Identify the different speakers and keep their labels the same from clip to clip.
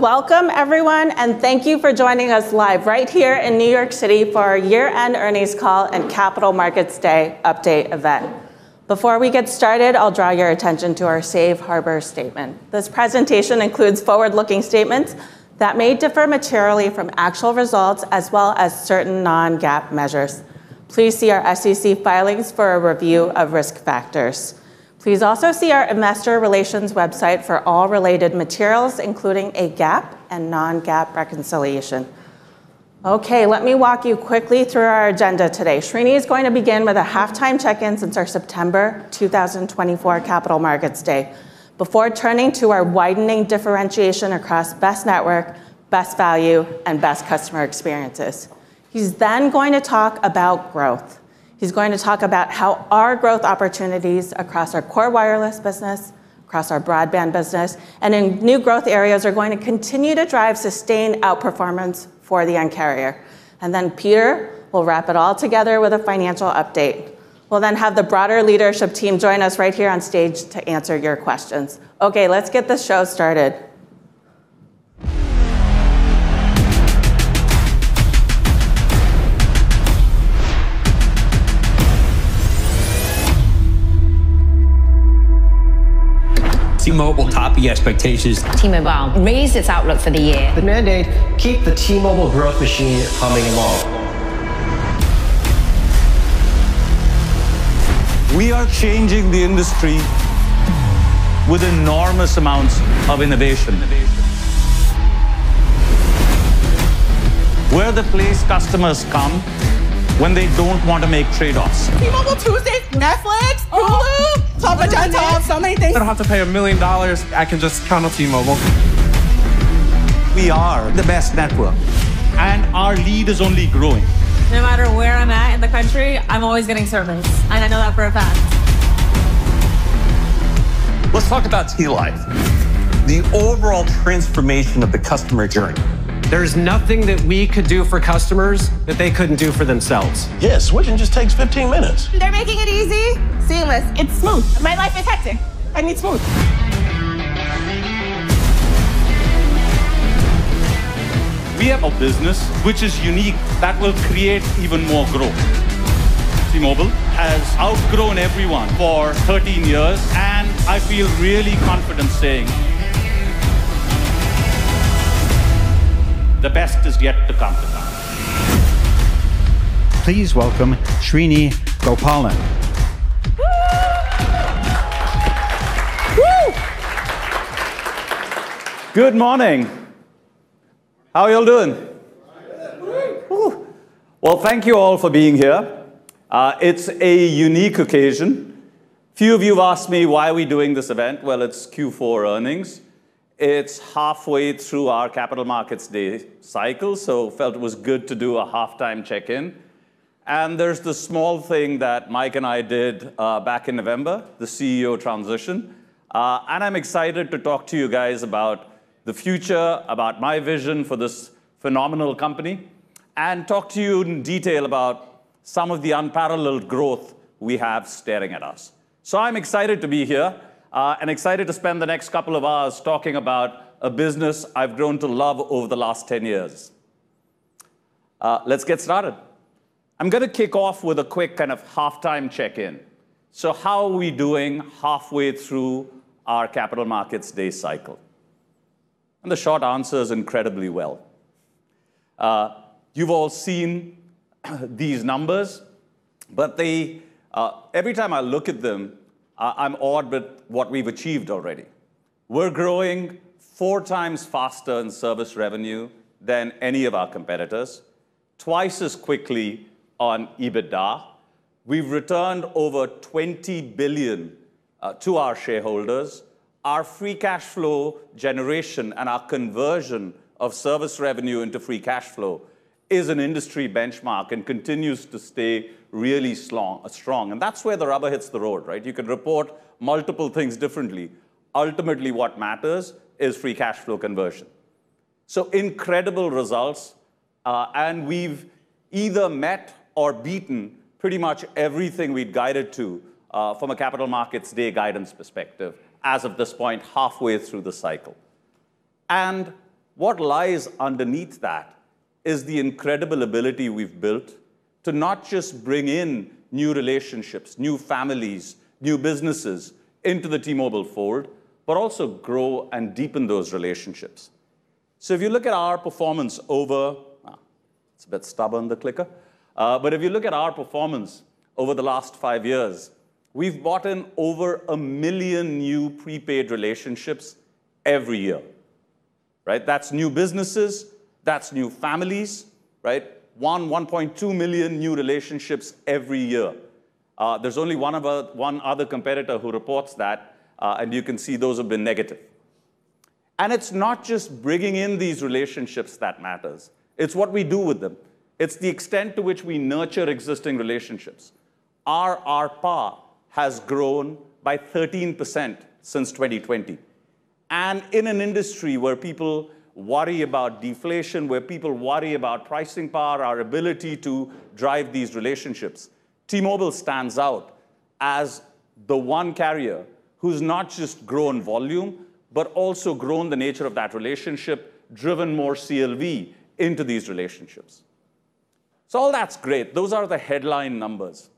Speaker 1: Welcome, everyone, and thank you for joining us live right here in New York City for our Year-End Earnings Call and Capital Markets Day Update event. Before we get started, I'll draw your attention to our Safe Harbor Statement. This presentation includes forward-looking statements that may differ materially from actual results as well as certain non-GAAP measures. Please see our SEC filings for a review of risk factors. Please also see our Investor Relations website for all related materials, including a GAAP and non-GAAP reconciliation. Okay, let me walk you quickly through our agenda today. Srini is going to begin with a halftime check-in since our September 2024 Capital Markets Day before turning to our widening differentiation across Best Network, Best Value, and Best Customer Experiences. He's then going to talk about growth. He's going to talk about how our growth opportunities across our core wireless business, across our broadband business, and in new growth areas are going to continue to drive sustained outperformance for the Un-carrier. Then Peter will wrap it all together with a financial update. We'll then have the broader leadership team join us right here on stage to answer your questions. Okay, let's get this show started.
Speaker 2: T-Mobile topping expectations. T-Mobile raised its outlook for the year. The mandate: keep the T-Mobile growth machine humming along. We are changing the industry with enormous amounts of innovation. We're the place customers come when they don't want to make trade-offs. T-Mobile Tuesdays, Netflix, Hulu, Top of the Top, so many things. I don't have to pay $1 million. I can just count on T-Mobile. We are the best network, and our lead is only growing. No matter where I'm at in the country, I'm always getting service, and I know that for a fact. Let's talk about T-Life, the overall transformation of the customer journey. There's nothing that we could do for customers that they couldn't do for themselves. Yeah, switching just takes 15 minutes. They're making it easy, seamless. It's smooth. My life is hectic. I need smooth. We have a business which is unique that will create even more growth. T-Mobile has outgrown everyone for 13 years, and I feel really confident saying the best is yet to come.
Speaker 3: Please welcome Srini Gopalan. Whoo! Whoo!
Speaker 4: Good morning. How are you all doing?
Speaker 5: Good.
Speaker 4: Well, thank you all for being here. It's a unique occasion. A few of you have asked me why are we doing this event. Well, it's Q4 earnings. It's halfway through our Capital Markets Day cycle, so I felt it was good to do a halftime check-in. There's the small thing that Mike and I did, back in November, the CEO transition. I'm excited to talk to you guys about the future, about my vision for this phenomenal company, and talk to you in detail about some of the unparalleled growth we have staring at us. So I'm excited to be here, and excited to spend the next couple of hours talking about a business I've grown to love over the last 10 years. Let's get started. I'm gonna kick off with a quick kind of halftime check-in. So how are we doing halfway through our Capital Markets Day cycle? The short answer is incredibly well. You've all seen these numbers, but they, every time I look at them, I'm awed with what we've achieved already. We're growing four times faster in service revenue than any of our competitors, twice as quickly on EBITDA. We've returned over $20 billion to our shareholders. Our free cash flow generation and our conversion of service revenue into free cash flow is an industry benchmark and continues to stay really strong. And that's where the rubber hits the road, right? You can report multiple things differently. Ultimately, what matters is free cash flow conversion. So incredible results, and we've either met or beaten pretty much everything we'd guided to, from a Capital Markets Day guidance perspective as of this point, halfway through the cycle. What lies underneath that is the incredible ability we've built to not just bring in new relationships, new families, new businesses into the T-Mobile fold, but also grow and deepen those relationships. So if you look at our performance over, wow, it's a bit stubborn, the clicker, but if you look at our performance over the last 5 years, we've bought in over 1 million new prepaid relationships every year, right? That's new businesses. That's new families, right? 1.2 million new relationships every year. There's only one of our one other competitor who reports that, and you can see those have been negative. And it's not just bringing in these relationships that matters. It's what we do with them. It's the extent to which we nurture existing relationships. Our ARPA has grown by 13% since 2020. And in an industry where people worry about deflation, where people worry about pricing power, our ability to drive these relationships, T-Mobile stands out as the one carrier who's not just grown volume, but also grown the nature of that relationship, driven more CLV into these relationships. So all that's great. Those are the headline numbers,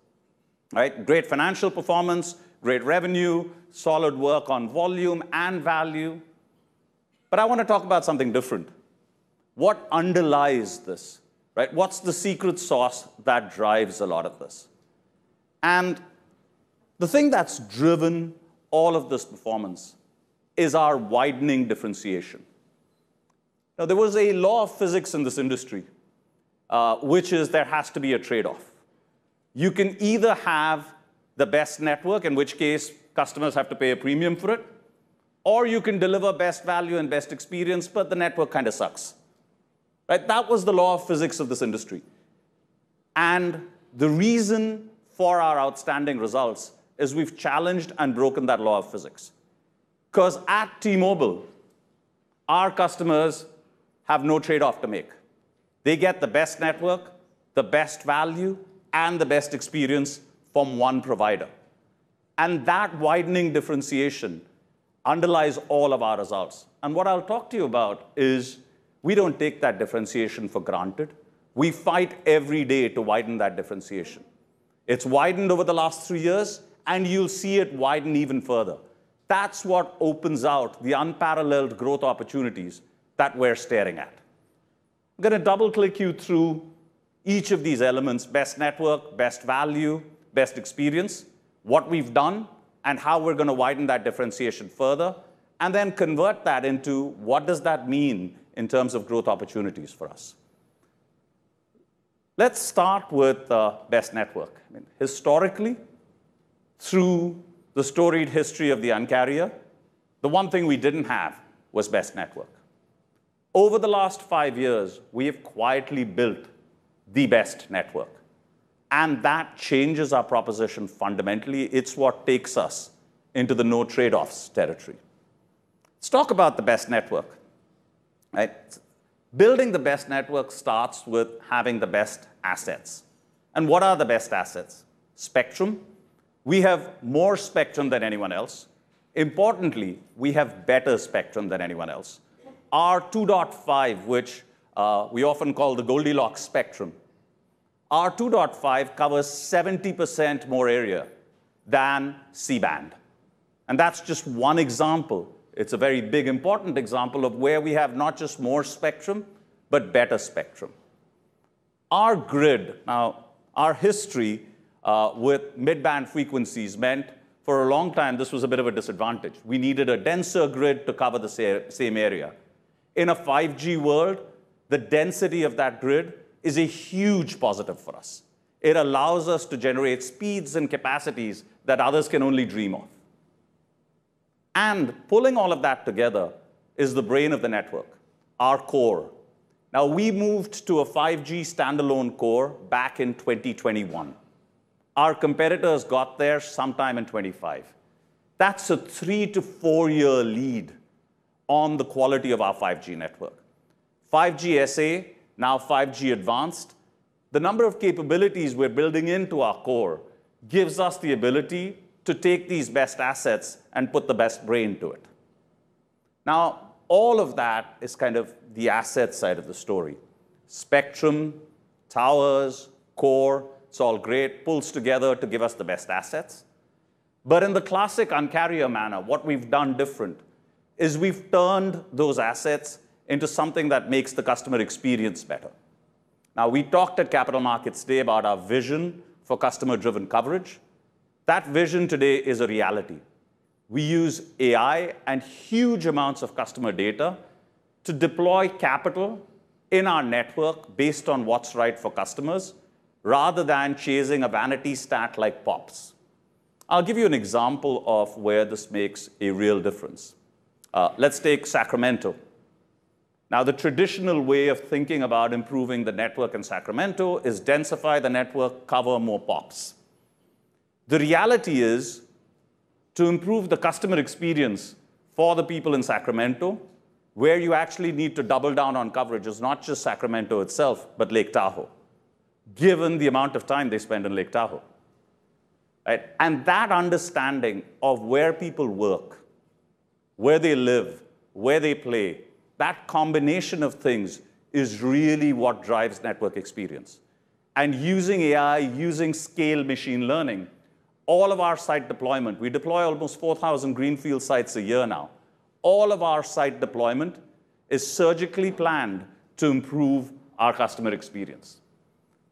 Speaker 4: right? Great financial performance, great revenue, solid work on volume and value. But I wanna talk about something different. What underlies this, right? What's the secret sauce that drives a lot of this? And the thing that's driven all of this performance is our widening differentiation. Now, there was a law of physics in this industry, which is there has to be a trade-off. You can either have the best network, in which case customers have to pay a premium for it, or you can deliver best value and best experience, but the network kinda sucks, right? That was the law of physics of this industry. The reason for our outstanding results is we've challenged and broken that law of physics. 'Cause at T-Mobile, our customers have no trade-off to make. They get the best network, the best value, and the best experience from one provider. That widening differentiation underlies all of our results. What I'll talk to you about is we don't take that differentiation for granted. We fight every day to widen that differentiation. It's widened over the last three years, and you'll see it widen even further. That's what opens out the unparalleled growth opportunities that we're staring at. I'm gonna double-click you through each of these elements: best network, best value, best experience, what we've done, and how we're gonna widen that differentiation further, and then convert that into what does that mean in terms of growth opportunities for us. Let's start with the best network. I mean, historically, through the storied history of the incumbent carrier, the one thing we didn't have was best network. Over the last 5 years, we have quietly built the best network, and that changes our proposition fundamentally. It's what takes us into the no-trade-offs territory. Let's talk about the best network, right? Building the best network starts with having the best assets. And what are the best assets? Spectrum. We have more spectrum than anyone else. Importantly, we have better spectrum than anyone else. Our 2.5, which, we often call the Goldilocks spectrum, our 2.5 covers 70% more area than C-band. That's just one example. It's a very big, important example of where we have not just more spectrum, but better spectrum. Our grid now, our history, with mid-band frequencies meant for a long time, this was a bit of a disadvantage. We needed a denser grid to cover the same area. In a 5G world, the density of that grid is a huge positive for us. It allows us to generate speeds and capacities that others can only dream of. And pulling all of that together is the brain of the network, our core. Now, we moved to a 5G standalone core back in 2021. Our competitors got there sometime in 2025. That's a 3-4-year lead on the quality of our 5G network. 5G SA, now 5G Advanced, the number of capabilities we're building into our core gives us the ability to take these best assets and put the best brain to it. Now, all of that is kind of the asset side of the story. Spectrum, towers, core, it's all great, pulls together to give us the best assets. But in the classic Un-carrier manner, what we've done different is we've turned those assets into something that makes the customer experience better. Now, we talked at Capital Markets Day about our vision for Customer-Driven Coverage. That vision today is a reality. We use AI and huge amounts of customer data to deploy capital in our network based on what's right for customers rather than chasing a vanity stat like POPs. I'll give you an example of where this makes a real difference. Let's take Sacramento. Now, the traditional way of thinking about improving the network in Sacramento is densify the network, cover more POPs. The reality is to improve the customer experience for the people in Sacramento, where you actually need to double down on coverage, is not just Sacramento itself, but Lake Tahoe, given the amount of time they spend in Lake Tahoe, right? That understanding of where people work, where they live, where they play, that combination of things is really what drives network experience. Using AI, using scalable machine learning, all of our site deployment, we deploy almost 4,000 greenfield sites a year now. All of our site deployment is surgically planned to improve our customer experience.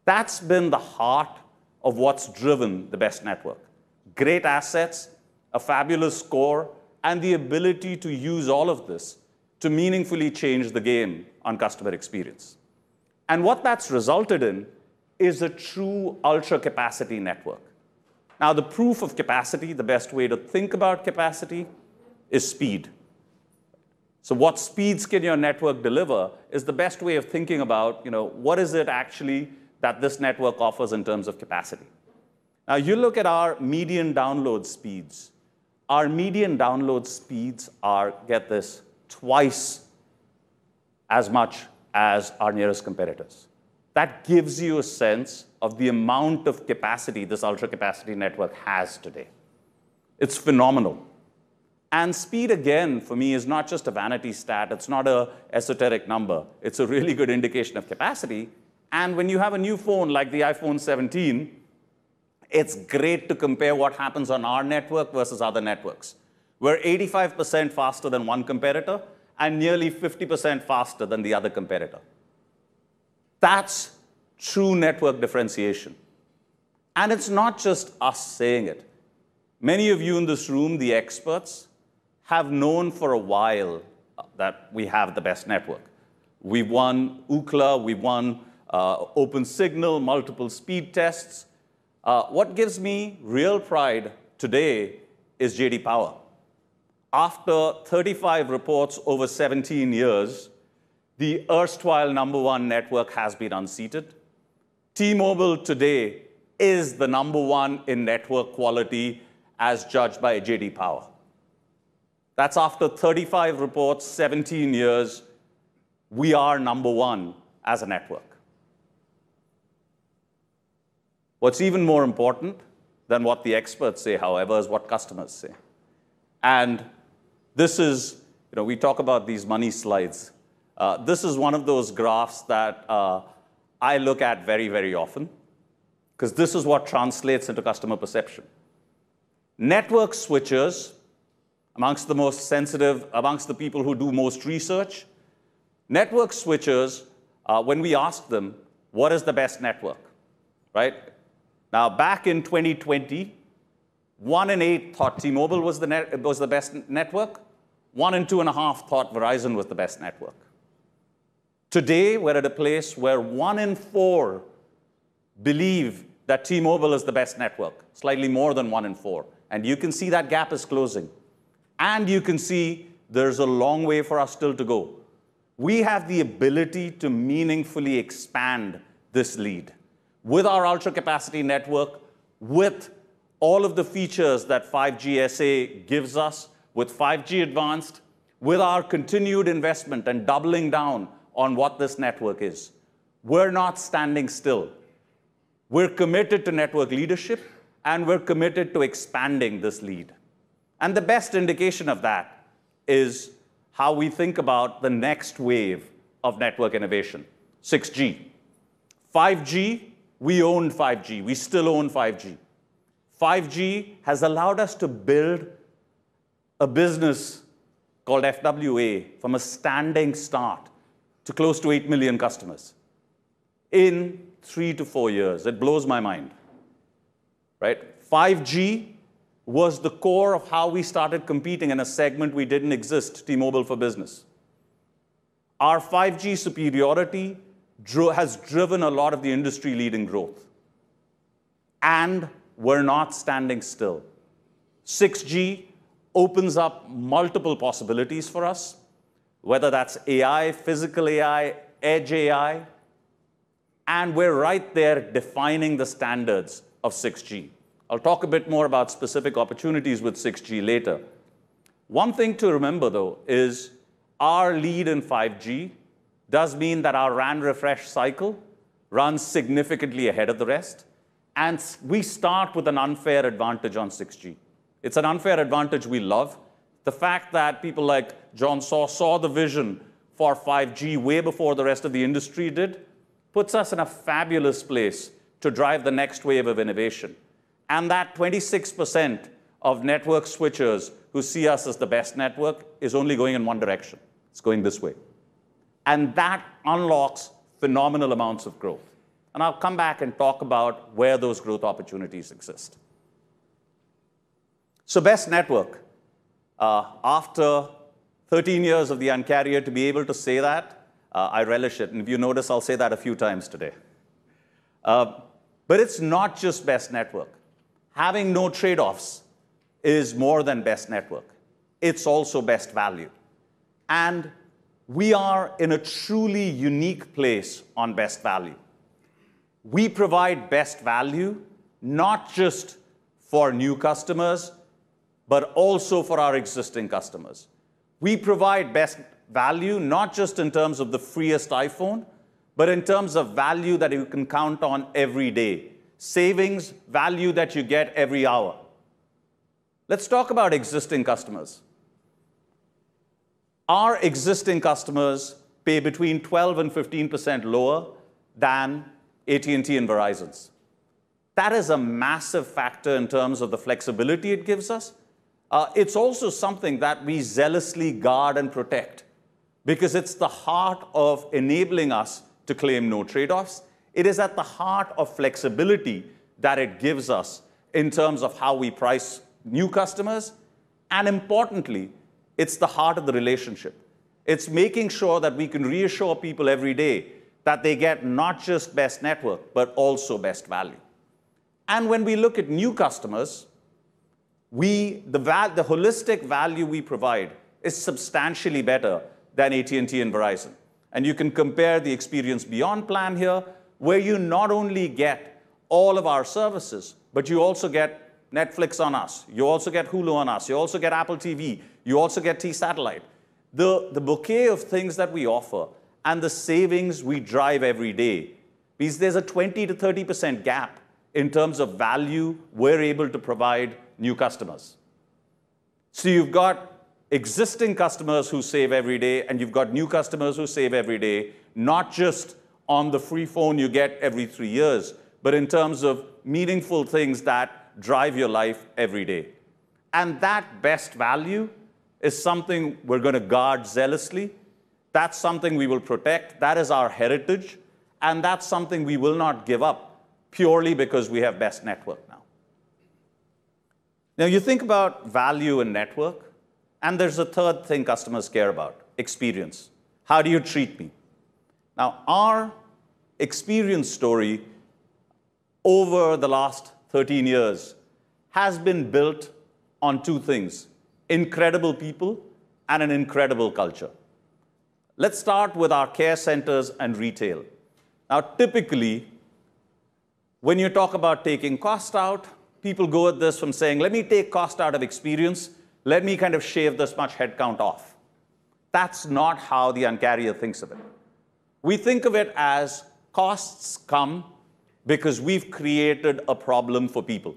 Speaker 4: That's been the heart of what's driven the best network: great assets, a fabulous score, and the ability to use all of this to meaningfully change the game on customer experience. What that's resulted in is a true ultra-capacity network. Now, the proof of capacity, the best way to think about capacity, is speed, right? So what speeds can your network deliver is the best way of thinking about, you know, what is it actually that this network offers in terms of capacity? Now, you look at our median download speeds. Our median download speeds are get this twice as much as our nearest competitors. That gives you a sense of the amount of capacity this ultra-capacity network has today. It's phenomenal. And speed, again, for me, is not just a vanity stat. It's not a esoteric number. It's a really good indication of capacity. And when you have a new phone like the iPhone 17, it's great to compare what happens on our network versus other networks. We're 85% faster than one competitor and nearly 50% faster than the other competitor. That's true network differentiation. And it's not just us saying it. Many of you in this room, the experts, have known for a while that we have the best network. We won Ookla. We won Opensignal, multiple speed tests. What gives me real pride today is J.D. Power. After 35 reports over 17 years, the erstwhile number one network has been unseated. T-Mobile today is the number one in network quality as judged by J.D. Power. That's after 35 reports, 17 years. We are number one as a network. What's even more important than what the experts say, however, is what customers say. And this is, you know, we talk about these money slides. This is one of those graphs that I look at very, very often 'cause this is what translates into customer perception. Network switchers, among the most sensitive among the people who do most research, network switchers, when we ask them, "What is the best network?" right? Now, back in 2020, 1 in 8 thought T-Mobile was the net was the best network. 1 in 2.5 thought Verizon was the best network. Today, we're at a place where 1 in 4 believe that T-Mobile is the best network, slightly more than 1 in 4. And you can see that gap is closing. And you can see there's a long way for us still to go. We have the ability to meaningfully expand this lead with our ultra-capacity network, with all of the features that 5G SA gives us, with 5G Advanced, with our continued investment and doubling down on what this network is. We're not standing still. We're committed to network leadership, and we're committed to expanding this lead. The best indication of that is how we think about the next wave of network innovation, 6G. 5G, we owned 5G. We still own 5G. 5G has allowed us to build a business called FWA from a standing start to close to 8 million customers in 3-4 years. It blows my mind, right? 5G was the core of how we started competing in a segment we didn't exist, T-Mobile for Business. Our 5G superiority drove a lot of the industry-leading growth. And we're not standing still. 6G opens up multiple possibilities for us, whether that's AI, physical AI, edge AI. And we're right there defining the standards of 6G. I'll talk a bit more about specific opportunities with 6G later. One thing to remember, though, is our lead in 5G does mean that our RAN refresh cycle runs significantly ahead of the rest, and we start with an unfair advantage on 6G. It's an unfair advantage we love. The fact that people like John Saw saw the vision for 5G way before the rest of the industry did puts us in a fabulous place to drive the next wave of innovation. And that 26% of network switchers who see us as the best network is only going in one direction. It's going this way. And that unlocks phenomenal amounts of growth. And I'll come back and talk about where those growth opportunities exist. So best network, after 13 years of the Un-carrier to be able to say that, I relish it. And if you notice, I'll say that a few times today. But it's not just best network. Having no trade-offs is more than best network. It's also best value. And we are in a truly unique place on best value. We provide best value not just for new customers, but also for our existing customers. We provide best value not just in terms of the freest iPhone, but in terms of value that you can count on every day, savings, value that you get every hour. Let's talk about existing customers. Our existing customers pay between 12%-15% lower than AT&T and Verizon's. That is a massive factor in terms of the flexibility it gives us. It's also something that we zealously guard and protect because it's the heart of enabling us to claim no trade-offs. It is at the heart of flexibility that it gives us in terms of how we price new customers. And importantly, it's the heart of the relationship. It's making sure that we can reassure people every day that they get not just best network, but also best value. And when we look at new customers, we value the holistic value we provide is substantially better than AT&T and Verizon. And you can compare the experience beyond plan here, where you not only get all of our services, but you also get Netflix On Us. You also get Hulu On Us. You also get Apple TV. You also get T-Satellite. The bouquet of things that we offer and the savings we drive every day means there's a 20%-30% gap in terms of value we're able to provide new customers. So you've got existing customers who save every day, and you've got new customers who save every day, not just on the free phone you get every three years, but in terms of meaningful things that drive your life every day. And that best value is something we're gonna guard zealously. That's something we will protect. That is our heritage. And that's something we will not give up purely because we have best network now. Now, you think about value and network, and there's a third thing customers care about: experience. How do you treat me? Now, our experience story over the last 13 years has been built on two things: incredible people and an incredible culture. Let's start with our care centers and retail. Now, typically, when you talk about taking cost out, people go at this from saying, "Let me take cost out of experience. Let me kind of shave this much headcount off." That's not how the Un-carrier thinks of it. We think of it as costs come because we've created a problem for people.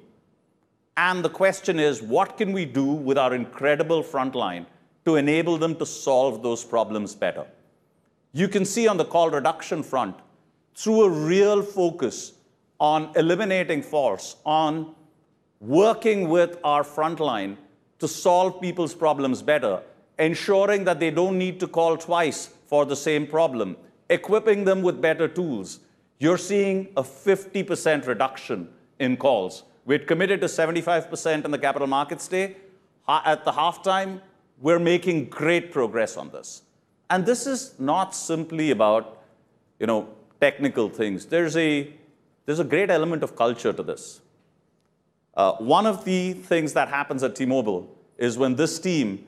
Speaker 4: And the question is, what can we do with our incredible frontline to enable them to solve those problems better? You can see on the call reduction front, through a real focus on eliminating false ones on working with our frontline to solve people's problems better, ensuring that they don't need to call twice for the same problem, equipping them with better tools, you're seeing a 50% reduction in calls. We had committed to 75% in the Capital Markets Day. And at halftime, we're making great progress on this. And this is not simply about, you know, technical things. There's a great element of culture to this. One of the things that happens at T-Mobile is when this team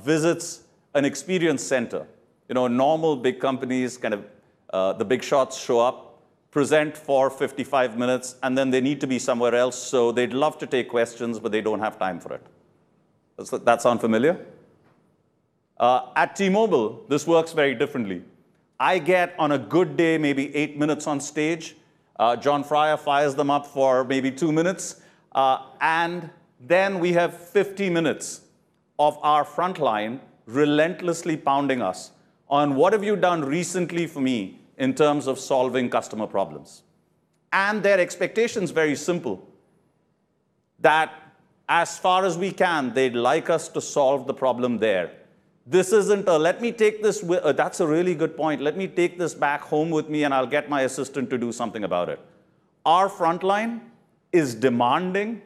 Speaker 4: visits an experience center. You know, normal big companies, kind of, the big shots show up, present for 55 minutes, and then they need to be somewhere else, so they'd love to take questions, but they don't have time for it. Does that sound familiar? At T-Mobile, this works very differently. I get, on a good day, maybe 8 minutes on stage. Jon Freier fires them up for maybe 2 minutes. And then we have 50 minutes of our frontline relentlessly pounding us on, "What have you done recently for me in terms of solving customer problems?" And their expectation's very simple: that as far as we can, they'd like us to solve the problem there. This isn't, "Let me take this wi that's a really good point. Let me take this back home with me, and I'll get my assistant to do something about it." Our frontline is demanding.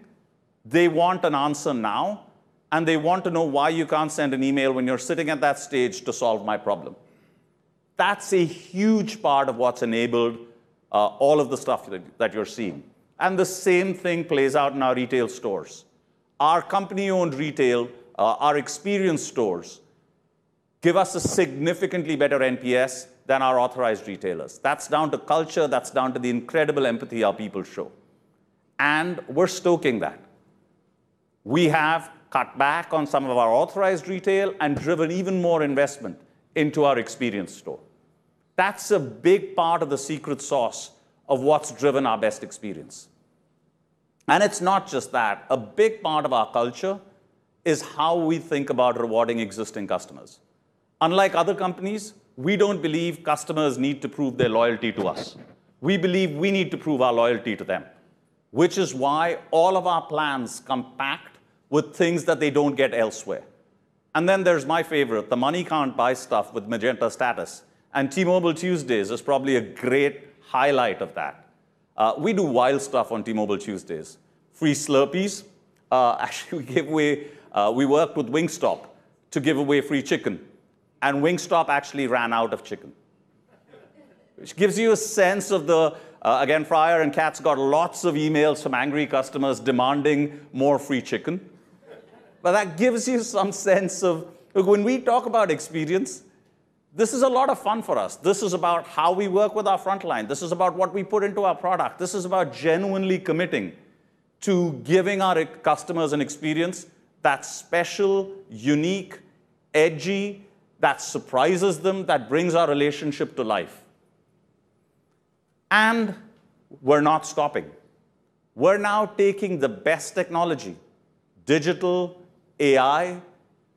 Speaker 4: They want an answer now, and they want to know why you can't send an email when you're sitting at that stage to solve my problem. That's a huge part of what's enabled, all of the stuff that you're seeing. And the same thing plays out in our retail stores. Our company-owned retail, our experience stores give us a significantly better NPS than our authorized retailers. That's down to culture. That's down to the incredible empathy our people show. And we're stoking that. We have cut back on some of our authorized retail and driven even more investment into our experience store. That's a big part of the secret sauce of what's driven our best experience. And it's not just that. A big part of our culture is how we think about rewarding existing customers. Unlike other companies, we don't believe customers need to prove their loyalty to us. We believe we need to prove our loyalty to them, which is why all of our plans come packed with things that they don't get elsewhere. And then there's my favorite: the money can't buy stuff with Magenta Status. And T-Mobile Tuesdays is probably a great highlight of that. We do wild stuff on T-Mobile Tuesdays. Free Slurpees. Actually, we worked with Wingstop to give away free chicken. And Wingstop actually ran out of chicken, which gives you a sense of, again, Freier and Katz got lots of emails from angry customers demanding more free chicken. But that gives you some sense of, look, when we talk about experience, this is a lot of fun for us. This is about how we work with our frontline. This is about what we put into our product. This is about genuinely committing to giving our customers an experience that's special, unique, edgy, that surprises them, that brings our relationship to life. We're not stopping. We're now taking the best technology, digital, AI,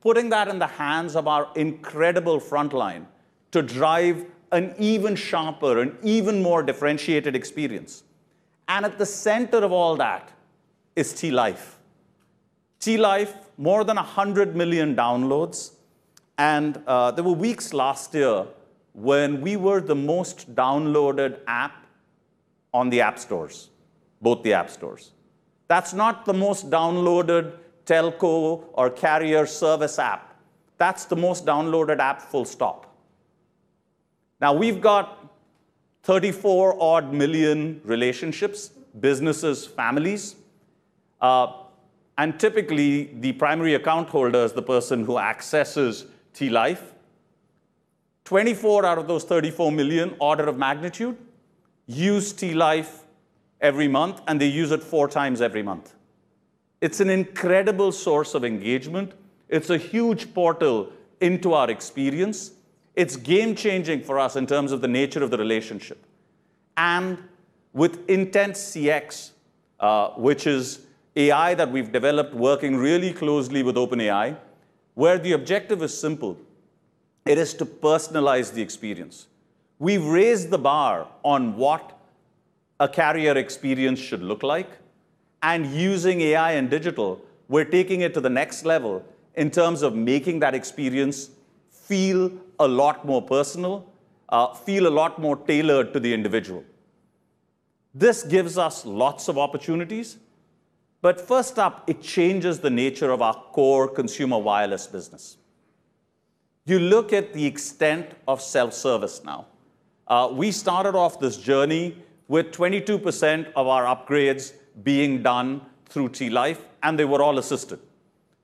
Speaker 4: putting that in the hands of our incredible frontline to drive an even sharper, an even more differentiated experience. At the center of all that is T-Life. T-Life, more than 100 million downloads. There were weeks last year when we were the most downloaded app on the app stores, both the app stores. That's not the most downloaded telco or carrier service app. That's the most downloaded app, full stop. Now, we've got 34-odd million relationships, businesses, families. And typically, the primary account holder is the person who accesses T-Life. 24 out of those 34 million, order of magnitude, use T-Life every month, and they use it four times every month. It's an incredible source of engagement. It's a huge portal into our experience. It's game-changing for us in terms of the nature of the relationship. And with IntentCX, which is AI that we've developed working really closely with OpenAI, where the objective is simple: it is to personalize the experience. We've raised the bar on what a carrier experience should look like. And using AI and digital, we're taking it to the next level in terms of making that experience feel a lot more personal, feel a lot more tailored to the individual. This gives us lots of opportunities. But first up, it changes the nature of our core consumer wireless business. You look at the extent of self-service now. We started off this journey with 22% of our upgrades being done through T-Life, and they were all assisted,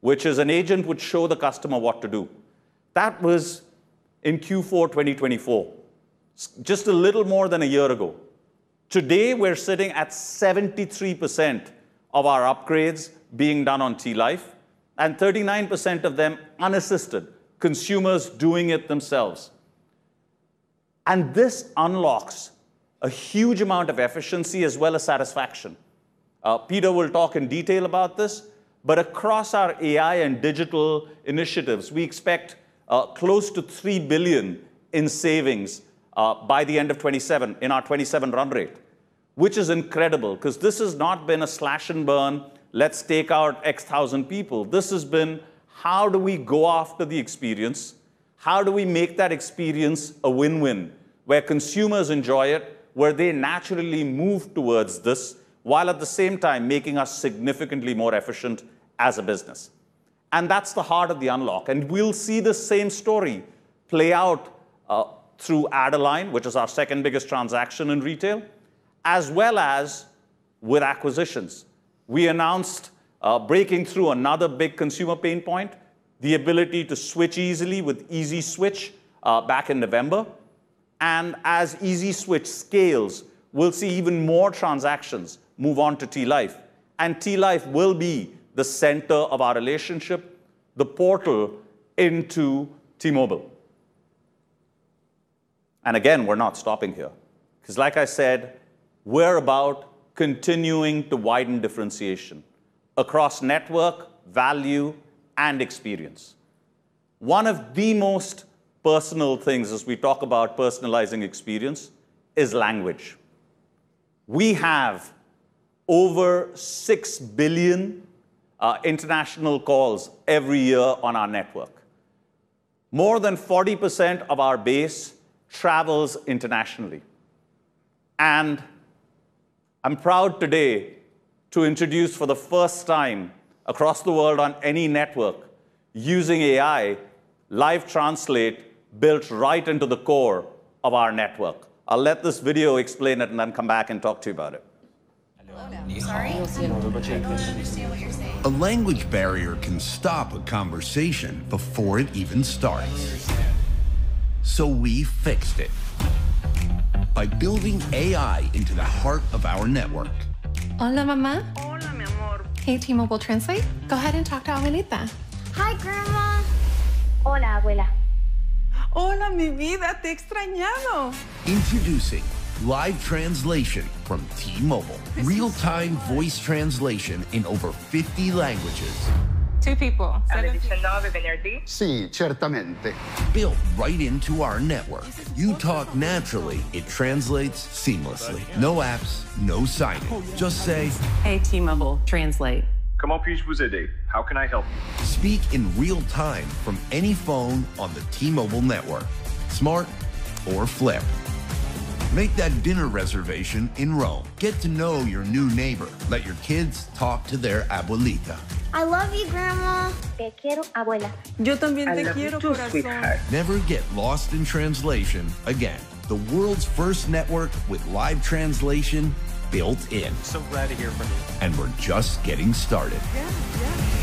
Speaker 4: which is an agent would show the customer what to do. That was in Q4 2024; it's just a little more than a year ago. Today, we're sitting at 73% of our upgrades being done on T-Life, and 39% of them unassisted, consumers doing it themselves. And this unlocks a huge amount of efficiency as well as satisfaction. Peter will talk in detail about this. But across our AI and digital initiatives, we expect close to $3 billion in savings by the end of 2027 in our 2027 run rate, which is incredible because this has not been a slash-and-burn, "Let's take out X thousand people." This has been, "How do we go after the experience? How do we make that experience a win-win where consumers enjoy it, where they naturally move towards this, while at the same time making us significantly more efficient as a business?" And that's the heart of the unlock. And we'll see the same story play out, through online, which is our second biggest transaction in retail, as well as with acquisitions. We announced, breaking through another big consumer pain point, the ability to switch easily with Easy Switch, back in November. And as Easy Switch scales, we'll see even more transactions move on to T-Life. And T-Life will be the center of our relationship, the portal into T-Mobile. And again, we're not stopping here because, like I said, we're about continuing to widen differentiation across network, value, and experience. One of the most personal things, as we talk about personalizing experience, is language. We have over 6 billion international calls every year on our network. More than 40% of our base travels internationally. I'm proud today to introduce, for the first time across the world on any network using AI, Live Translate built right into the core of our network. I'll let this video explain it and then come back and talk to you about it.
Speaker 2: Hello. Oh, no. Sorry. You'll see in order to change things. You should be seeing what you're saying. A language barrier can stop a conversation before it even starts. I understand. So we fixed it by building AI into the heart of our network. Hola, mamá. Hola, mi amor. Hey, T-Mobile Translate. Go ahead and talk to Abuelita. Hi, grandma. Hola, abuela. Hola, mi vida. Te he extrañado. Introducing Live Translate from T-Mobile, real-time voice translation in over 50 languages. 2 people. 7 people. A little bit of energy? Sí, ciertamente. Built right into our network. You talk naturally. It translates seamlessly. No apps, no signing. Just say... Hey, T-Mobile Translate. Comment puis-je vous aider? How can I help you? Speak in real time from any phone on the T-Mobile network, smart or flip. Make that dinner reservation in Rome. Get to know your new neighbor. Let your kids talk to their abuelita. I love you, grandma. Te quiero, abuela. Yo también te quiero, corazón. Never get lost in translation again. The world's first network with live translation built in. So glad to hear from you. We're just getting started. Yeah, yeah.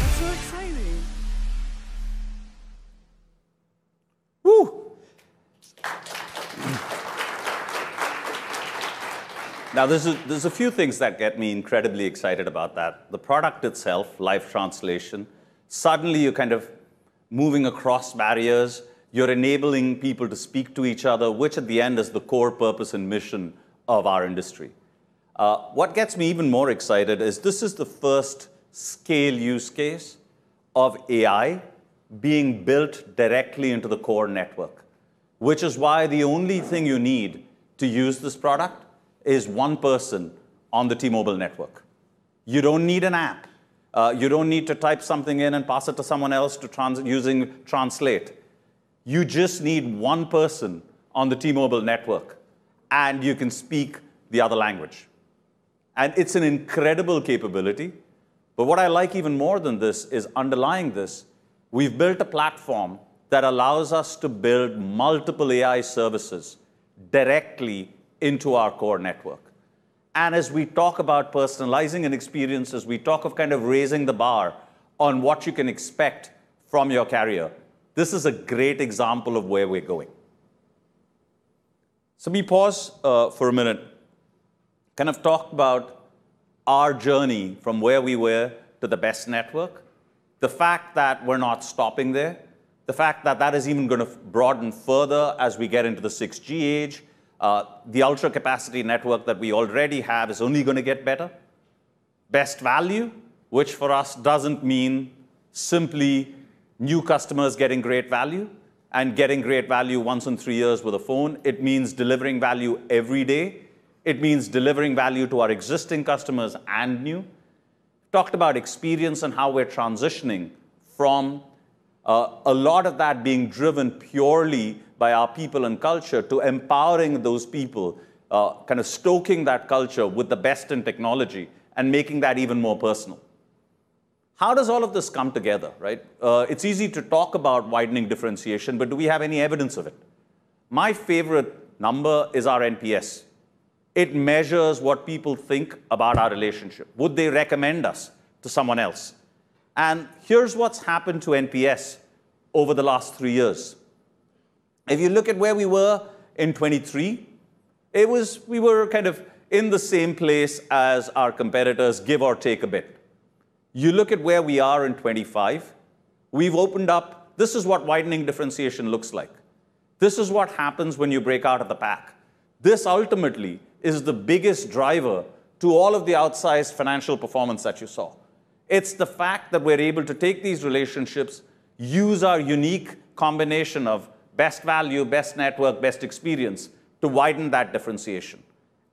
Speaker 2: That's so exciting. Whoo!
Speaker 4: Now, this, there's a few things that get me incredibly excited about that. The product itself, Live Translate, suddenly you're kind of moving across barriers. You're enabling people to speak to each other, which at the end is the core purpose and mission of our industry. What gets me even more excited is this is the first-scale use case of AI being built directly into the core network, which is why the only thing you need to use this product is one person on the T-Mobile network. You don't need an app. You don't need to type something in and pass it to someone else to translate using Translate. You just need one person on the T-Mobile network, and you can speak the other language. And it's an incredible capability. But what I like even more than this is underlying this, we've built a platform that allows us to build multiple AI services directly into our core network. And as we talk about personalizing an experience, as we talk of kind of raising the bar on what you can expect from your carrier, this is a great example of where we're going. So let me pause, for a minute, kind of talk about our journey from where we were to the best network, the fact that we're not stopping there, the fact that that is even gonna broaden further as we get into the 6G age. The ultra-capacity network that we already have is only gonna get better. Best value, which for us doesn't mean simply new customers getting great value and getting great value once in three years with a phone. It means delivering value every day. It means delivering value to our existing customers and new. Talked about experience and how we're transitioning from, a lot of that being driven purely by our people and culture to empowering those people, kind of stoking that culture with the best in technology and making that even more personal. How does all of this come together, right? It's easy to talk about widening differentiation, but do we have any evidence of it? My favorite number is our NPS. It measures what people think about our relationship. Would they recommend us to someone else? And here's what's happened to NPS over the last three years. If you look at where we were in 2023, we were kind of in the same place as our competitors, give or take a bit. You look at where we are in 2025, we've opened up this is what widening differentiation looks like. This is what happens when you break out of the pack. This, ultimately, is the biggest driver to all of the outsized financial performance that you saw. It's the fact that we're able to take these relationships, use our unique combination of best value, best network, best experience to widen that differentiation.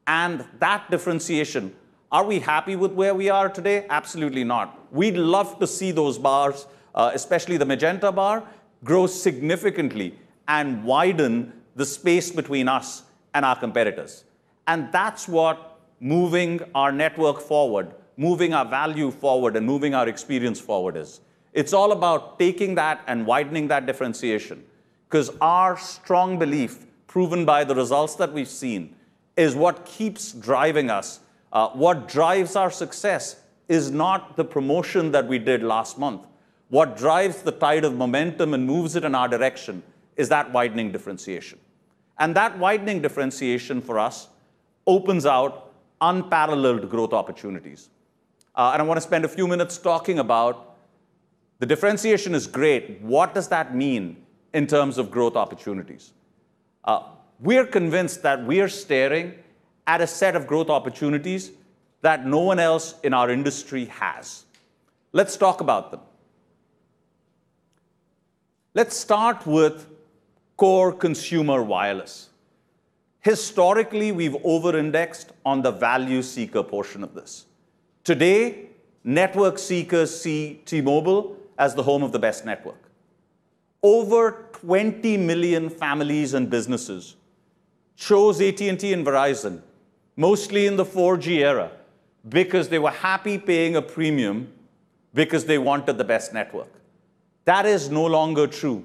Speaker 4: And that differentiation, are we happy with where we are today? Absolutely not. We'd love to see those bars, especially the Magenta bar, grow significantly and widen the space between us and our competitors. And that's what moving our network forward, moving our value forward, and moving our experience forward is. It's all about taking that and widening that differentiation because our strong belief, proven by the results that we've seen, is what keeps driving us. What drives our success is not the promotion that we did last month. What drives the tide of momentum and moves it in our direction is that widening differentiation. And that widening differentiation, for us, opens out unparalleled growth opportunities. And I wanna spend a few minutes talking about the differentiation is great. What does that mean in terms of growth opportunities? We're convinced that we're staring at a set of growth opportunities that no one else in our industry has. Let's talk about them. Let's start with core consumer wireless. Historically, we've over-indexed on the value-seeker portion of this. Today, network seekers see T-Mobile as the home of the best network. Over 20 million families and businesses chose AT&T and Verizon, mostly in the 4G era, because they were happy paying a premium because they wanted the best network. That is no longer true.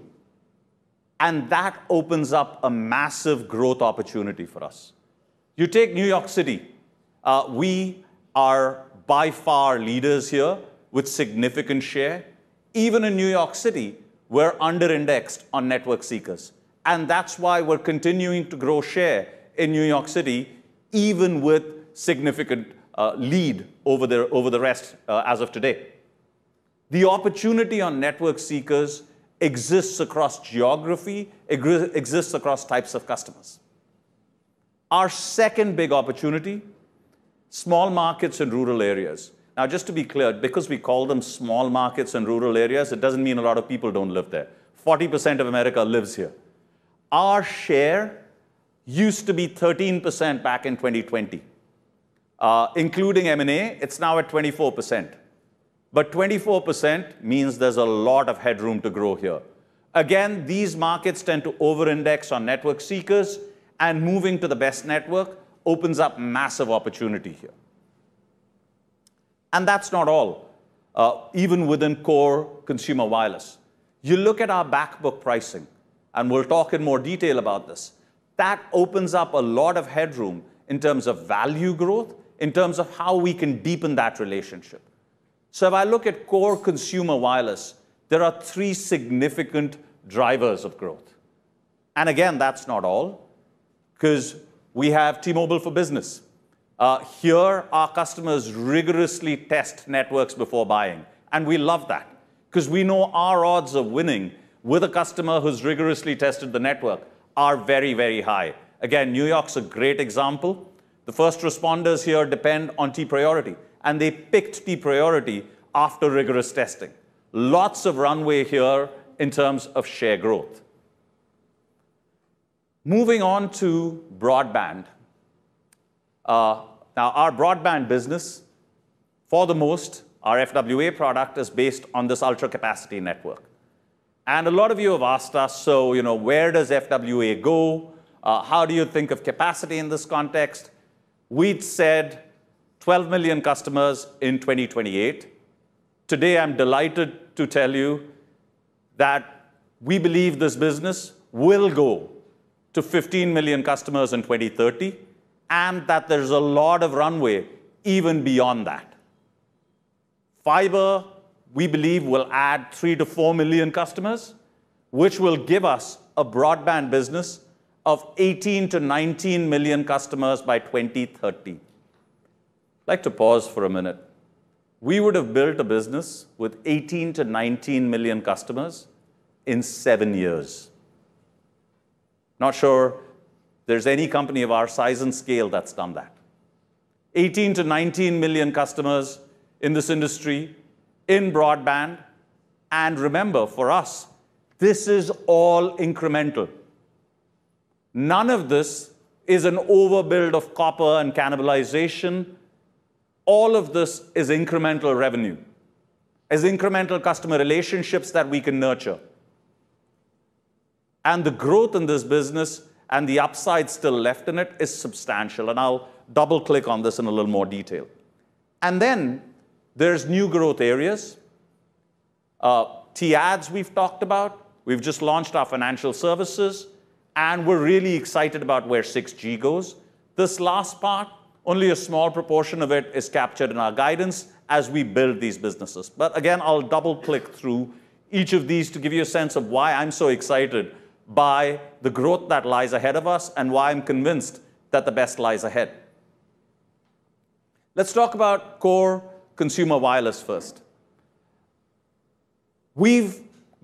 Speaker 4: And that opens up a massive growth opportunity for us. You take New York City. We are by far leaders here with a significant share. Even in New York City, we're under-indexed on network seekers. And that's why we're continuing to grow share in New York City, even with a significant lead over the rest, as of today. The opportunity on network seekers exists across geography, exists across types of customers. Our second big opportunity, small markets and rural areas. Now, just to be clear, because we call them small markets and rural areas, it doesn't mean a lot of people don't live there. 40% of America lives here. Our share used to be 13% back in 2020. Including M&A, it's now at 24%. But 24% means there's a lot of headroom to grow here. Again, these markets tend to over-index on network seekers, and moving to the best network opens up massive opportunity here. And that's not all. Even within core consumer wireless, you look at our back book pricing, and we'll talk in more detail about this, that opens up a lot of headroom in terms of value growth, in terms of how we can deepen that relationship. So if I look at core consumer wireless, there are three significant drivers of growth. And again, that's not all because we have T-Mobile for Business. Here, our customers rigorously test networks before buying, and we love that because we know our odds of winning with a customer who's rigorously tested the network are very, very high. Again, New York's a great example. The first responders here depend on T-Priority, and they picked T-Priority after rigorous testing. Lots of runway here in terms of share growth. Moving on to broadband. Now, our broadband business, for the most, our FWA product is based on this ultra-capacity network. A lot of you have asked us, "So, you know, where does FWA go? How do you think of capacity in this context?" We'd said 12 million customers in 2028. Today, I'm delighted to tell you that we believe this business will go to 15 million customers in 2030 and that there's a lot of runway even beyond that. Fiber, we believe, will add 3-4 million customers, which will give us a broadband business of 18-19 million customers by 2030. I'd like to pause for a minute. We would have built a business with 18-19 million customers in 7 years. Not sure there's any company of our size and scale that's done that. 18-19 million customers in this industry, in broadband. And remember, for us, this is all incremental. None of this is an overbuild of copper and cannibalization. All of this is incremental revenue, is incremental customer relationships that we can nurture. And the growth in this business and the upside still left in it is substantial. And I'll double-click on this in a little more detail. And then, there's new growth areas. T-Ads, we've talked about. We've just launched our financial services, and we're really excited about where 6G goes. This last part, only a small proportion of it, is captured in our guidance as we build these businesses. But again, I'll double-click through each of these to give you a sense of why I'm so excited by the growth that lies ahead of us and why I'm convinced that the best lies ahead. Let's talk about core consumer wireless first. We've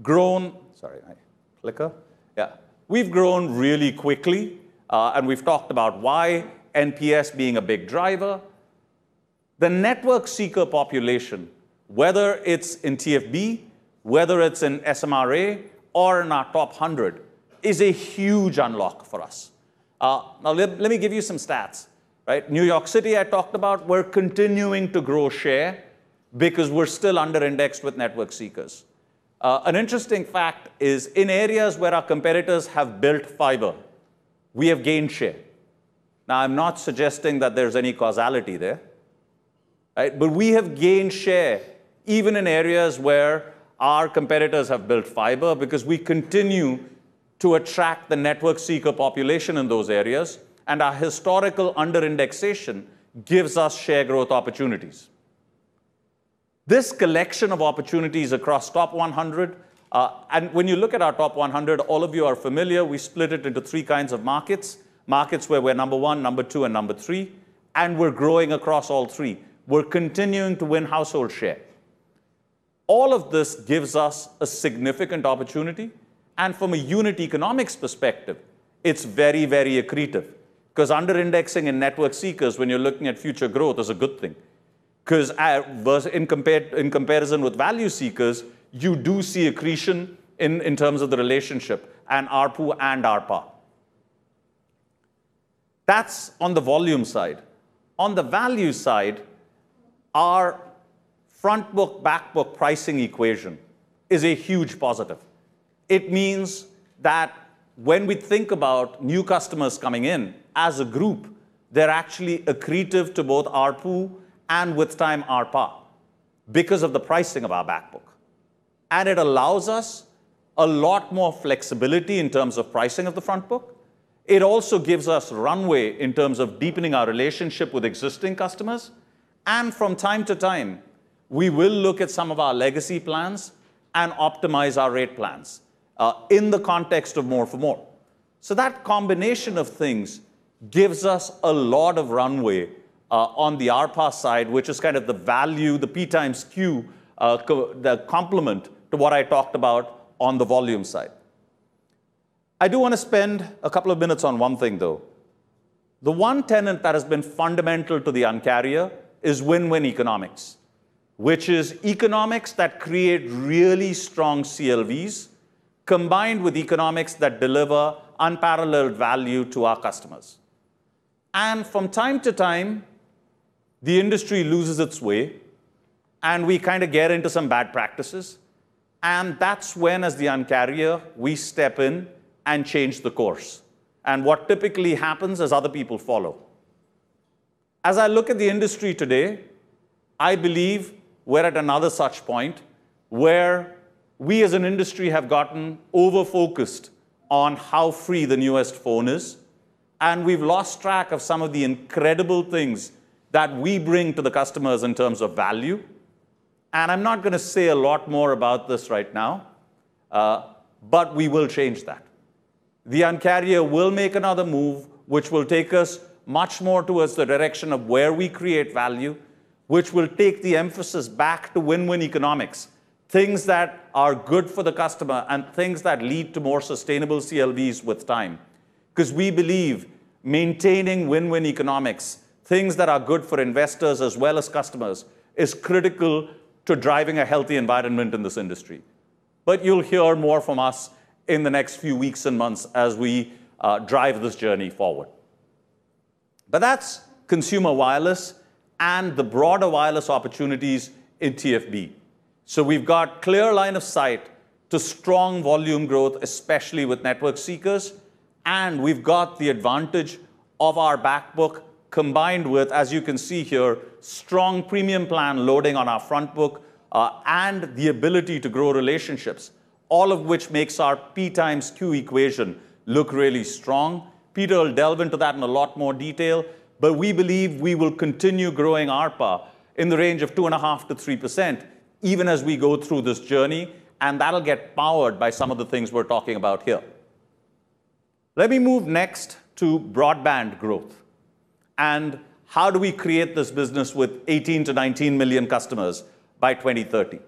Speaker 4: grown—sorry, my flicker. Yeah. We've grown really quickly, and we've talked about why, NPS being a big driver. The network seeker population, whether it's in TFB, whether it's in SMRA, or in our top 100, is a huge unlock for us. Now, let me give you some stats, right? New York City, I talked about, we're continuing to grow share because we're still under-indexed with network seekers. An interesting fact is, in areas where our competitors have built fiber, we have gained share. Now, I'm not suggesting that there's any causality there, right? But we have gained share even in areas where our competitors have built fiber because we continue to attract the network seeker population in those areas, and our historical under-indexation gives us share growth opportunities. This collection of opportunities across top 100 and when you look at our top 100, all of you are familiar, we split it into three kinds of markets: markets where we're number 1, number 2, and number 3, and we're growing across all three. We're continuing to win household share. All of this gives us a significant opportunity, and from a unit economics perspective, it's very, very accretive because under-indexing in network seekers, when you're looking at future growth, is a good thing because, versus in comparison with value seekers, you do see accretion in terms of the relationship, and ARPU and ARPA. That's on the volume side. On the value side, our front book-back book pricing equation is a huge positive. It means that when we think about new customers coming in as a group, they're actually accretive to both ARPU and, with time, ARPA because of the pricing of our back book. It allows us a lot more flexibility in terms of pricing of the front book. It also gives us runway in terms of deepening our relationship with existing customers. From time to time, we will look at some of our legacy plans and optimize our rate plans, in the context of more for more. That combination of things gives us a lot of runway, on the ARPA side, which is kind of the value, the P times Q, the complement to what I talked about on the volume side. I do wanna spend a couple of minutes on one thing, though. The one tenet that has been fundamental to the Uncarrier is win-win economics, which is economics that create really strong CLVs combined with economics that deliver unparalleled value to our customers. From time to time, the industry loses its way, and we kind of get into some bad practices. That's when, as the Un-carrier, we step in and change the course. What typically happens is other people follow. As I look at the industry today, I believe we're at another such point where we, as an industry, have gotten over-focused on how free the newest phone is, and we've lost track of some of the incredible things that we bring to the customers in terms of value. I'm not gonna say a lot more about this right now, but we will change that. The Uncarrier will make another move, which will take us much more towards the direction of where we create value, which will take the emphasis back to win-win economics, things that are good for the customer and things that lead to more sustainable CLVs with time because we believe maintaining win-win economics, things that are good for investors as well as customers, is critical to driving a healthy environment in this industry. But you'll hear more from us in the next few weeks and months as we drive this journey forward. But that's consumer wireless and the broader wireless opportunities in T-Fiber. So we've got a clear line of sight to strong volume growth, especially with network seekers, and we've got the advantage of our backbook combined with, as you can see here, strong premium plan loading on our front book, and the ability to grow relationships, all of which makes our P times Q equation look really strong. Peter will delve into that in a lot more detail, but we believe we will continue growing ARPA in the range of 2.5%-3%, even as we go through this journey, and that'll get powered by some of the things we're talking about here. Let me move next to broadband growth and how do we create this business with 18-19 million customers by 2030.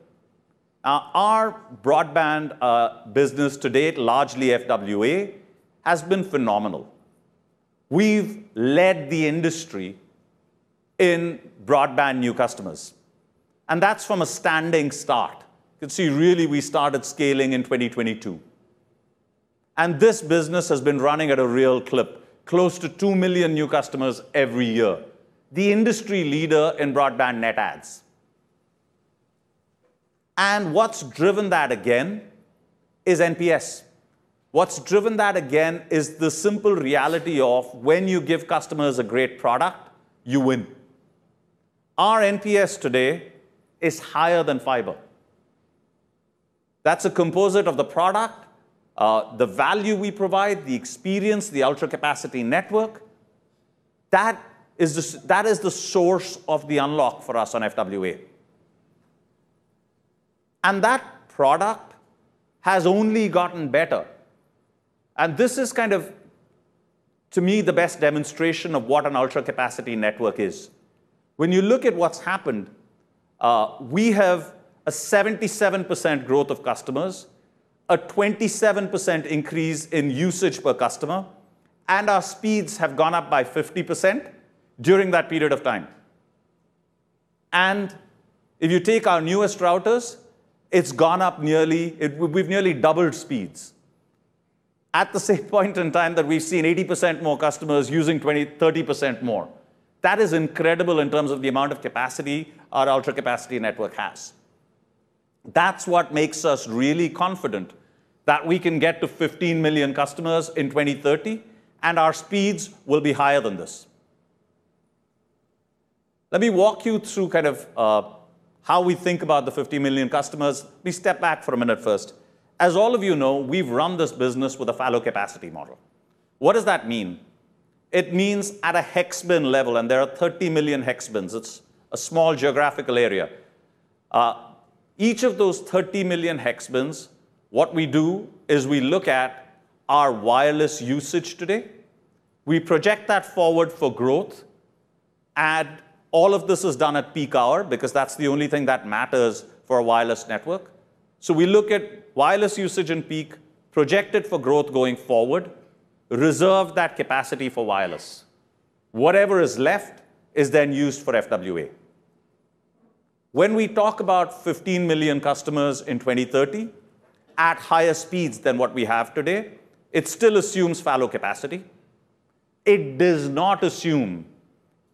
Speaker 4: Now, our broadband business to date, largely FWA, has been phenomenal. We've led the industry in broadband new customers, and that's from a standing start because, see, really, we started scaling in 2022. And this business has been running at a real clip, close to 2 million new customers every year, the industry leader in broadband net adds. And what's driven that, again, is NPS. What's driven that, again, is the simple reality of when you give customers a great product, you win. Our NPS today is higher than fiber. That's a composite of the product, the value we provide, the experience, the ultra-capacity network. That is the that is the source of the unlock for us on FWA. And that product has only gotten better. And this is kind of, to me, the best demonstration of what an ultra-capacity network is. When you look at what's happened, we have a 77% growth of customers, a 27% increase in usage per customer, and our speeds have gone up by 50% during that period of time. And if you take our newest routers, it's gone up. We've nearly doubled speeds at the same point in time that we've seen 80% more customers using 20%-30% more. That is incredible in terms of the amount of capacity our ultra-capacity network has. That's what makes us really confident that we can get to 15 million customers in 2030, and our speeds will be higher than this. Let me walk you through kind of how we think about the 15 million customers. Let me step back for a minute first. As all of you know, we've run this business with a fallow capacity model. What does that mean? It means at a hex bin level, and there are 30 million hex bins. It's a small geographical area. Each of those 30 million hex bins, what we do is we look at our wireless usage today, we project that forward for growth, and all of this is done at peak hour because that's the only thing that matters for a wireless network. So we look at wireless usage in peak, project it for growth going forward, reserve that capacity for wireless. Whatever is left is then used for FWA. When we talk about 15 million customers in 2030 at higher speeds than what we have today, it still assumes fallow capacity. It does not assume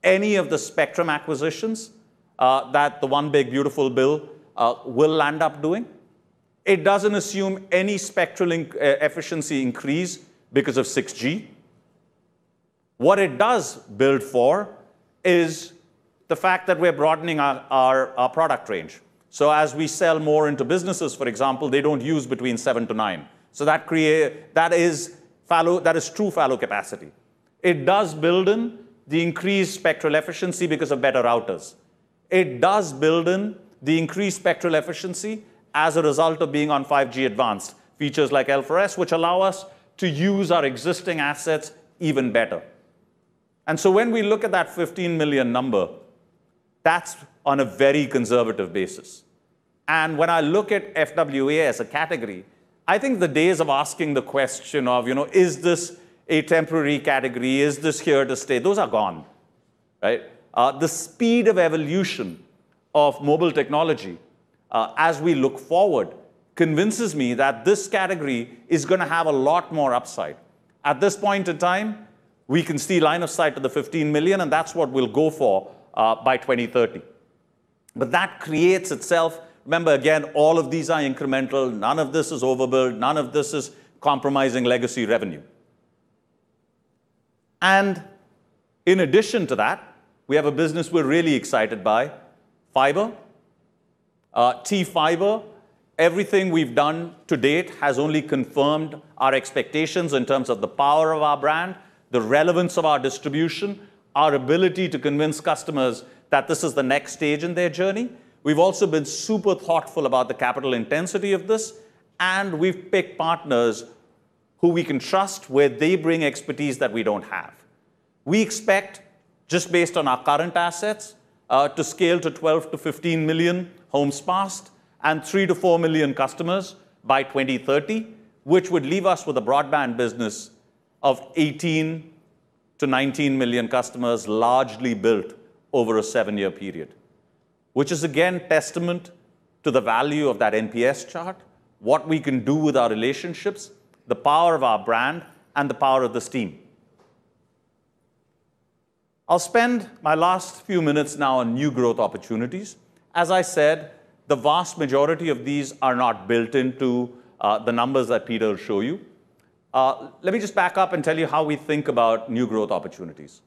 Speaker 4: any of the spectrum acquisitions that the one big, beautiful bill will end up doing. It doesn't assume any spectral efficiency increase because of 6G. What it does build for is the fact that we're broadening our product range. So, as we sell more into businesses, for example, they don't use between 7-9, so that creates that is fallow that is true fallow capacity. It does build in the increased spectral efficiency because of better routers. It does build in the increased spectral efficiency as a result of being on 5G Advanced features like L4S, which allow us to use our existing assets even better. And so, when we look at that 15 million number, that's on a very conservative basis. And when I look at FWA as a category, I think the days of asking the question of, you know, "Is this a temporary category? Is this here to stay?" those are gone, right? The speed of evolution of mobile technology, as we look forward, convinces me that this category is gonna have a lot more upside. At this point in time, we can see line of sight to the 15 million, and that's what we'll go for, by 2030. But that creates itself remember, again, all of these are incremental. None of this is overbuild. None of this is compromising legacy revenue. And in addition to that, we have a business we're really excited by: fiber, T-Fiber. Everything we've done to date has only confirmed our expectations in terms of the power of our brand, the relevance of our distribution, our ability to convince customers that this is the next stage in their journey. We've also been super thoughtful about the capital intensity of this, and we've picked partners who we can trust where they bring expertise that we don't have. We expect, just based on our current assets, to scale to 12-15 million homes passed and 3-4 million customers by 2030, which would leave us with a broadband business of 18-19 million customers, largely built over a 7-year period, which is, again, testament to the value of that NPS chart, what we can do with our relationships, the power of our brand, and the power of this team. I'll spend my last few minutes now on new growth opportunities. As I said, the vast majority of these are not built into the numbers that Peter will show you. Let me just back up and tell you how we think about new growth opportunities.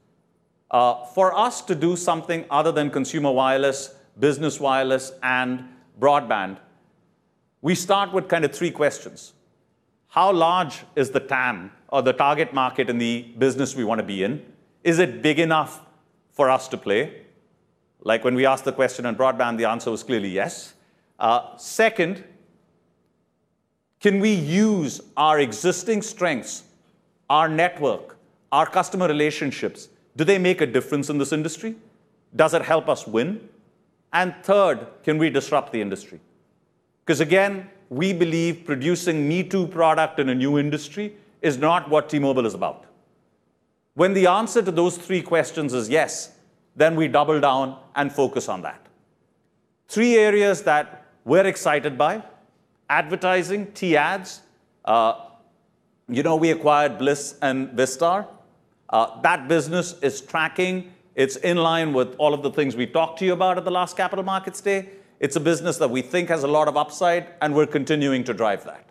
Speaker 4: For us to do something other than consumer wireless, business wireless, and broadband, we start with kind of three questions: How large is the TAM or the target market in the business we wanna be in? Is it big enough for us to play? Like, when we asked the question on broadband, the answer was clearly yes. Second, can we use our existing strengths, our network, our customer relationships? Do they make a difference in this industry? Does it help us win? And third, can we disrupt the industry? Because, again, we believe producing me-too product in a new industry is not what T-Mobile is about. When the answer to those three questions is yes, then we double down and focus on that. Three areas that we're excited by: advertising, T-Ads. You know, we acquired Blis and Vistar. That business is tracking. It's in line with all of the things we talked to you about at the last Capital Markets Day. It's a business that we think has a lot of upside, and we're continuing to drive that.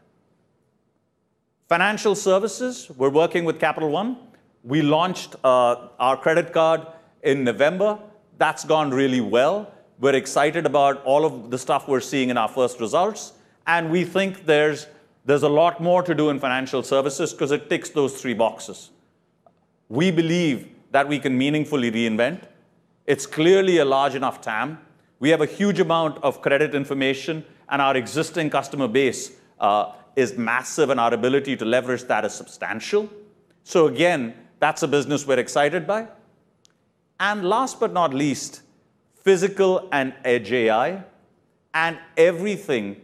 Speaker 4: Financial services, we're working with Capital One. We launched our credit card in November. That's gone really well. We're excited about all of the stuff we're seeing in our first results, and we think there's a lot more to do in financial services because it ticks those three boxes. We believe that we can meaningfully reinvent. It's clearly a large enough TAM. We have a huge amount of credit information, and our existing customer base is massive, and our ability to leverage that is substantial. So, again, that's a business we're excited by. Last but not least, physical and edge AI and everything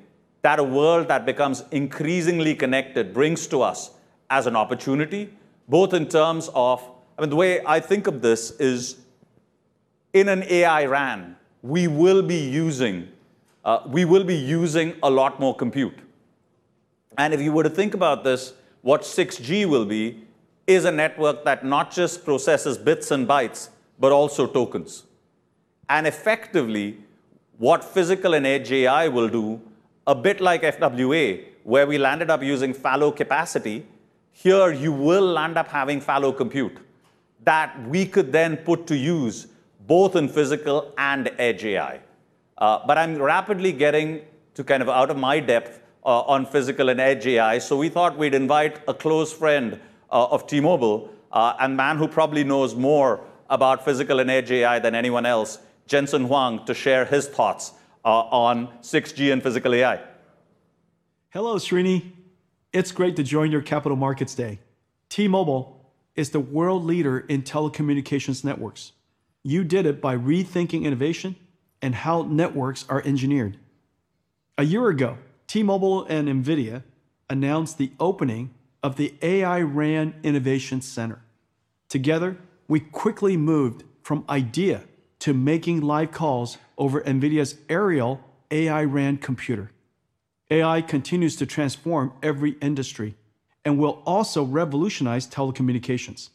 Speaker 4: that a world that becomes increasingly connected brings to us as an opportunity, both in terms of—I mean, the way I think of this is, in an AI RAN, we will be using a lot more compute. If you were to think about this, what 6G will be is a network that not just processes bits and bytes but also tokens. And effectively, what physical and edge AI will do, a bit like FWA, where we landed up using fallow capacity, here, you will land up having fallow compute that we could then put to use both in physical and edge AI. but I'm rapidly getting to kind of out of my depth on physical and edge AI, so we thought we'd invite a close friend of T-Mobile, and a man who probably knows more about physical and edge AI than anyone else, Jensen Huang, to share his thoughts on 6G and physical AI.
Speaker 2: Hello, Srini. It's great to join your Capital Markets Day. T-Mobile is the world leader in telecommunications networks. You did it by rethinking innovation and how networks are engineered. A year ago, T-Mobile and NVIDIA announced the opening of the AI RAN Innovation Center. Together, we quickly moved from idea to making live calls over NVIDIA's Ariel AI RAN computer. AI continues to transform every industry and will also revolutionize telecommunications.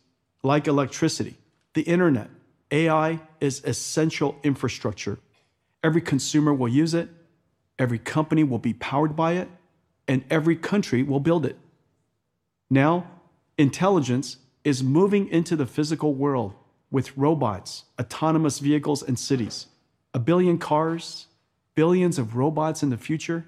Speaker 2: Like electricity, the internet, AI is essential infrastructure. Every consumer will use it, every company will be powered by it, and every country will build it. Now, intelligence is moving into the physical world with robots, autonomous vehicles, and cities. A billion cars, billions of robots in the future,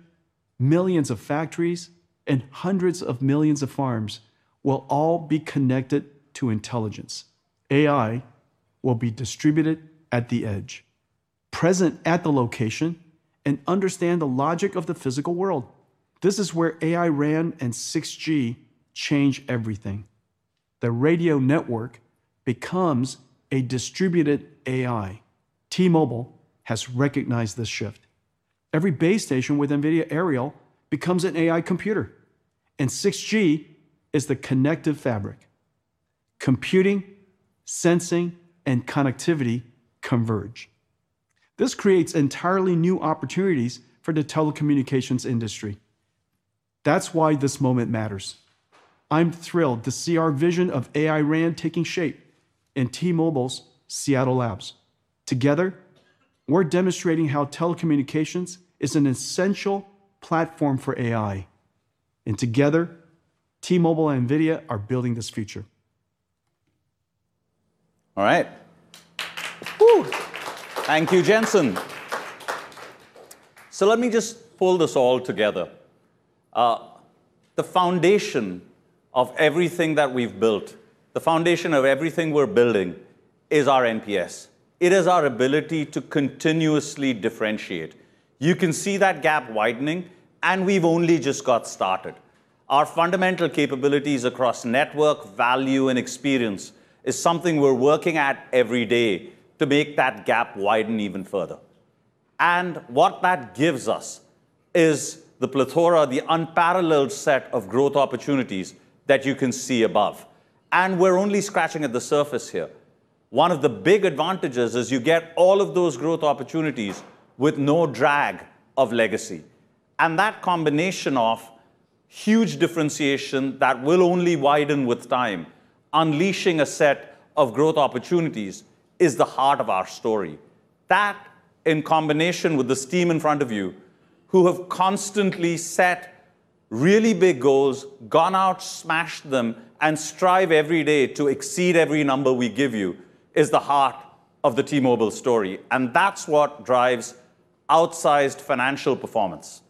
Speaker 2: millions of factories, and hundreds of millions of farms will all be connected to intelligence. AI will be distributed at the edge, present at the location, and understand the logic of the physical world. This is where AI RAN and 6G change everything. The radio network becomes a distributed AI. T-Mobile has recognized this shift. Every base station with NVIDIA Ariel becomes an AI computer, and 6G is the connective fabric. Computing, sensing, and connectivity converge. This creates entirely new opportunities for the telecommunications industry. That's why this moment matters. I'm thrilled to see our vision of AI RAN taking shape in T-Mobile's Seattle Labs. Together, we're demonstrating how telecommunications is an essential platform for AI, and together, T-Mobile and NVIDIA are building this future. All right.
Speaker 4: Whoo! Thank you, Jensen. So let me just pull this all together. The foundation of everything that we've built, the foundation of everything we're building, is our NPS. It is our ability to continuously differentiate. You can see that gap widening, and we've only just got started. Our fundamental capabilities across network, value, and experience is something we're working at every day to make that gap widen even further. And what that gives us is the plethora, the unparalleled set of growth opportunities that you can see above. And we're only scratching at the surface here. One of the big advantages is you get all of those growth opportunities with no drag of legacy. And that combination of huge differentiation that will only widen with time, unleashing a set of growth opportunities, is the heart of our story. That, in combination with the team in front of you who have constantly set really big goals, gone out, smashed them, and strive every day to exceed every number we give you, is the heart of the T-Mobile story, and that's what drives outsized financial performance.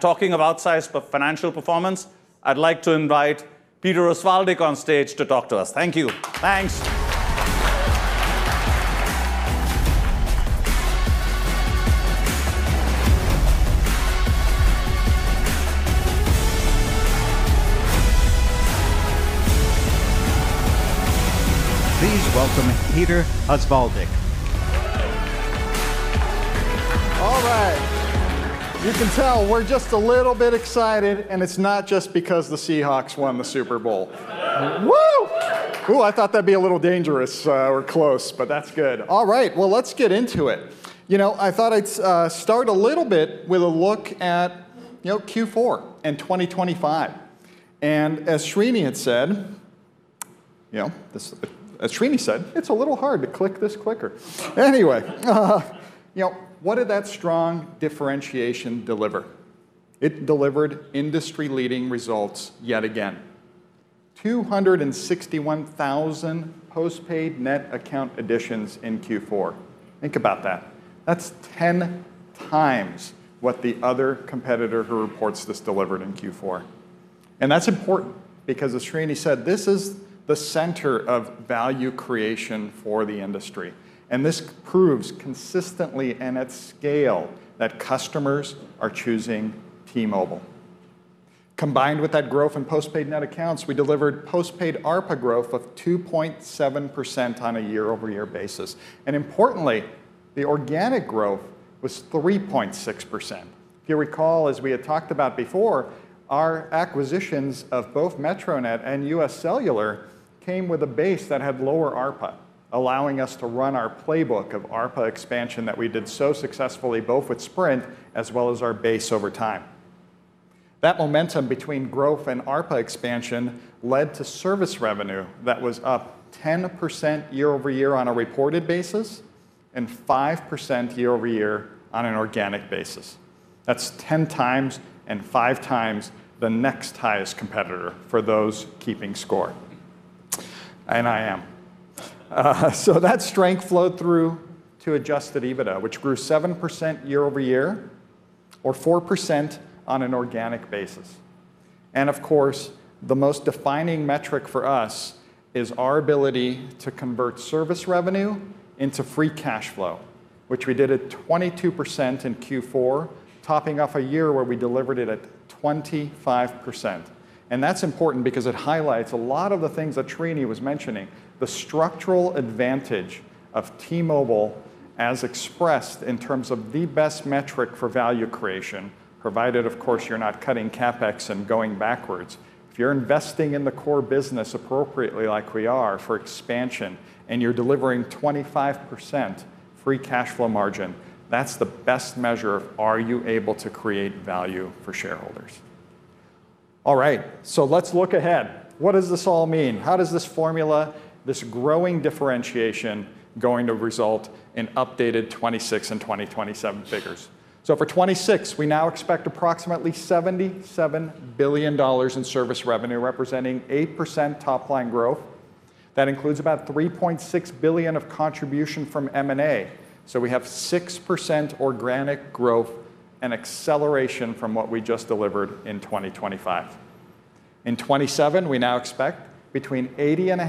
Speaker 4: Talking of outsized financial performance, I'd like to invite Peter Osvaldik on stage to talk to us. Thank you.
Speaker 3: Thanks. Please welcome Peter Osvaldik.
Speaker 6: All right. You can tell we're just a little bit excited, and it's not just because the Seahawks won the Super Bowl. Whoo! Ooh, I thought that'd be a little dangerous. We're close, but that's good. All right. Well, let's get into it. You know, I thought I'd start a little bit with a look at, you know, Q4 and 2025. And as Srini had said, you know, this as Srini said, "It's a little hard to click this clicker." Anyway, you know, what did that strong differentiation deliver? It delivered industry-leading results yet again: 261,000 postpaid net account additions in Q4. Think about that. That's 10 times what the other competitor who reports this delivered in Q4. And that's important because, as Srini said, this is the center of value creation for the industry, and this proves consistently and at scale that customers are choosing T-Mobile. Combined with that growth in postpaid net accounts, we delivered postpaid ARPA growth of 2.7% on a year-over-year basis. And importantly, the organic growth was 3.6%. If you recall, as we had talked about before, our acquisitions of both Metronet and UScellular came with a base that had lower ARPA, allowing us to run our playbook of ARPA expansion that we did so successfully, both with Sprint as well as our base over time. That momentum between growth and ARPA expansion led to service revenue that was up 10% year-over-year on a reported basis and 5% year-over-year on an organic basis. That's 10 times and 5 times the next highest competitor for those keeping score. And I am, so that strength flowed through to adjusted EBITDA, which grew 7% year-over-year or 4% on an organic basis. And, of course, the most defining metric for us is our ability to convert service revenue into free cash flow, which we did at 22% in Q4, topping off a year where we delivered it at 25%. And that's important because it highlights a lot of the things that Srini was mentioning: the structural advantage of T-Mobile as expressed in terms of the best metric for value creation, provided, of course, you're not cutting CapEx and going backwards. If you're investing in the core business appropriately, like we are, for expansion, and you're delivering 25% free cash flow margin, that's the best measure of, "Are you able to create value for shareholders?" All right. So let's look ahead. What does this all mean? How does this formula, this growing differentiation, going to result in updated 2026 and 2027 figures? So for 2026, we now expect approximately $77 billion in service revenue, representing 8% top-line growth. That includes about $3.6 billion of contribution from M&A. So we have 6% organic growth and acceleration from what we just delivered in 2025. In 2027, we now expect between $80.5 billion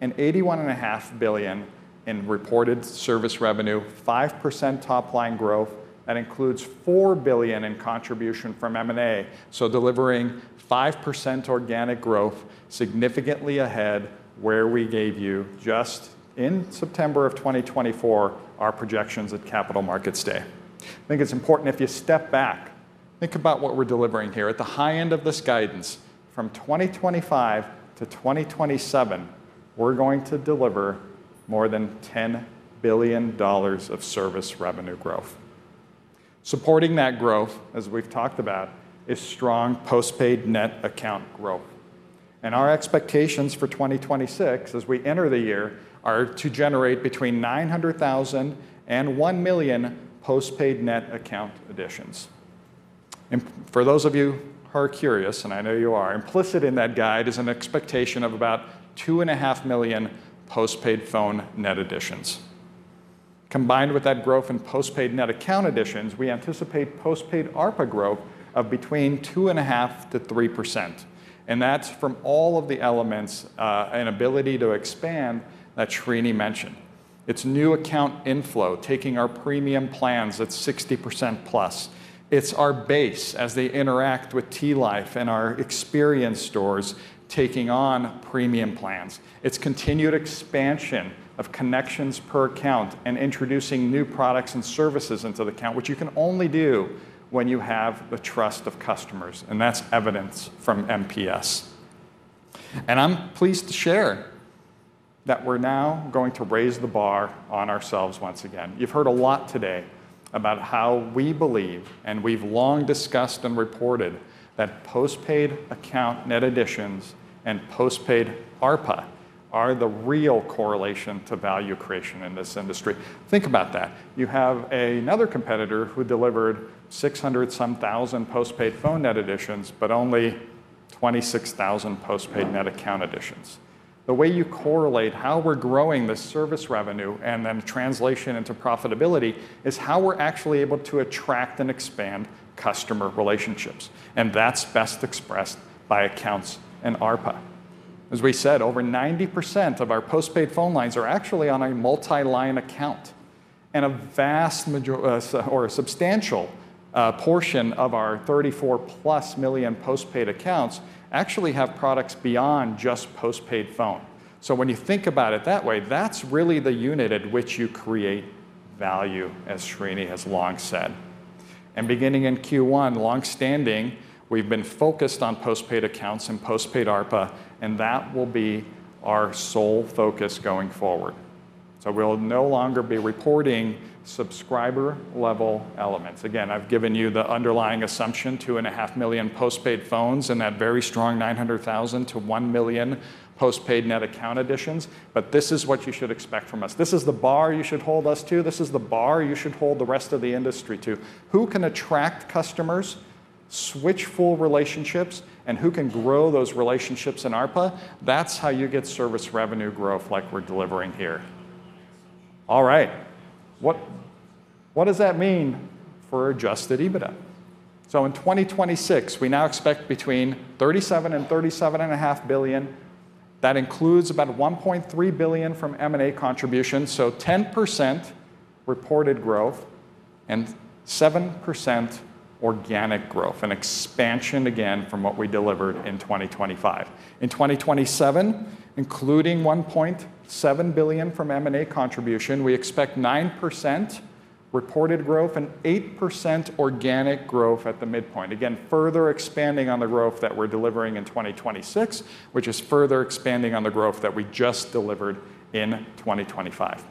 Speaker 6: and $81.5 billion in reported service revenue, 5% top-line growth. That includes $4 billion in contribution from M&A, so delivering 5% organic growth significantly ahead where we gave you just in September of 2024 our projections at Capital Markets Day. I think it's important if you step back, think about what we're delivering here. At the high end of this guidance, from 2025 to 2027, we're going to deliver more than $10 billion of service revenue growth. Supporting that growth, as we've talked about, is strong postpaid net account growth. Our expectations for 2026, as we enter the year, are to generate between 900,000 and 1 million postpaid net account additions. For those of you who are curious, and I know you are, implicit in that guide is an expectation of about 2.5 million postpaid phone net additions. Combined with that growth in postpaid net account additions, we anticipate postpaid ARPA growth of between 2.5%-3%. And that's from all of the elements, and ability to expand that Srini mentioned. It's new account inflow, taking our premium plans at 60%+. It's our base as they interact with T-Life and our experience stores taking on premium plans. It's continued expansion of connections per account and introducing new products and services into the account, which you can only do when you have the trust of customers, and that's evidence from NPS. And I'm pleased to share that we're now going to raise the bar on ourselves once again. You've heard a lot today about how we believe, and we've long discussed and reported, that postpaid account net additions and postpaid ARPA are the real correlation to value creation in this industry. Think about that. You have another competitor who delivered 600-some-thousand postpaid phone net additions but only 26,000 postpaid net account additions. The way you correlate how we're growing this service revenue and then translation into profitability is how we're actually able to attract and expand customer relationships, and that's best expressed by accounts and ARPA. As we said, over 90% of our postpaid phone lines are actually on a multi-line account, and a substantial portion of our 34+ million postpaid accounts actually have products beyond just postpaid phone. So when you think about it that way, that's really the unit at which you create value, as Srini has long said. And beginning in Q1, longstanding, we've been focused on postpaid accounts and postpaid ARPA, and that will be our sole focus going forward. So we'll no longer be reporting subscriber-level elements. Again, I've given you the underlying assumption: 2.5 million postpaid phones and that very strong 900,000-1 million postpaid net account additions. But this is what you should expect from us. This is the bar you should hold us to. This is the bar you should hold the rest of the industry to. Who can attract customers, switch full relationships, and who can grow those relationships in ARPA? That's how you get service revenue growth like we're delivering here. All right. What does that mean for adjusted EBITDA? So in 2026, we now expect between $37-$37.5 billion. That includes about $1.3 billion from M&A contributions, so 10% reported growth and 7% organic growth, an expansion again from what we delivered in 2025. In 2027, including $1.7 billion from M&A contribution, we expect 9% reported growth and 8% organic growth at the midpoint, again, further expanding on the growth that we're delivering in 2026, which is further expanding on the growth that we just delivered in 2025.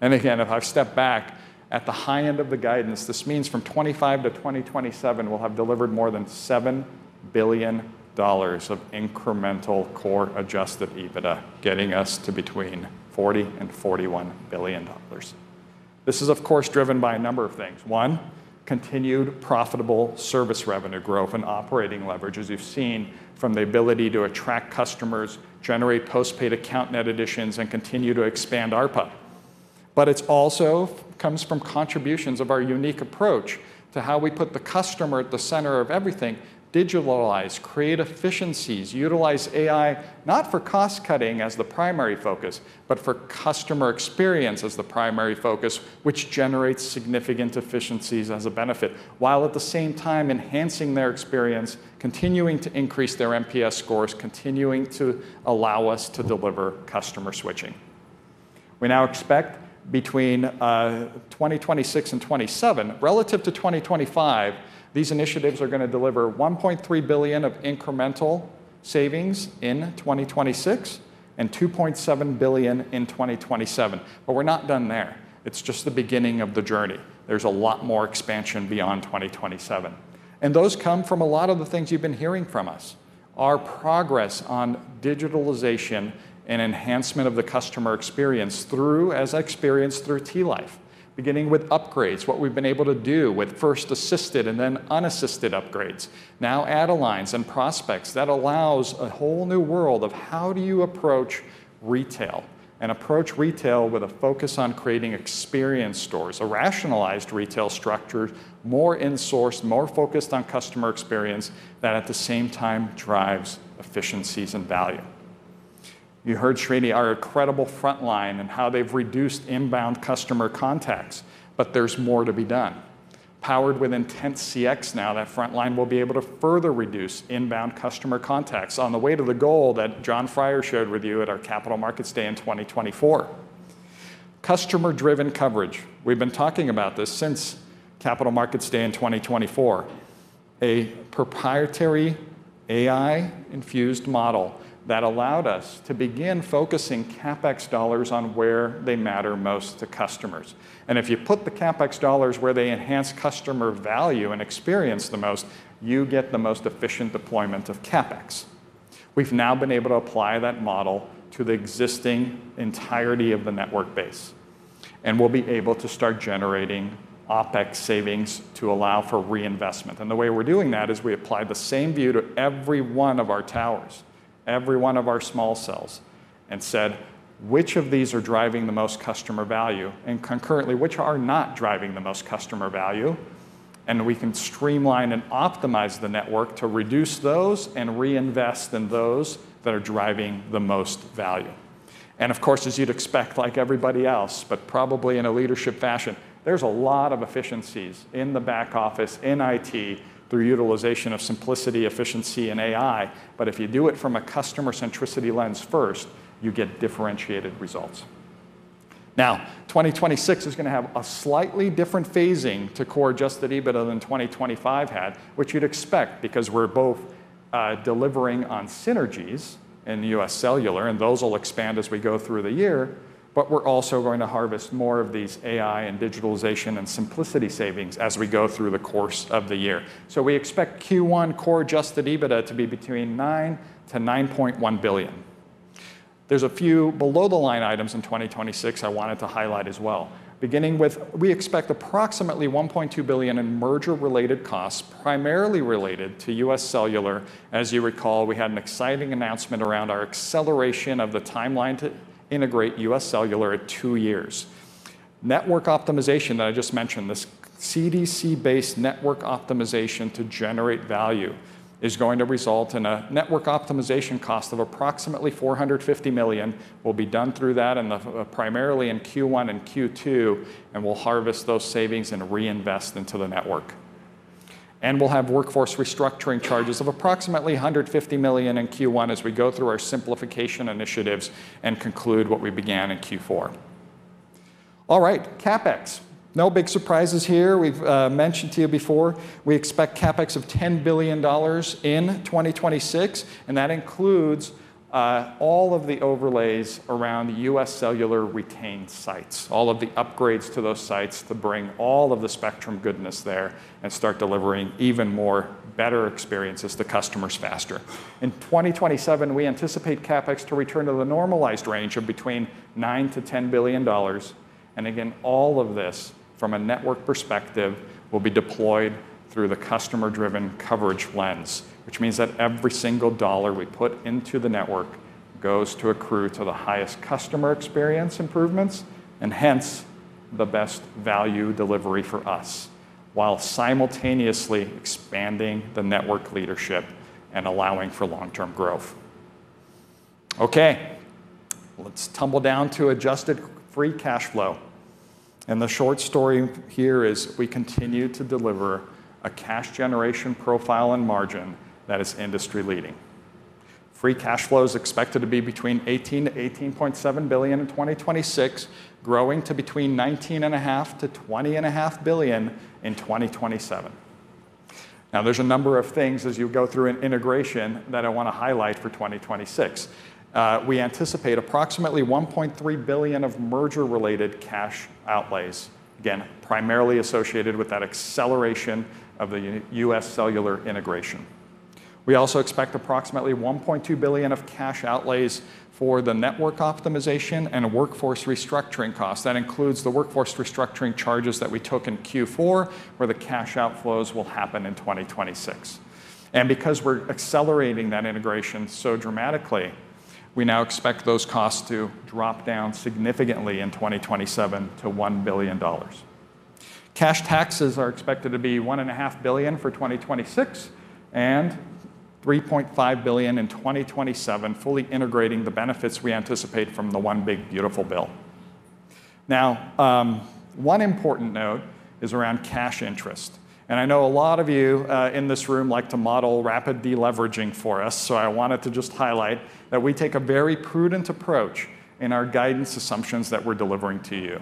Speaker 6: And again, if I step back at the high end of the guidance, this means from 2025 to 2027, we'll have delivered more than $7 billion of incremental core adjusted EBITDA, getting us to between $40 billion and $41 billion. This is, of course, driven by a number of things. One, continued profitable service revenue growth and operating leverage, as you've seen, from the ability to attract customers, generate postpaid account net additions, and continue to expand ARPA. But it also comes from contributions of our unique approach to how we put the customer at the center of everything: digitalize, create efficiencies, utilize AI not for cost-cutting as the primary focus but for customer experience as the primary focus, which generates significant efficiencies as a benefit, while at the same time enhancing their experience, continuing to increase their NPS scores, continuing to allow us to deliver customer switching. We now expect between 2026 and 2027, relative to 2025, these initiatives are going to deliver $1.3 billion of incremental savings in 2026 and $2.7 billion in 2027. But we're not done there. It's just the beginning of the journey. There's a lot more expansion beyond 2027. Those come from a lot of the things you've been hearing from us: our progress on digitalization and enhancement of the customer experience as experienced through T-Life, beginning with upgrades, what we've been able to do with first assisted and then unassisted upgrades, now add-a-lines and prospects. That allows a whole new world of how do you approach retail and approach retail with a focus on creating experience stores, a rationalized retail structure, more in-source, more focused on customer experience that at the same time drives efficiencies and value. You heard Srini our incredible frontline and how they've reduced inbound customer contacts, but there's more to be done. Powered with IntentCX now, that frontline will be able to further reduce inbound customer contacts on the way to the goal that John Freier showed with you at our Capital Markets Day in 2024. Customer-driven coverage. We've been talking about this since Capital Markets Day in 2024, a proprietary AI-infused model that allowed us to begin focusing CapEx dollars on where they matter most to customers. If you put the CapEx dollars where they enhance customer value and experience the most, you get the most efficient deployment of CapEx. We've now been able to apply that model to the existing entirety of the network base, and we'll be able to start generating OpEx savings to allow for reinvestment. The way we're doing that is we apply the same view to every one of our towers, every one of our small cells, and said, "Which of these are driving the most customer value? And concurrently, which are not driving the most customer value?" We can streamline and optimize the network to reduce those and reinvest in those that are driving the most value. Of course, as you'd expect, like everybody else, but probably in a leadership fashion, there's a lot of efficiencies in the back office, in IT, through utilization of simplicity, efficiency, and AI. But if you do it from a customer-centricity lens first, you get differentiated results. Now, 2026 is going to have a slightly different phasing to core adjusted EBITDA than 2025 had, which you'd expect because we're both delivering on synergies in UScellular, and those will expand as we go through the year. But we're also going to harvest more of these AI and digitalization and simplicity savings as we go through the course of the year. So we expect Q1 core adjusted EBITDA to be between $9 billion and $9.1 billion. There's a few below-the-line items in 2026 I wanted to highlight as well, beginning with we expect approximately $1.2 billion in merger-related costs, primarily related to UScellular. As you recall, we had an exciting announcement around our acceleration of the timeline to integrate UScellular at two years. Network optimization that I just mentioned, this CDC-based network optimization to generate value, is going to result in a network optimization cost of approximately $450 million. We'll be done through that in the primarily in Q1 and Q2, and we'll harvest those savings and reinvest into the network. And we'll have workforce restructuring charges of approximately $150 million in Q1 as we go through our simplification initiatives and conclude what we began in Q4. All right. CapEx. No big surprises here. We've mentioned to you before. We expect CapEx of $10 billion in 2026, and that includes all of the overlays around the UScellular retained sites, all of the upgrades to those sites to bring all of the spectrum goodness there and start delivering even more, better experiences to customers faster. In 2027, we anticipate CapEx to return to the normalized range of between $9 billion-$10 billion. And again, all of this from a network perspective will be deployed through the customer-driven coverage lens, which means that every single dollar we put into the network goes to accrue to the highest customer experience improvements and hence the best value delivery for us while simultaneously expanding the network leadership and allowing for long-term growth. Okay. Let's tumble down to adjusted free cash flow. And the short story here is we continue to deliver a cash generation profile and margin that is industry-leading. Free cash flow is expected to be between $18 billion-$18.7 billion in 2026, growing to between $19.5 billion-$20.5 billion in 2027. Now, there's a number of things as you go through an integration that I want to highlight for 2026. We anticipate approximately $1.3 billion of merger-related cash outlays, again, primarily associated with that acceleration of the UScellular integration. We also expect approximately $1.2 billion of cash outlays for the network optimization and workforce restructuring costs. That includes the workforce restructuring charges that we took in Q4, where the cash outflows will happen in 2026. And because we're accelerating that integration so dramatically, we now expect those costs to drop down significantly in 2027 to $1 billion. Cash taxes are expected to be $1.5 billion for 2026 and $3.5 billion in 2027, fully integrating the benefits we anticipate from the one big, beautiful bill. Now, one important note is around cash interest. I know a lot of you, in this room like to model rapid deleveraging for us, so I wanted to just highlight that we take a very prudent approach in our guidance assumptions that we're delivering to you.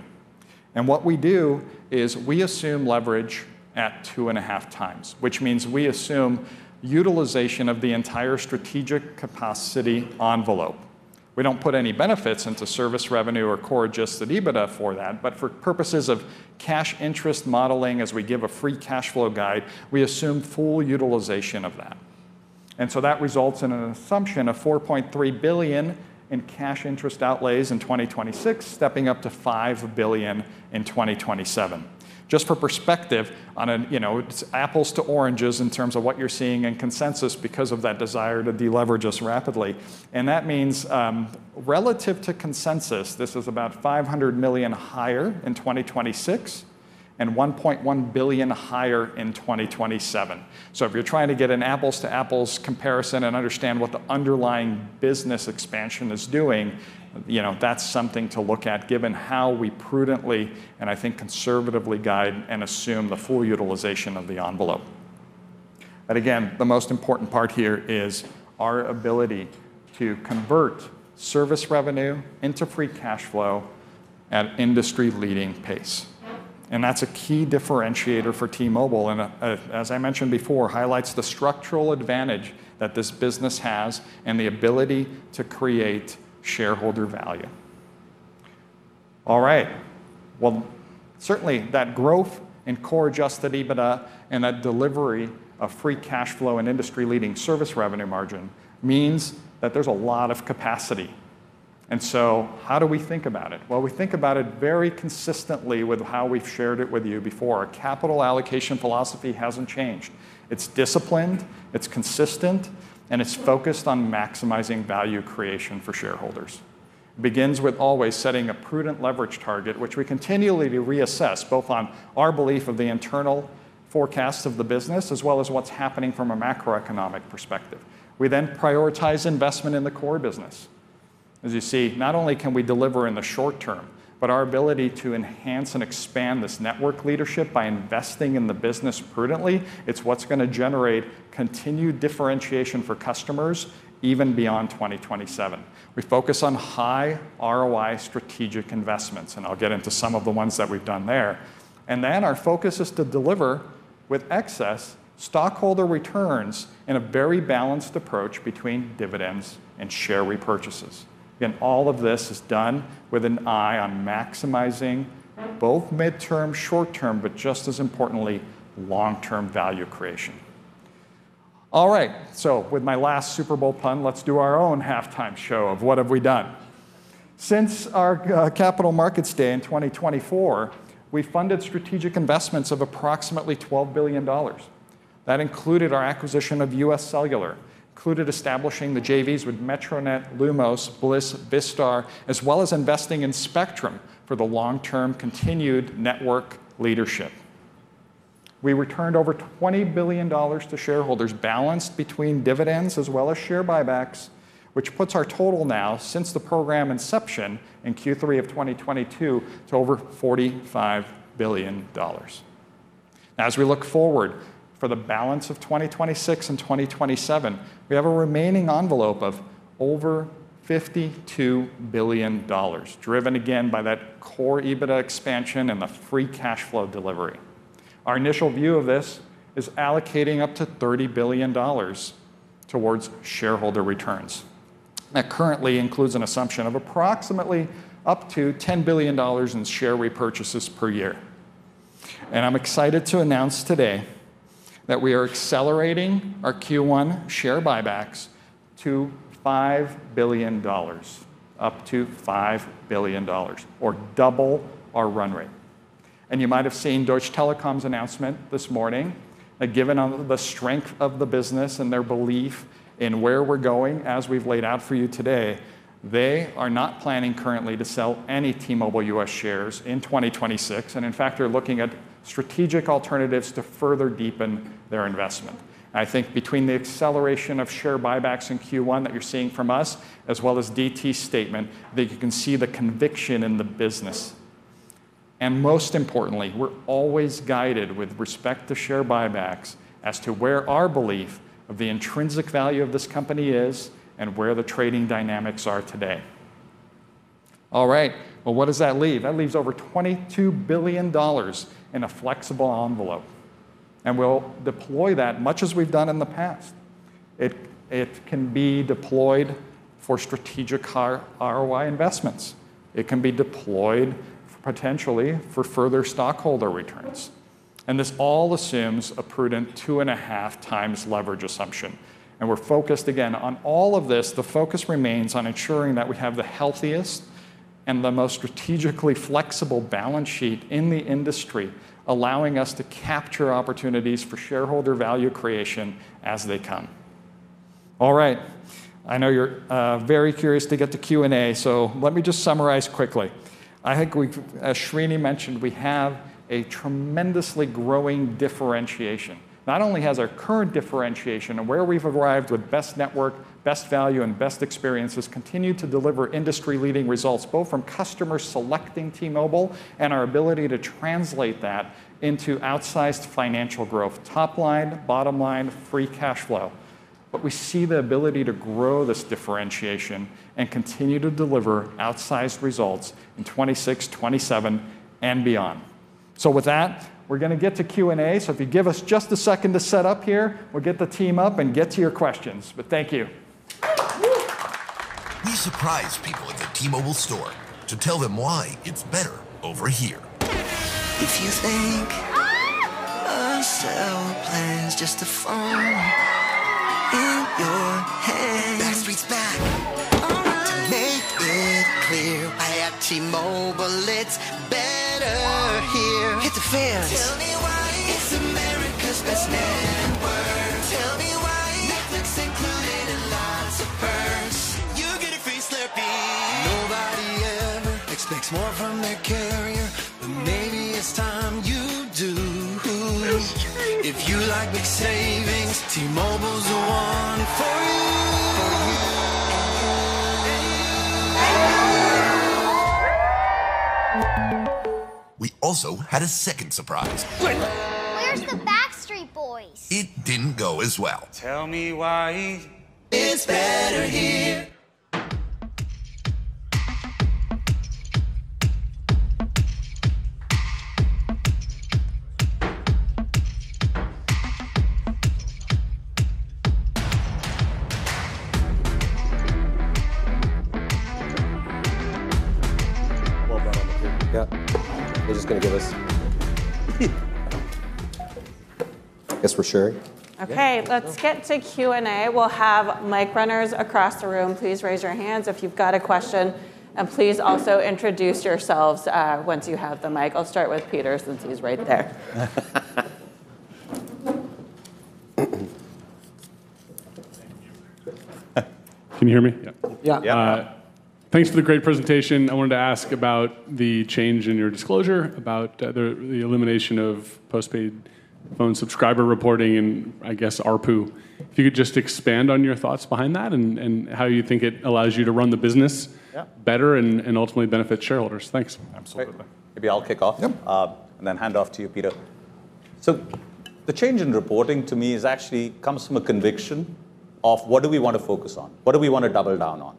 Speaker 6: What we do is we assume leverage at 2.5 times, which means we assume utilization of the entire strategic capacity envelope. We don't put any benefits into service revenue or core adjusted EBITDA for that, but for purposes of cash interest modeling, as we give a free cash flow guide, we assume full utilization of that. So that results in an assumption of $4.3 billion in cash interest outlays in 2026, stepping up to $5 billion in 2027. Just for perspective on a, you know, it's apples to oranges in terms of what you're seeing in consensus because of that desire to deleverage us rapidly. And that means, relative to consensus, this is about $500 million higher in 2026 and $1.1 billion higher in 2027. So if you're trying to get an apples to apples comparison and understand what the underlying business expansion is doing, you know, that's something to look at given how we prudently and I think conservatively guide and assume the full utilization of the envelope. But again, the most important part here is our ability to convert service revenue into free cash flow at industry-leading pace. And that's a key differentiator for T-Mobile and, as I mentioned before, highlights the structural advantage that this business has and the ability to create shareholder value. All right. Well, certainly, that growth in core adjusted EBITDA and that delivery of free cash flow and industry-leading service revenue margin means that there's a lot of capacity. And so how do we think about it? Well, we think about it very consistently with how we've shared it with you before. Our capital allocation philosophy hasn't changed. It's disciplined. It's consistent. And it's focused on maximizing value creation for shareholders. It begins with always setting a prudent leverage target, which we continually reassess both on our belief of the internal forecasts of the business as well as what's happening from a macroeconomic perspective. We then prioritize investment in the core business. As you see, not only can we deliver in the short term, but our ability to enhance and expand this network leadership by investing in the business prudently, it's what's going to generate continued differentiation for customers even beyond 2027. We focus on high ROI strategic investments, and I'll get into some of the ones that we've done there. Then our focus is to deliver with excess stockholder returns in a very balanced approach between dividends and share repurchases. Again, all of this is done with an eye on maximizing both midterm, short-term, but just as importantly, long-term value creation. All right. So with my last Super Bowl pun, let's do our own halftime show of what have we done? Since our Capital Markets Day in 2024, we funded strategic investments of approximately $12 billion. That included our acquisition of UScellular, included establishing the JVs with Metronet, Lumos, Blis, Vistar, as well as investing in spectrum for the long-term continued network leadership. We returned over $20 billion to shareholders balanced between dividends as well as share buybacks, which puts our total now since the program inception in Q3 of 2022 to over $45 billion. Now, as we look forward for the balance of 2026 and 2027, we have a remaining envelope of over $52 billion, driven again by that core EBITDA expansion and the free cash flow delivery. Our initial view of this is allocating up to $30 billion towards shareholder returns. That currently includes an assumption of approximately up to $10 billion in share repurchases per year. I'm excited to announce today that we are accelerating our Q1 share buybacks to $5 billion, up to $5 billion, or double our run rate. You might have seen Deutsche Telekom's announcement this morning that given the strength of the business and their belief in where we're going as we've laid out for you today, they are not planning currently to sell any T-Mobile US shares in 2026. In fact, they're looking at strategic alternatives to further deepen their investment. I think between the acceleration of share buybacks in Q1 that you're seeing from us as well as DT's statement, that you can see the conviction in the business. Most importantly, we're always guided with respect to share buybacks as to where our belief of the intrinsic value of this company is and where the trading dynamics are today. All right. Well, what does that leave? That leaves over $22 billion in a flexible envelope. We'll deploy that much as we've done in the past. It can be deployed for strategic ROI investments. It can be deployed potentially for further stockholder returns. And this all assumes a prudent 2.5 times leverage assumption. And we're focused again on all of this. The focus remains on ensuring that we have the healthiest and the most strategically flexible balance sheet in the industry, allowing us to capture opportunities for shareholder value creation as they come. All right. I know you're very curious to get to Q&A, so let me just summarize quickly. I think we, as Srini mentioned, we have a tremendously growing differentiation. Not only has our current differentiation and where we've arrived with best network, best value, and best experiences continued to deliver industry-leading results both from customers selecting T-Mobile and our ability to translate that into outsized financial growth, top line, bottom line, free cash flow. But we see the ability to grow this differentiation and continue to deliver outsized results in 2026, 2027, and beyond. So with that, we're going to get to Q&A. So if you give us just a second to set up here, we'll get the team up and get to your questions. But thank you.
Speaker 2: We surprise people at the T-Mobile store to tell them why it's better over here. If you think our sales plans just to fall in your hands. The best reads back. All right. To make it clear, I have T-Mobile. It's better here. Hit the fans. Tell me why. It's America's best network. Tell me why. Netflix included in lots of perks. You get a free Slurpee. Nobody ever expects more from their carrier, but maybe it's time you do. It's true. If you like big savings, T-Mobile's the one for you. For you and you. And you. We also had a second surprise. Where's the Backstreet Boys? It didn't go as well. Tell me why. It's better here. Roll that on the tape. Yeah. They're just going to give us.
Speaker 7: Guess we're ready.
Speaker 8: Okay. Let's get to Q&A. We'll have mic runners across the room. Please raise your hands if you've got a question. And please also introduce yourselves, once you have the mic. I'll start with Peter since he's right there.
Speaker 6: Thank you. Can you hear me? Yeah.
Speaker 7: Yeah.
Speaker 6: Thanks for the great presentation. I wanted to ask about the change in your disclosure about the elimination of postpaid phone subscriber reporting and, I guess, ARPU. If you could just expand on your thoughts behind that and, and how you think it allows you to run the business.
Speaker 7: Yeah.
Speaker 6: Better and ultimately benefit shareholders. Thanks.
Speaker 7: Absolutely. Maybe I'll kick off. And then hand off to you, Peter. So the change in reporting to me is actually comes from a conviction of what do we want to focus on? What do we want to double down on?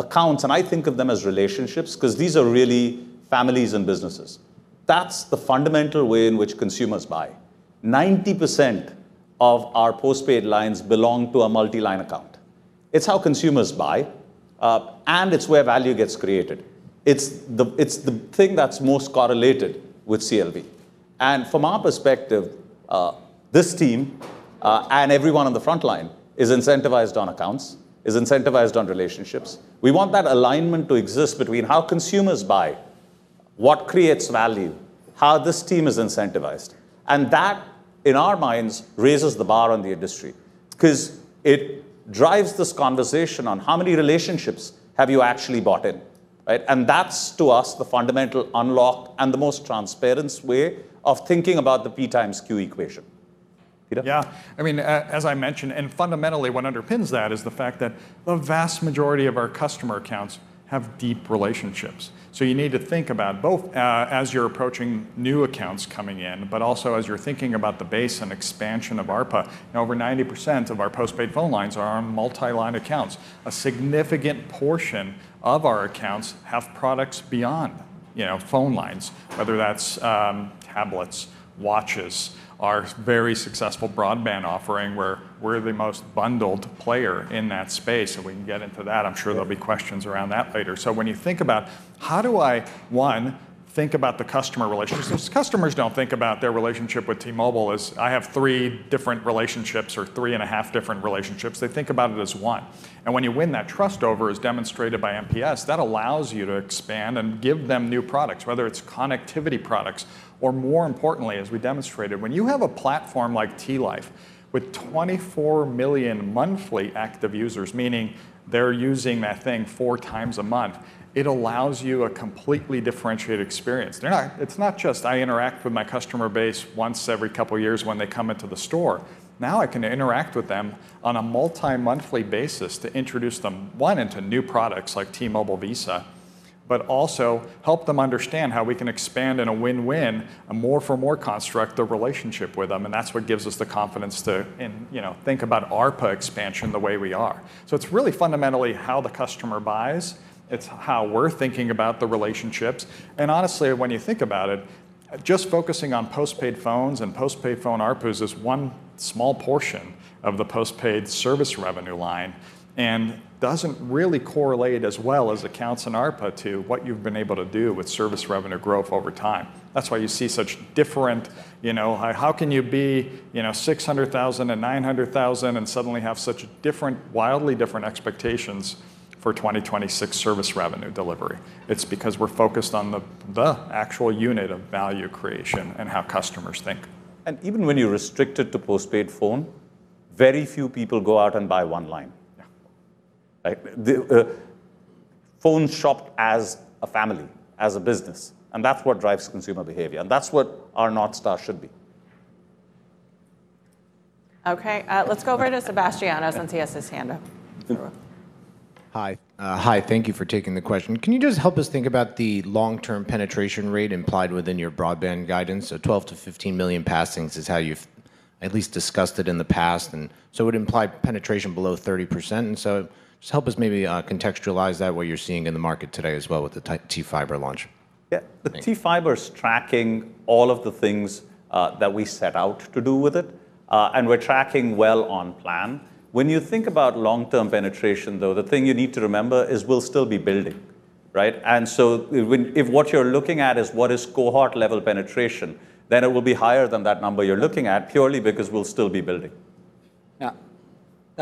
Speaker 7: Accounts, and I think of them as relationships because these are really families and businesses. That's the fundamental way in which consumers buy. 90% of our postpaid lines belong to a multi-line account. It's how consumers buy, and it's where value gets created. It's the it's the thing that's most correlated with CLV. And from our perspective, this team, and everyone on the front line is incentivized on accounts, is incentivized on relationships. We want that alignment to exist between how consumers buy, what creates value, how this team is incentivized. And that, in our minds, raises the bar on the industry because it drives this conversation on how many relationships have you actually bought in, right? And that's, to us, the fundamental unlock and the most transparent way of thinking about the P times Q equation. Peter?
Speaker 6: Yeah. I mean, as I mentioned, and fundamentally what underpins that is the fact that the vast majority of our customer accounts have deep relationships. So you need to think about both, as you're approaching new accounts coming in, but also as you're thinking about the base and expansion of ARPA. Now, over 90% of our postpaid phone lines are on multi-line accounts. A significant portion of our accounts have products beyond, you know, phone lines, whether that's tablets, watches, our very successful broadband offering where we're the most bundled player in that space. And we can get into that. I'm sure there'll be questions around that later. So when you think about how do I, one, think about the customer relationships? Customers don't think about their relationship with T-Mobile as, "I have three different relationships or three and a half different relationships." They think about it as one. And when you win that trust over, as demonstrated by NPS, that allows you to expand and give them new products, whether it's connectivity products or, more importantly, as we demonstrated, when you have a platform like T-Life with 24 million monthly active users, meaning they're using that thing four times a month, it allows you a completely differentiated experience. They're not—it's not just, "I interact with my customer base once every couple of years when they come into the store." Now, I can interact with them on a multi-monthly basis to introduce them, one, into new products like T-Mobile Visa, but also help them understand how we can expand in a win-win, a more-for-more construct, the relationship with them. And that's what gives us the confidence to, you know, think about ARPA expansion the way we are. So it's really fundamentally how the customer buys. It's how we're thinking about the relationships. And honestly, when you think about it, just focusing on postpaid phones and postpaid phone ARPUs is one small portion of the postpaid service revenue line and doesn't really correlate as well as accounts and ARPA to what you've been able to do with service revenue growth over time. That's why you see such different, you know, how can you be, you know, 600,000 and 900,000 and suddenly have such different, wildly different expectations for 2026 service revenue delivery? It's because we're focused on the actual unit of value creation and how customers think.
Speaker 7: Even when you're restricted to postpaid phone, very few people go out and buy one line.
Speaker 6: Yeah.
Speaker 7: Right? They phone shop as a family, as a business. And that's what drives consumer behavior. And that's what our North Star should be.
Speaker 8: Okay. Let's go over to Sebastiano since he has his hand up.
Speaker 9: Hi. Thank you for taking the question. Can you just help us think about the long-term penetration rate implied within your broadband guidance? So 12-15 million passings is how you've at least discussed it in the past. And so it would imply penetration below 30%. And so just help us maybe contextualize that, what you're seeing in the market today as well with the T-Fiber launch.
Speaker 7: Yeah. The T-Fiber's tracking all of the things, that we set out to do with it, and we're tracking well on plan. When you think about long-term penetration, though, the thing you need to remember is we'll still be building, right? And so when if what you're looking at is what is cohort-level penetration, then it will be higher than that number you're looking at purely because we'll still be building.
Speaker 6: Yeah. Now, that's.
Speaker 7: I'm afraid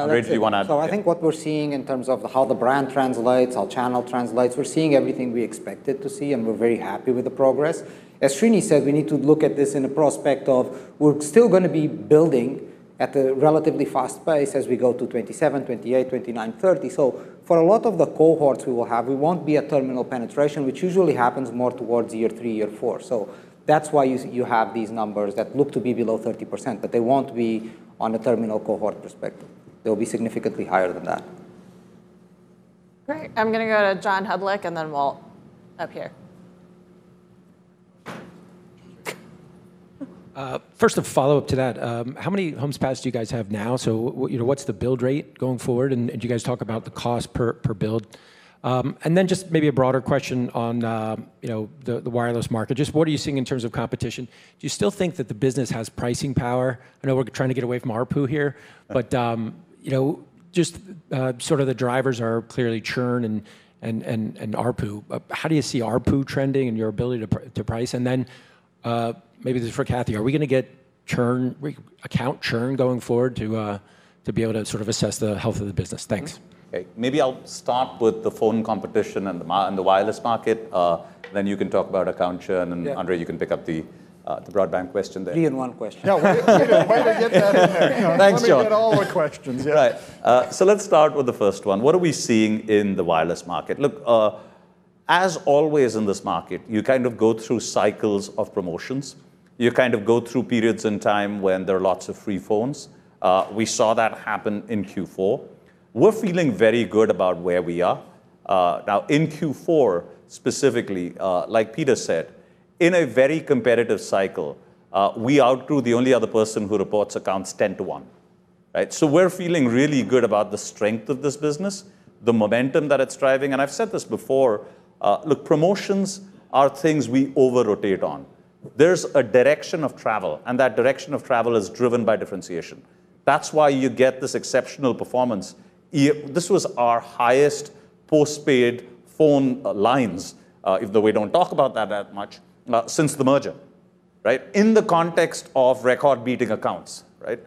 Speaker 7: if you want to add.
Speaker 6: So I think what we're seeing in terms of how the brand translates, how channel translates, we're seeing everything we expected to see, and we're very happy with the progress. As Srini said, we need to look at this in a prospect of we're still going to be building at a relatively fast pace as we go to 2027, 2028, 2029, 2030. So for a lot of the cohorts we will have, we won't be at terminal penetration, which usually happens more towards year three, year four. So that's why you have these numbers that look to be below 30%, but they won't be on a terminal cohort perspective. They'll be significantly higher than that.
Speaker 8: Great. I'm going to go to John Hodulik, and then we'll up here.
Speaker 10: First, a follow-up to that. How many homes passed do you guys have now? So, you know, what's the build rate going forward? And did you guys talk about the cost per build? And then just maybe a broader question on, you know, the wireless market. Just what are you seeing in terms of competition? Do you still think that the business has pricing power? I know we're trying to get away from ARPU here, but, you know, just, sort of the drivers are clearly churn and, and, and ARPU. How do you see ARPU trending and your ability to price? And then, maybe this is for Callie. Are we going to get churn, account churn going forward to, to be able to sort of assess the health of the business? Thanks.
Speaker 7: Okay. Maybe I'll start with the phone competition and the wireless market. Then you can talk about account churn. And, Andrea, you can pick up the broadband question there.
Speaker 10: Three in one question.
Speaker 6: Yeah. Wait a minute. Why did I get that in there?
Speaker 7: Thanks, Joe.
Speaker 6: Let me get all the questions. Yeah.
Speaker 7: Right. So let's start with the first one. What are we seeing in the wireless market? Look, as always in this market, you kind of go through cycles of promotions. You kind of go through periods in time when there are lots of free phones. We saw that happen in Q4. We're feeling very good about where we are. Now, in Q4 specifically, like Peter said, in a very competitive cycle, we outgrew the only other person who reports accounts 10-to-1, right? So we're feeling really good about the strength of this business, the momentum that it's driving. And I've said this before. Look, promotions are things we over-rotate on. There's a direction of travel, and that direction of travel is driven by differentiation. That's why you get this exceptional performance. This was our highest postpaid phone lines, even though we don't talk about that that much, since the merger, right, in the context of record-beating accounts, right?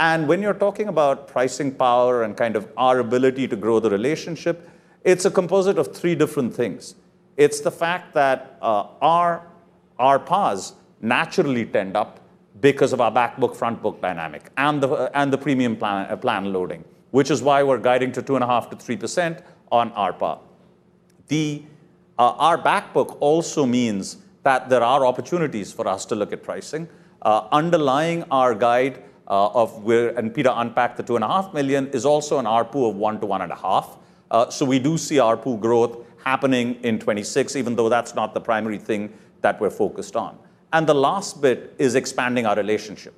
Speaker 7: And when you're talking about pricing power and kind of our ability to grow the relationship, it's a composite of three different things. It's the fact that, our PAs naturally tend up because of our backbook, frontbook dynamic, and the premium plan loading, which is why we're guiding to 2.5%-3% on ARPA. Then, our backbook also means that there are opportunities for us to look at pricing. Underlying our guide, of where and Peter, unpack the 2.5 million is also an ARPU of $1-$1.5. So we do see ARPU growth happening in 2026, even though that's not the primary thing that we're focused on. The last bit is expanding our relationship,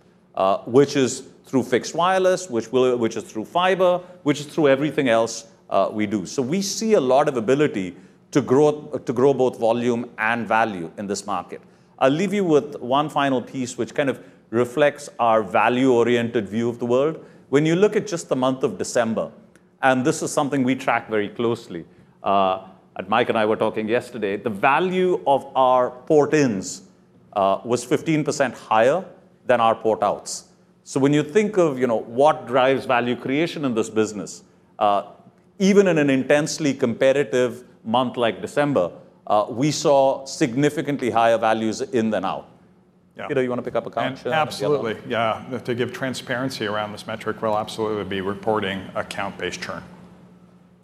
Speaker 7: which is through fixed wireless, which is through fiber, which is through everything else we do. So we see a lot of ability to grow both volume and value in this market. I'll leave you with one final piece which kind of reflects our value-oriented view of the world. When you look at just the month of December, and this is something we track very closely, Mike and I were talking yesterday, the value of our port-ins was 15% higher than our port-outs. So when you think of, you know, what drives value creation in this business, even in an intensely competitive month like December, we saw significantly higher values in than out.
Speaker 6: Yeah.
Speaker 7: Peter, you want to pick up account churn?
Speaker 6: Absolutely. Yeah. To give transparency around this metric, we'll absolutely be reporting account-based churn.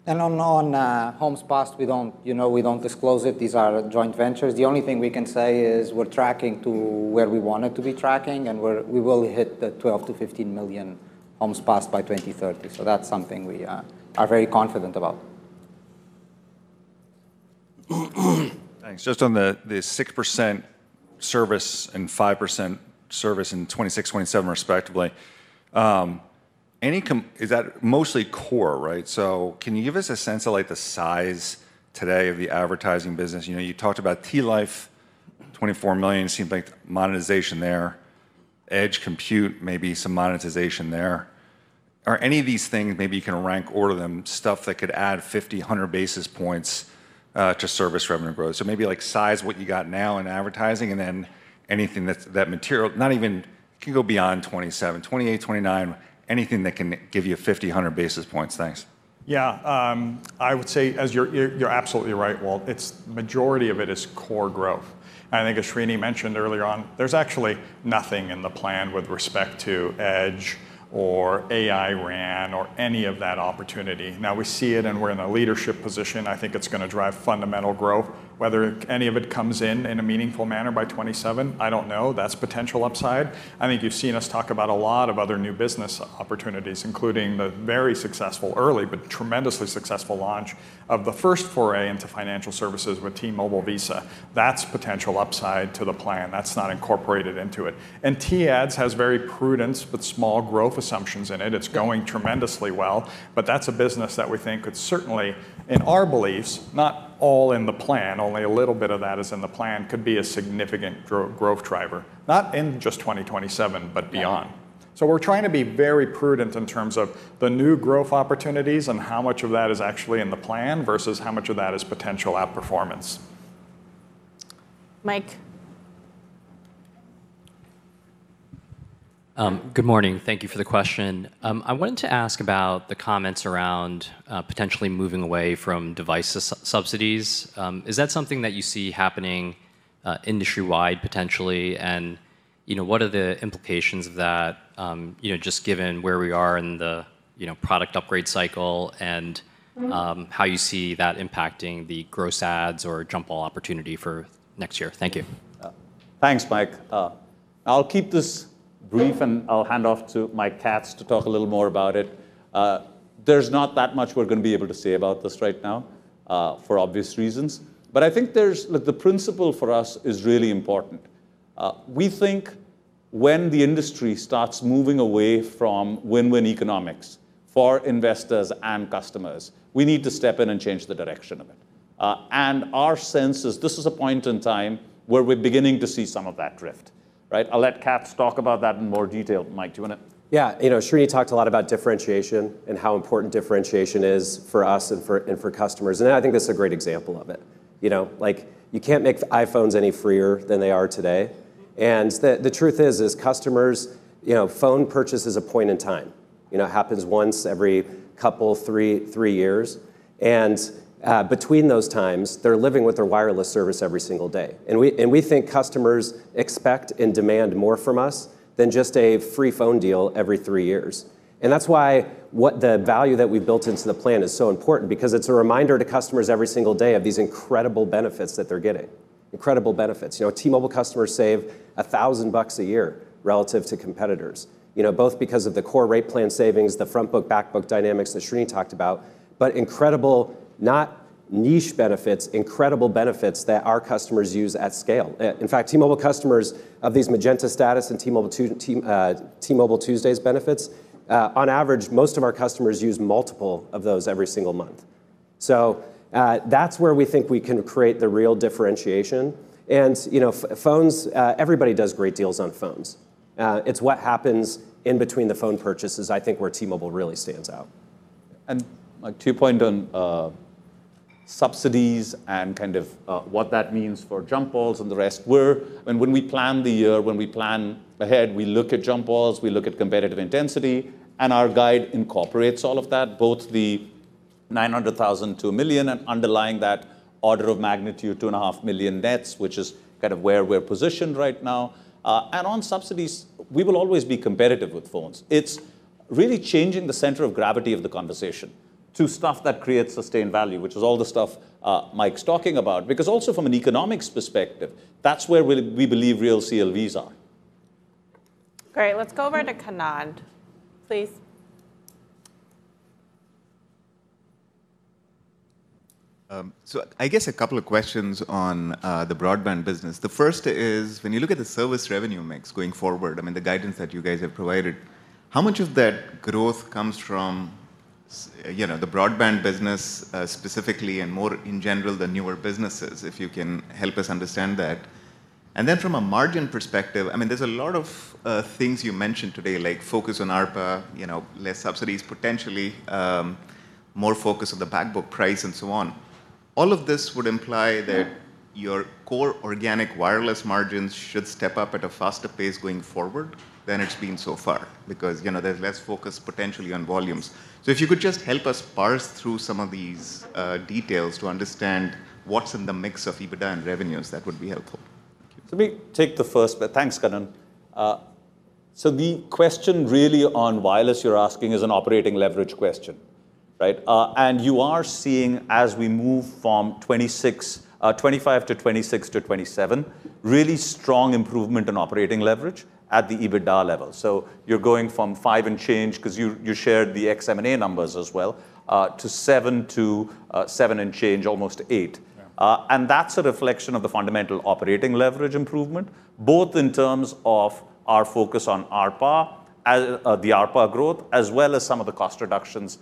Speaker 4: On homes passed, we don't, you know, we don't disclose it. These are joint ventures. The only thing we can say is we're tracking to where we wanted to be tracking, and we will hit the 12-15 million homes passed by 2030. So that's something we are very confident about.
Speaker 10: Thanks. Just on the 6% service and 5% service in 2026, 2027, respectively, any com is that mostly core, right? So can you give us a sense of, like, the size today of the advertising business? You know, you talked about T-Life, 24 million, seemed like monetization there, edge compute, maybe some monetization there. Are any of these things maybe you can rank order them, stuff that could add 50, 100 basis points, to service revenue growth? So maybe, like, size what you got now in advertising and then anything that's that material not even it can go beyond 2027, 2028, 2029, anything that can give you 50, 100 basis points. Thanks.
Speaker 6: Yeah. I would say as you're you're absolutely right, Walt, it's majority of it is core growth. I think, as Srini mentioned earlier on, there's actually nothing in the plan with respect to edge or AI RAN or any of that opportunity. Now, we see it, and we're in a leadership position. I think it's going to drive fundamental growth, whether any of it comes in in a meaningful manner by 2027. I don't know. That's potential upside. I think you've seen us talk about a lot of other new business opportunities, including the very successful early but tremendously successful launch of the first foray into financial services with T-Mobile Visa. That's potential upside to the plan. That's not incorporated into it. T-Ads has very prudent but small growth assumptions in it. It's going tremendously well, but that's a business that we think could certainly, in our beliefs, not all in the plan, only a little bit of that is in the plan, could be a significant growth driver, not in just 2027 but beyond. So we're trying to be very prudent in terms of the new growth opportunities and how much of that is actually in the plan versus how much of that is potential outperformance.
Speaker 8: Mike.
Speaker 11: Good morning. Thank you for the question. I wanted to ask about the comments around, potentially moving away from device subsidies. Is that something that you see happening, industry-wide potentially? And, you know, what are the implications of that, you know, just given where we are in the, you know, product upgrade cycle and, how you see that impacting the gross adds or JUMP! all opportunity for next year? Thank you.
Speaker 7: Thanks, Mike. I'll keep this brief, and I'll hand off to Mike Katz to talk a little more about it. There's not that much we're going to be able to say about this right now, for obvious reasons. But I think there's look, the principle for us is really important. We think when the industry starts moving away from win-win economics for investors and customers, we need to step in and change the direction of it. And our sense is this is a point in time where we're beginning to see some of that drift, right? I'll let Katz talk about that in more detail. Mike, do you want to?
Speaker 12: Yeah. You know, Srini talked a lot about differentiation and how important differentiation is for us and for and for customers. And I think this is a great example of it. You know, like, you can't make iPhones any freer than they are today. And the truth is, is customers, you know, phone purchase is a point in time. You know, it happens once every couple, 3, 3 years. And, between those times, they're living with their wireless service every single day. And we and we think customers expect and demand more from us than just a free phone deal every 3 years. And that's why what the value that we've built into the plan is so important because it's a reminder to customers every single day of these incredible benefits that they're getting, incredible benefits. You know, T-Mobile customers save $1,000 a year relative to competitors, you know, both because of the core rate plan savings, the frontbook, backbook dynamics that Srini talked about, but incredible not niche benefits, incredible benefits that our customers use at scale. In fact, T-Mobile customers of these Magenta Status and T-Mobile Tuesdays benefits, on average, most of our customers use multiple of those every single month. So, that's where we think we can create the real differentiation. You know, phones everybody does great deals on phones. It's what happens in between the phone purchases, I think, where T-Mobile really stands out.
Speaker 7: Mike, two points on subsidies and kind of what that means for jump-ons and the rest. We, I mean, when we plan the year, when we plan ahead, we look at jump-ons. We look at competitive intensity. And our guide incorporates all of that, both the 900,000 to 1 million and underlying that order of magnitude, 2.5 million net adds, which is kind of where we're positioned right now. And on subsidies, we will always be competitive with phones. It's really changing the center of gravity of the conversation to stuff that creates sustained value, which is all the stuff Mike's talking about. Because also from an economics perspective, that's where we believe real CLVs are.
Speaker 8: Great. Let's go over to Kannan, please.
Speaker 13: So, I guess a couple of questions on the broadband business. The first is, when you look at the service revenue mix going forward, I mean, the guidance that you guys have provided, how much of that growth comes from, you know, the broadband business, specifically, and more in general the newer businesses, if you can help us understand that? And then, from a margin perspective, I mean, there's a lot of things you mentioned today, like focus on ARPA, you know, less subsidies potentially, more focus on the backbook price and so on. All of this would imply that your core organic wireless margins should step up at a faster pace going forward than it's been so far because, you know, there's less focus potentially on volumes. If you could just help us parse through some of these details to understand what's in the mix of EBITDA and revenues, that would be helpful. Thank you.
Speaker 7: Let me take the first bit. Thanks, Kannan. So the question really on wireless you're asking is an operating leverage question, right? And you are seeing, as we move from 2025 to 2026 to 2027, really strong improvement in operating leverage at the EBITDA level. So you're going from 5 and change because you shared the XM&A numbers as well, to 7 to, 7 and change, almost 8. And that's a reflection of the fundamental operating leverage improvement, both in terms of our focus on ARPA, as the ARPA growth, as well as some of the cost reductions,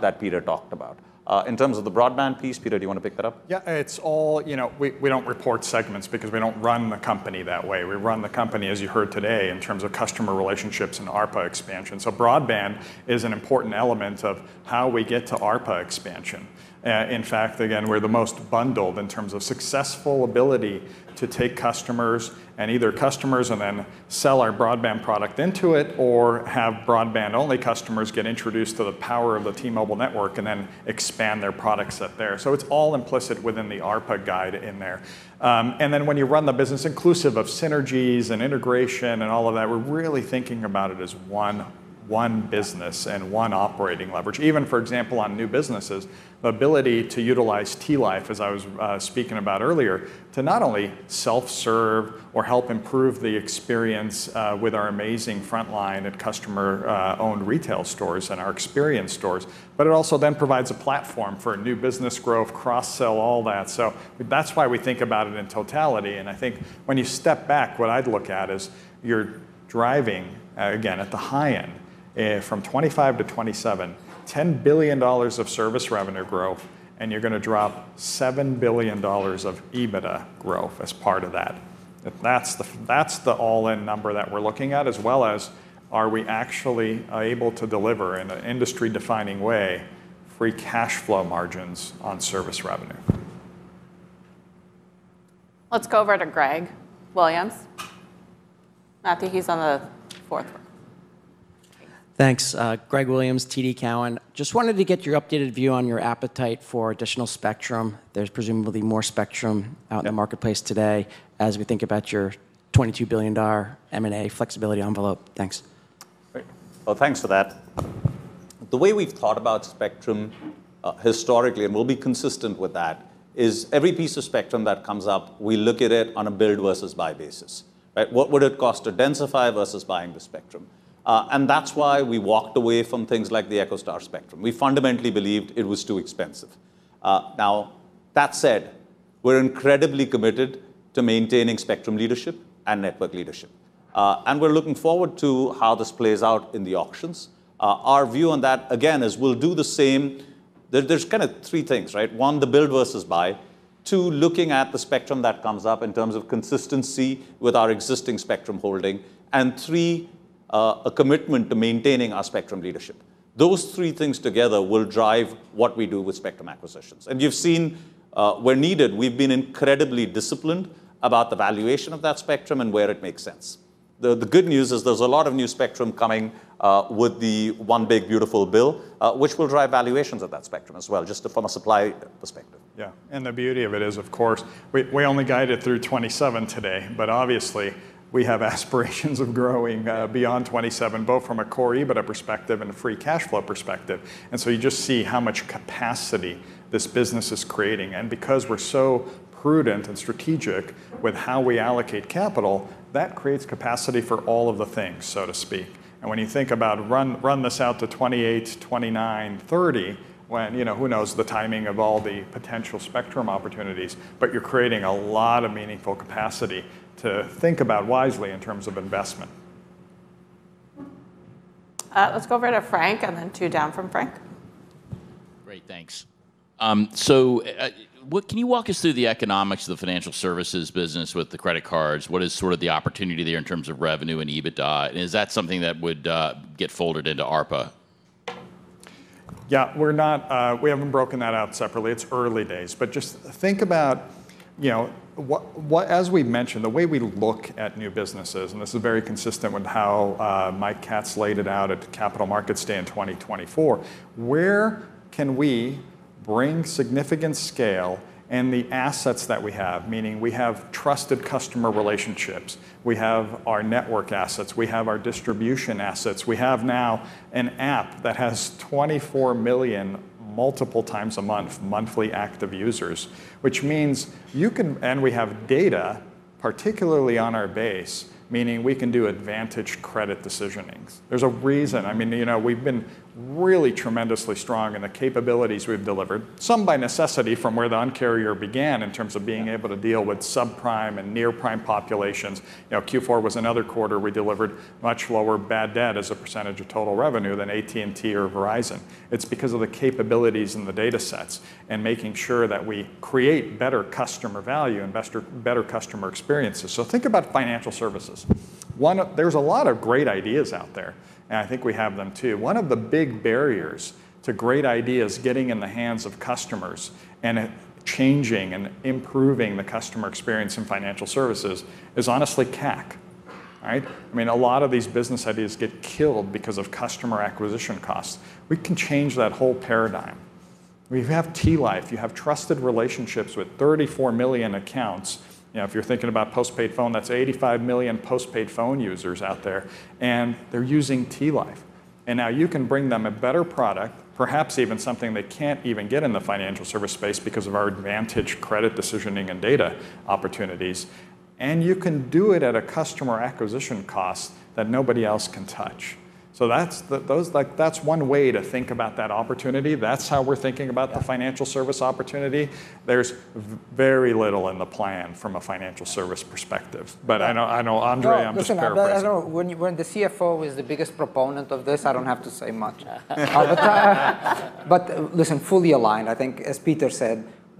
Speaker 7: that Peter talked about. In terms of the broadband piece, Peter, do you want to pick that up?
Speaker 6: Yeah. It's all, you know, we don't report segments because we don't run the company that way. We run the company, as you heard today, in terms of customer relationships and ARPA expansion. So broadband is an important element of how we get to ARPA expansion. In fact, again, we're the most bundled in terms of successful ability to take customers and either customers and then sell our broadband product into it or have broadband-only customers get introduced to the power of the T-Mobile network and then expand their products up there. So it's all implicit within the ARPA guide in there. And then when you run the business inclusive of synergies and integration and all of that, we're really thinking about it as one, one business and one operating leverage. Even, for example, on new businesses, the ability to utilize T-Life, as I was speaking about earlier, to not only self-serve or help improve the experience with our amazing frontline at customer-owned retail stores and our experience stores, but it also then provides a platform for new business growth, cross-sell, all that. So that's why we think about it in totality. I think when you step back, what I'd look at is you're driving, again, at the high end, from 2025 to 2027, $10 billion of service revenue growth, and you're going to drop $7 billion of EBITDA growth as part of that. That's the all-in number that we're looking at, as well as are we actually able to deliver in an industry-defining way free cash flow margins on service revenue.
Speaker 8: Let's go over to Greg Williams. Matthew, he's on the fourth row.
Speaker 14: Thanks. Greg Williams, TD Cowen. Just wanted to get your updated view on your appetite for additional spectrum. There's presumably more spectrum out in the marketplace today as we think about your $22 billion M&A flexibility envelope. Thanks.
Speaker 7: Well, thanks for that. The way we've thought about spectrum, historically, and we'll be consistent with that, is every piece of spectrum that comes up, we look at it on a build versus buy basis, right? What would it cost to densify versus buying the spectrum? And that's why we walked away from things like the EchoStar spectrum. We fundamentally believed it was too expensive. Now, that said, we're incredibly committed to maintaining spectrum leadership and network leadership. And we're looking forward to how this plays out in the auctions. Our view on that, again, is we'll do the same. There's kind of three things, right? One, the build versus buy. Two, looking at the spectrum that comes up in terms of consistency with our existing spectrum holding. And three, a commitment to maintaining our spectrum leadership. Those three things together will drive what we do with spectrum acquisitions. You've seen, where needed, we've been incredibly disciplined about the valuation of that spectrum and where it makes sense. The good news is there's a lot of new spectrum coming, with the one big, beautiful bill, which will drive valuations of that spectrum as well, just from a supply perspective.
Speaker 6: Yeah. And the beauty of it is, of course, we only guide it through 2027 today, but obviously, we have aspirations of growing, beyond 2027, both from a core EBITDA perspective and a free cash flow perspective. And so you just see how much capacity this business is creating. And because we're so prudent and strategic with how we allocate capital, that creates capacity for all of the things, so to speak. And when you think about run, run this out to 2028, 2029, 2030, when you know, who knows the timing of all the potential spectrum opportunities, but you're creating a lot of meaningful capacity to think about wisely in terms of investment.
Speaker 8: Let's go over to Frank and then two down from Frank.
Speaker 15: Great. Thanks. So, what can you walk us through the economics of the financial services business with the credit cards? What is sort of the opportunity there in terms of revenue and EBITDA? And is that something that would get folded into ARPA?
Speaker 6: Yeah. We're not, we haven't broken that out separately. It's early days. But just think about, you know, what, what as we mentioned, the way we look at new businesses, and this is very consistent with how Mike Katz laid it out at Capital Markets Day in 2024, where can we bring significant scale and the assets that we have, meaning we have trusted customer relationships, we have our network assets, we have our distribution assets, we have now an app that has 24 million multiple times a month monthly active users, which means you can and we have data, particularly on our base, meaning we can do advanced credit decisioning. There's a reason. I mean, you know, we've been really tremendously strong in the capabilities we've delivered, some by necessity from where the uncarrier began in terms of being able to deal with subprime and near-prime populations. You know, Q4 was another quarter we delivered much lower bad debt as a percentage of total revenue than AT&T or Verizon. It's because of the capabilities and the datasets and making sure that we create better customer value, invest in better customer experiences. So think about financial services. One of them, there's a lot of great ideas out there, and I think we have them too. One of the big barriers to great ideas getting in the hands of customers and changing and improving the customer experience in financial services is honestly CAC, right? I mean, a lot of these business ideas get killed because of customer acquisition costs. We can change that whole paradigm. We have T-Life. You have trusted relationships with 34 million accounts. You know, if you're thinking about postpaid phone, that's 85 million postpaid phone users out there, and they're using T-Life. And now you can bring them a better product, perhaps even something they can't even get in the financial service space because of our advantage credit decisioning and data opportunities. And you can do it at a customer acquisition cost that nobody else can touch. So that's the those like, that's one way to think about that opportunity. That's how we're thinking about the financial service opportunity. There's very little in the plan from a financial service perspective. But I know I know, Andrea, I'm just paraphrasing.
Speaker 5: I don't know. When the CFO is the biggest proponent of this, I don't have to say much. But listen, fully aligned. I think, as Peter said,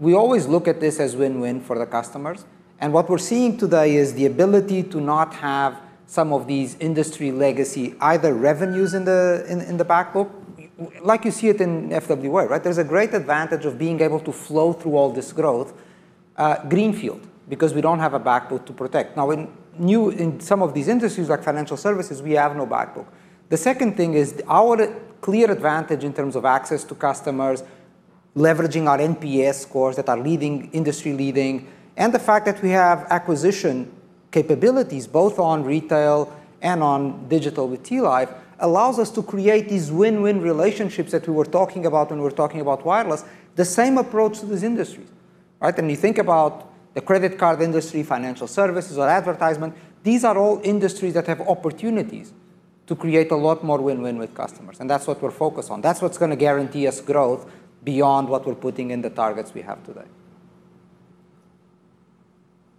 Speaker 5: we always look at this as win-win for the customers. And what we're seeing today is the ability to not have some of these industry legacy either revenues in the backbook. Like you see it in FWA, right? There's a great advantage of being able to flow through all this growth, greenfield because we don't have a backbook to protect. Now, we're new in some of these industries like financial services, we have no backbook. The second thing is our clear advantage in terms of access to customers, leveraging our NPS scores that are leading, industry-leading, and the fact that we have acquisition capabilities both on retail and on digital with T-Life allows us to create these win-win relationships that we were talking about when we were talking about wireless, the same approach to these industries, right? And you think about the credit card industry, financial services, or advertisement, these are all industries that have opportunities to create a lot more win-win with customers. And that's what we're focused on. That's what's going to guarantee us growth beyond what we're putting in the targets we have today.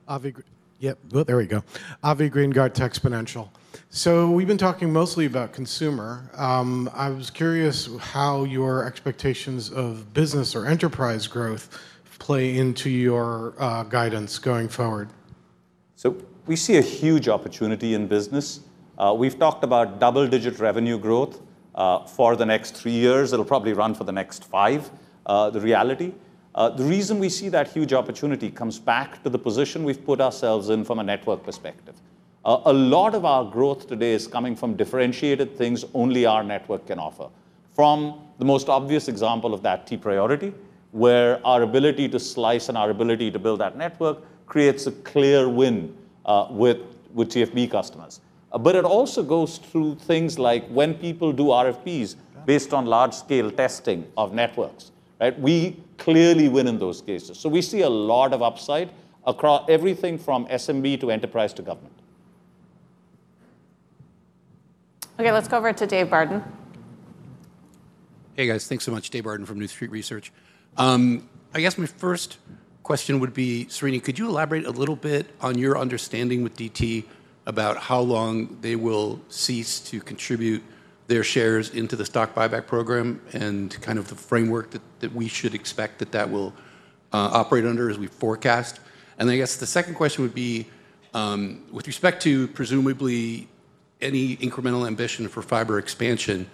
Speaker 4: Greengart, yeah. There we go. Avi Greengart, Techsponential. So we've been talking mostly about consumer. I was curious how your expectations of business or enterprise growth play into your guidance going forward.
Speaker 7: So we see a huge opportunity in business. We've talked about double-digit revenue growth for the next three years. It'll probably run for the next five, the reality. The reason we see that huge opportunity comes back to the position we've put ourselves in from a network perspective. A lot of our growth today is coming from differentiated things only our network can offer. From the most obvious example of that, T-Priority, where our ability to slice and our ability to build that network creates a clear win with TFB customers. But it also goes through things like when people do RFPs based on large-scale testing of networks, right? We clearly win in those cases. So we see a lot of upside across everything from SMB to enterprise to government.
Speaker 8: Okay. Let's go over to Dave Barden.
Speaker 16: Hey, guys. Thanks so much, Dave Barden from New Street Research. I guess my first question would be, Srini, could you elaborate a little bit on your understanding with DT about how long they will cease to contribute their shares into the stock buyback program and kind of the framework that we should expect that that will operate under as we forecast? And then I guess the second question would be, with respect to presumably any incremental ambition for fiber expansion,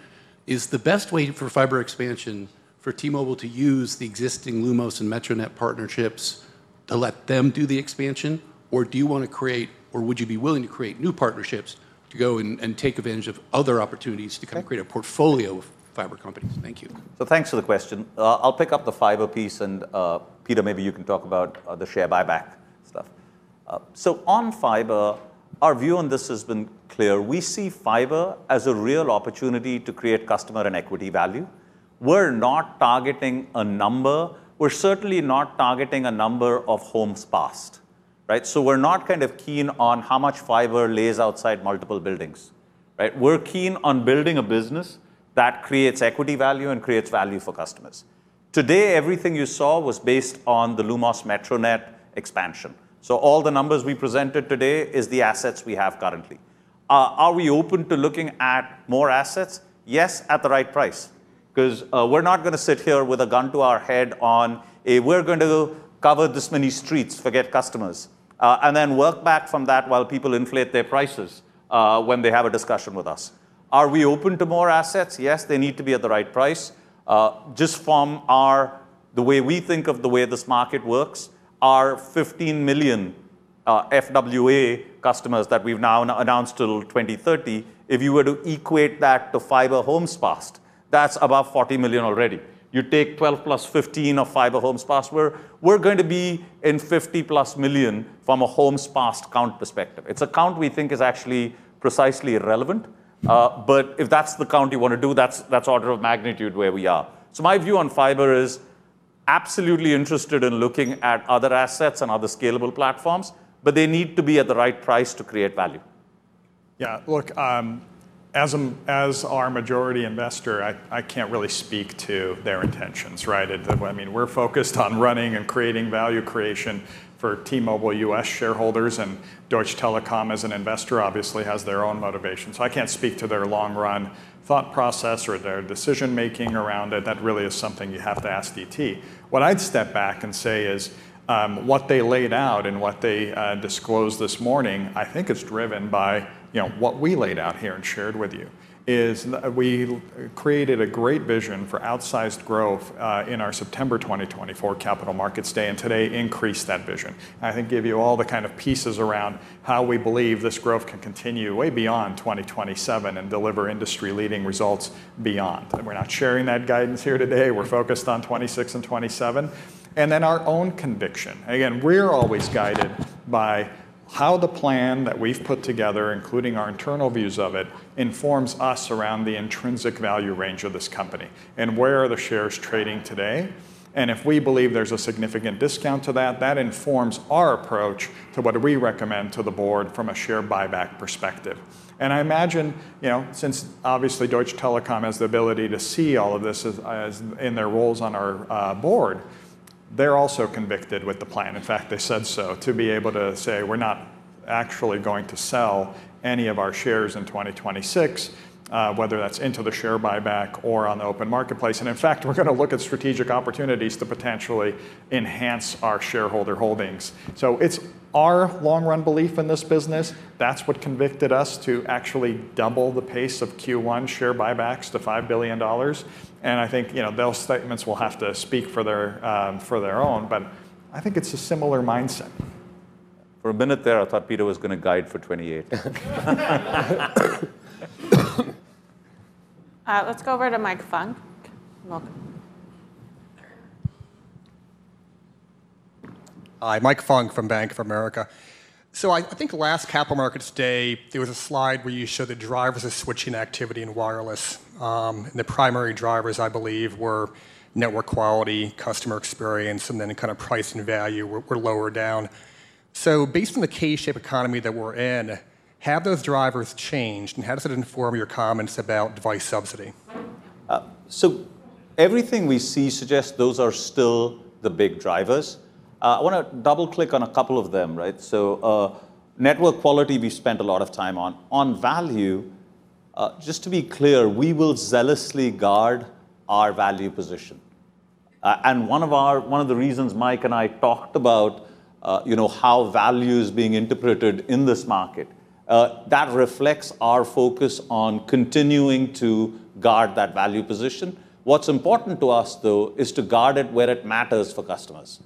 Speaker 16: is the best way for fiber expansion for T-Mobile to use the existing Lumos and Metronet partnerships to let them do the expansion, or do you want to create or would you be willing to create new partnerships to go and take advantage of other opportunities to kind of create a portfolio of fiber companies? Thank you.
Speaker 7: So thanks for the question. I'll pick up the fiber piece, and Peter, maybe you can talk about the share buyback stuff. So on fiber, our view on this has been clear. We see fiber as a real opportunity to create customer and equity value. We're not targeting a number. We're certainly not targeting a number of homes passed, right? So we're not kind of keen on how much fiber lays outside multiple buildings, right? We're keen on building a business that creates equity value and creates value for customers. Today, everything you saw was based on the Lumos Metronet expansion. So all the numbers we presented today are the assets we have currently. Are we open to looking at more assets? Yes, at the right price because we're not going to sit here with a gun to our head on, "Hey, we're going to cover this many streets. Forget customers," and then work back from that while people inflate their prices, when they have a discussion with us. Are we open to more assets? Yes. They need to be at the right price. Just from the way we think of the way this market works, our 15 million FWA customers that we've now announced till 2030, if you were to equate that to fiber homes passed, that's above 40 million already. You take 12 + 15 of fiber homes passed. We're going to be in 50+ million from a homes passed count perspective. It's a count we think is actually precisely irrelevant. But if that's the count you want to do, that's order of magnitude where we are. My view on fiber is absolutely interested in looking at other assets and other scalable platforms, but they need to be at the right price to create value.
Speaker 6: Yeah. Look, as our majority investor, I can't really speak to their intentions, right? I mean, we're focused on running and creating value creation for T-Mobile US shareholders, and Deutsche Telekom as an investor obviously has their own motivations. So I can't speak to their long-run thought process or their decision-making around it. That really is something you have to ask DT. What I'd step back and say is, what they laid out and what they disclosed this morning, I think it's driven by, you know, what we laid out here and shared with you, is we created a great vision for outsized growth in our September 2024 Capital Markets Day and today increased that vision. I think gave you all the kind of pieces around how we believe this growth can continue way beyond 2027 and deliver industry-leading results beyond. We're not sharing that guidance here today. We're focused on 2026 and 2027. And then our own conviction. Again, we're always guided by how the plan that we've put together, including our internal views of it, informs us around the intrinsic value range of this company and where are the shares trading today? And if we believe there's a significant discount to that, that informs our approach to what we recommend to the board from a share buyback perspective. And I imagine, you know, since obviously, Deutsche Telekom has the ability to see all of this as in their roles on our board, they're also convicted with the plan. In fact, they said so, to be able to say, "We're not actually going to sell any of our shares in 2026," whether that's into the share buyback or on the open marketplace. In fact, we're going to look at strategic opportunities to potentially enhance our shareholder holdings. It's our long-run belief in this business. That's what convicted us to actually double the pace of Q1 share buybacks to $5 billion. I think, you know, those statements will have to speak for their, for their own. I think it's a similar mindset.
Speaker 17: For a minute there, I thought Peter was going to guide for 2028.
Speaker 8: Let's go over to Mike Funk. Welcome.
Speaker 11: Hi. Mike Funk from Bank of America. So I think last Capital Markets Day, there was a slide where you showed the drivers of switching activity in wireless. The primary drivers, I believe, were network quality, customer experience, and then kind of price and value were lower down. So based on the K-shaped economy that we're in, have those drivers changed, and how does it inform your comments about device subsidy?
Speaker 7: So everything we see suggests those are still the big drivers. I want to double-click on a couple of them, right? So, network quality we spent a lot of time on. On value, just to be clear, we will zealously guard our value position. And one of our one of the reasons Mike and I talked about, you know, how value is being interpreted in this market, that reflects our focus on continuing to guard that value position. What's important to us, though, is to guard it where it matters for customers,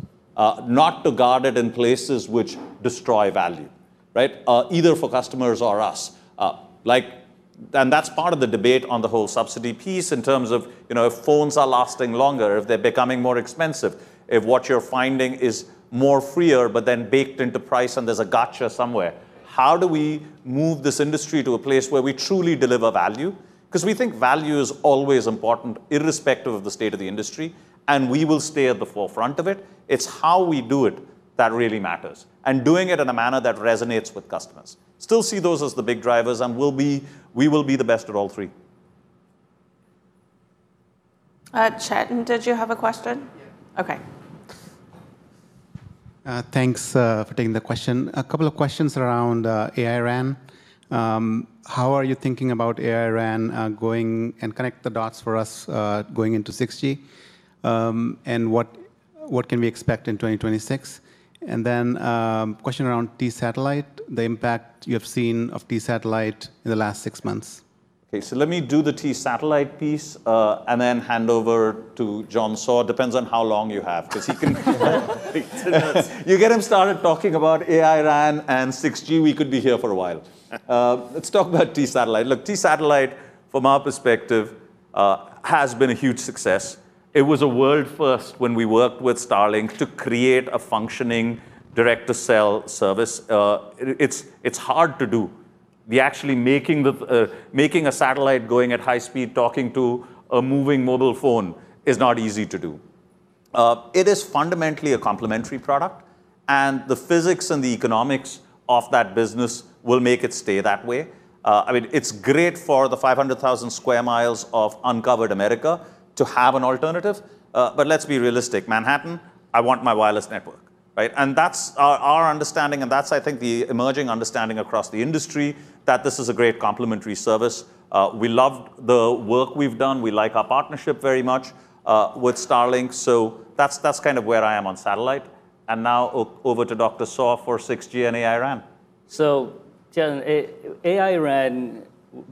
Speaker 7: not to guard it in places which destroy value, right, either for customers or us. Like, and that's part of the debate on the whole subsidy piece in terms of, you know, if phones are lasting longer, if they're becoming more expensive, if what you're finding is more freer but then baked into price and there's a gotcha somewhere, how do we move this industry to a place where we truly deliver value? Because we think value is always important irrespective of the state of the industry, and we will stay at the forefront of it. It's how we do it that really matters, and doing it in a manner that resonates with customers. Still see those as the big drivers, and we'll be the best at all three.
Speaker 8: Chet, did you have a question? Okay.
Speaker 18: Thanks for taking the question. A couple of questions around AI RAN. How are you thinking about AI RAN, going and connect the dots for us, going into 6G? And what can we expect in 2026? And then, question around T-Satellite, the impact you have seen of T-Satellite in the last six months.
Speaker 7: Okay. So let me do the T-Satellite piece, and then hand over to John Saw. Depends on how long you have because if you get him started talking about AI RAN and 6G, we could be here for a while. Let's talk about T-Satellite. Look, T-Satellite, from our perspective, has been a huge success. It was a world first when we worked with Starlink to create a functioning direct-to-cell service. It's hard to do. We actually making a satellite going at high speed, talking to a moving mobile phone, is not easy to do. It is fundamentally a complementary product, and the physics and the economics of that business will make it stay that way. I mean, it's great for the 500,000 sq mi of uncovered America to have an alternative. But let's be realistic. Manhattan, I want my wireless network, right? And that's our understanding, and that's, I think, the emerging understanding across the industry that this is a great complementary service. We loved the work we've done. We like our partnership very much with Starlink. So that's kind of where I am on satellite. And now, over to Dr. Saw for "6G and AI RAN.
Speaker 19: So then, AI RAN,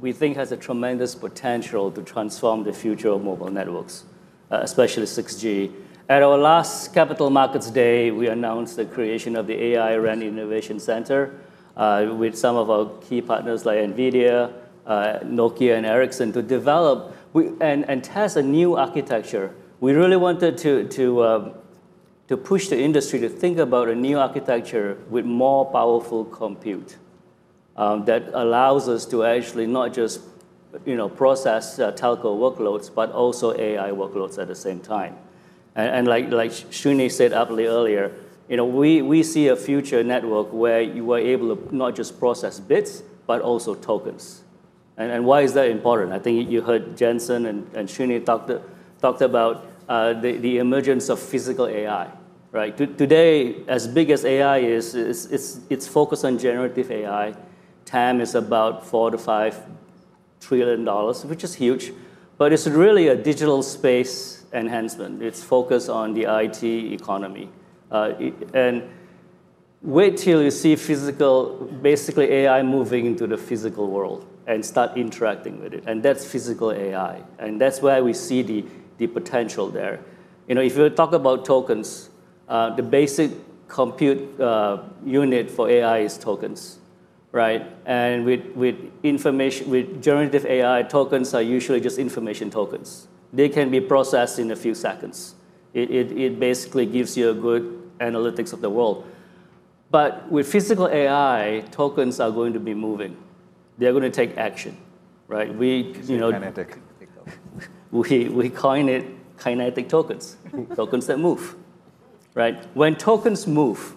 Speaker 19: we think, has a tremendous potential to transform the future of mobile networks, especially 6G. At our last Capital Markets Day, we announced the creation of the AI RAN Innovation Center, with some of our key partners like NVIDIA, Nokia, and Ericsson to develop and test a new architecture. We really wanted to push the industry to think about a new architecture with more powerful compute, that allows us to actually not just, you know, process telco workloads but also AI workloads at the same time. And like Srini said aptly earlier, you know, we see a future network where you are able to not just process bits but also tokens. And why is that important? I think you heard Jensen and Srini talked about the emergence of physical AI, right? Today, as big as AI is, it's focused on generative AI. TAM is about $4-$5 trillion, which is huge, but it's really a digital space enhancement. It's focused on the IT economy. Wait till you see physical basically, AI moving into the physical world and start interacting with it. And that's physical AI. And that's where we see the potential there. You know, if you talk about tokens, the basic compute unit for AI is tokens, right? And with information with generative AI, tokens are usually just information tokens. They can be processed in a few seconds. It basically gives you a good analytics of the world. But with physical AI, tokens are going to be moving. They're going to take action, right? We, you know.
Speaker 5: Kinetic.
Speaker 19: We coin it kinetic tokens, tokens that move, right? When tokens move,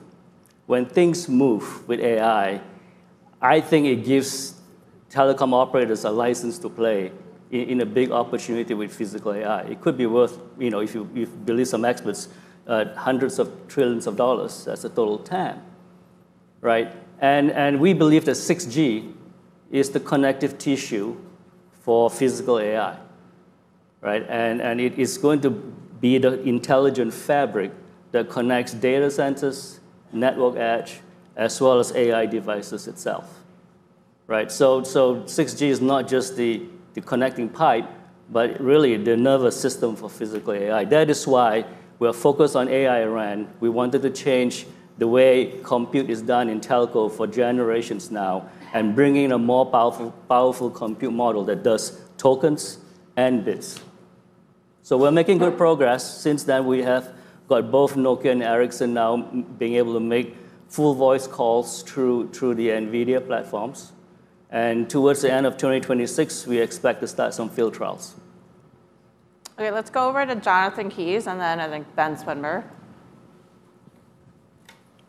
Speaker 19: when things move with AI, I think it gives telecom operators a license to play in a big opportunity with physical AI. It could be worth, you know, if you believe some experts, $100s of trillions as a total TAM, right? And we believe that 6G is the connective tissue for physical AI, right? And it is going to be the intelligent fabric that connects data centers, network edge, as well as AI devices itself, right? So 6G is not just the connecting pipe but really the nervous system for physical AI. That is why we're focused on AI RAN. We wanted to change the way compute is done in telco for generations now and bring in a more powerful compute model that does tokens and bits. So we're making good progress. Since then, we have got both Nokia and Ericsson now being able to make full-voice calls through the NVIDIA platforms. Towards the end of 2026, we expect to start some field trials.
Speaker 8: Okay. Let's go over to Jonathan Kees and then, I think, Ben Swinburne.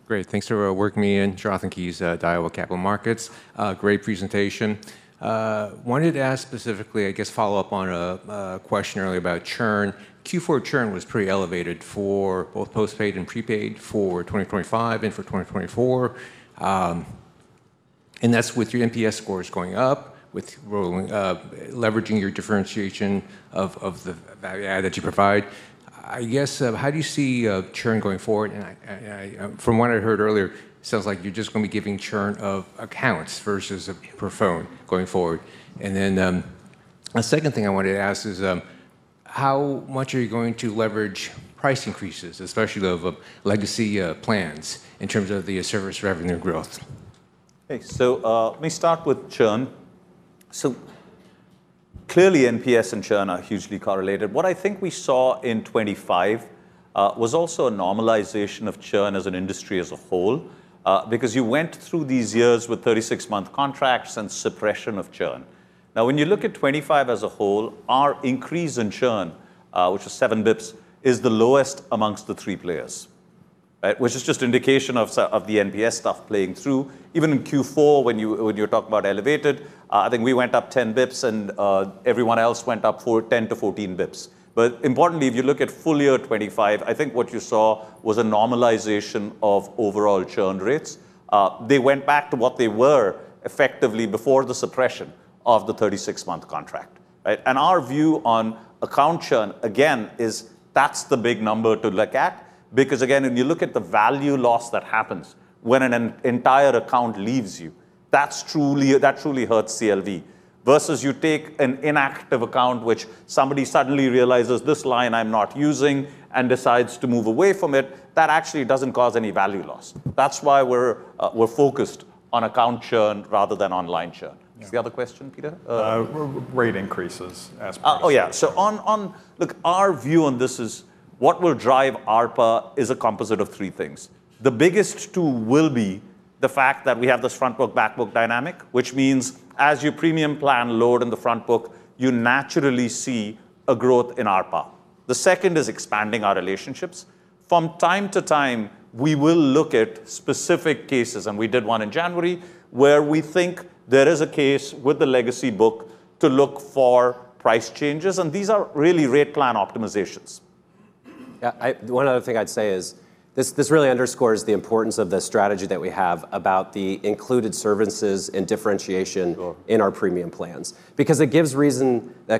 Speaker 20: Great. Thanks for working me in. Jonathan Kees, Daiwa Capital Markets. Great presentation. Wanted to ask specifically, I guess, follow up on a question earlier about churn. Q4 churn was pretty elevated for both postpaid and prepaid for 2025 and for 2024. And that's with your NPS scores going up, with leveraging your differentiation of the value add that you provide. I guess, how do you see churn going forward? And from what I heard earlier, it sounds like you're just going to be giving churn of accounts versus per phone going forward. And then a second thing I wanted to ask is, how much are you going to leverage price increases, especially of legacy plans, in terms of the service revenue growth?
Speaker 7: Okay. So let me start with churn. So clearly, NPS and churn are hugely correlated. What I think we saw in 2025 was also a normalization of churn as an industry as a whole because you went through these years with 36-month contracts and suppression of churn. Now, when you look at 2025 as a whole, our increase in churn, which was 7 basis points, is the lowest amongst the three players, right, which is just indication of the NPS stuff playing through. Even in Q4, when you're talking about elevated, I think we went up 10 basis points, and everyone else went up 10-14 basis points. But importantly, if you look at full year 2025, I think what you saw was a normalization of overall churn rates. They went back to what they were effectively before the suppression of the 36-month contract, right? Our view on account churn, again, is that's the big number to look at because, again, when you look at the value loss that happens when an entire account leaves you, that truly hurts CLV versus you take an inactive account which somebody suddenly realizes, "This line I'm not using," and decides to move away from it. That actually doesn't cause any value loss. That's why we're focused on account churn rather than online churn. Is the other question, Peter?
Speaker 12: rate increases as per.
Speaker 7: Oh, yeah. So, overall, our view on this is what will drive ARPA is a composite of three things. The biggest two will be the fact that we have this front-book, back-book dynamic, which means as your premium plan load in the front book, you naturally see a growth in ARPA. The second is expanding our relationships. From time to time, we will look at specific cases - and we did one in January - where we think there is a case with the legacy book to look for price changes. And these are really rate plan optimizations.
Speaker 12: Yeah. One other thing I'd say is this really underscores the importance of the strategy that we have about the included services and differentiation. Sure. In our premium plans because it gives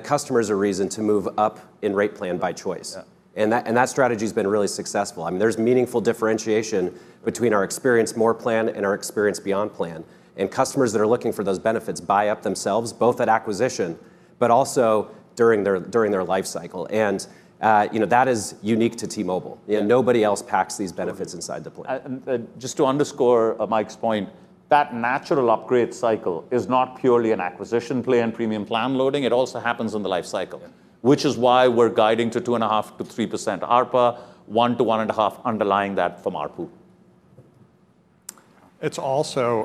Speaker 12: customers a reason to move up in rate plan by choice. And that strategy's been really successful. I mean, there's meaningful differentiation between our Experience More plan and our Experience Beyond plan. And customers that are looking for those benefits buy up themselves, both at acquisition but also during their life cycle. And, you know, that is unique to T-Mobile. You know, nobody else packs these benefits inside the plan.
Speaker 7: Just to underscore Mike's point, that natural upgrade cycle is not purely an acquisition play and premium plan loading. It also happens in the life cycle, which is why we're guiding to 2.5%-3% ARPA, 1-1.5 underlying that from ARPU.
Speaker 12: It's also,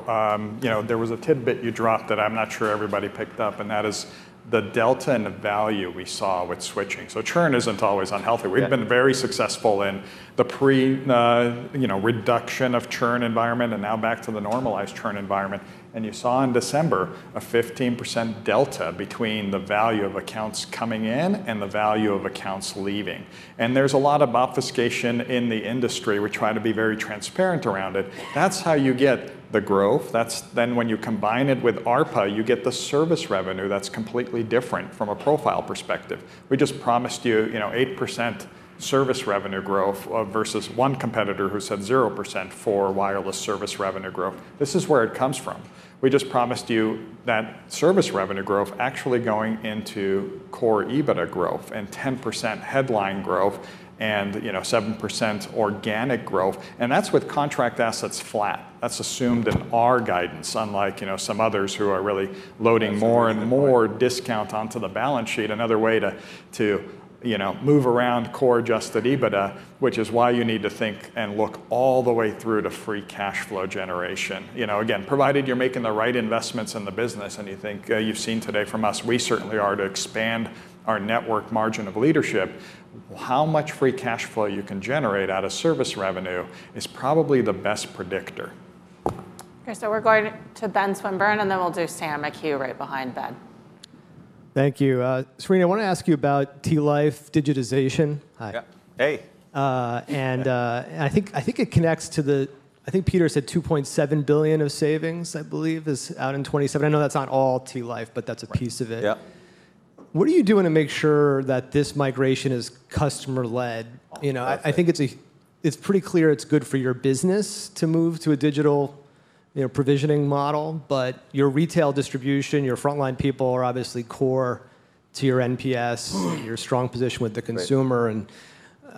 Speaker 12: you know, there was a tidbit you dropped that I'm not sure everybody picked up, and that is the delta in value we saw with switching. So churn isn't always unhealthy. We've been very successful in the pre-reduction of churn environment and now back to the normalized churn environment. You saw in December a 15% delta between the value of accounts coming in and the value of accounts leaving. There's a lot of obfuscation in the industry. We try to be very transparent around it. That's how you get the growth. That's then when you combine it with ARPA, you get the service revenue that's completely different from a profile perspective. We just promised you, you know, 8% service revenue growth versus one competitor who said 0% for wireless service revenue growth. This is where it comes from. We just promised you that service revenue growth actually going into core EBITDA growth and 10% headline growth and, you know, 7% organic growth. That's with contract assets flat. That's assumed in our guidance, unlike, you know, some others who are really loading more and more discount onto the balance sheet. Another way to, you know, move around core-adjusted EBITDA, which is why you need to think and look all the way through to free cash flow generation. You know, again, provided you're making the right investments in the business and you think you've seen today from us, we certainly are to expand our network margin of leadership, how much free cash flow you can generate out of service revenue is probably the best predictor.
Speaker 8: Okay. So we're going to Ben Swinburne, and then we'll do Sam McHugh right behind Ben.
Speaker 21: Thank you. Srini, I want to ask you about T-Life digitization. Hi.
Speaker 12: Yeah. Hey.
Speaker 21: I think it connects to the, I think Peter said $2.7 billion of savings, I believe, is out in 2027. I know that's not all T-Life, but that's a piece of it.
Speaker 12: Right. Yeah.
Speaker 21: What are you doing to make sure that this migration is customer-led? You know, I think it's pretty clear it's good for your business to move to a digital, you know, provisioning model, but your retail distribution, your frontline people are obviously core to your NPS, your strong position with the consumer. And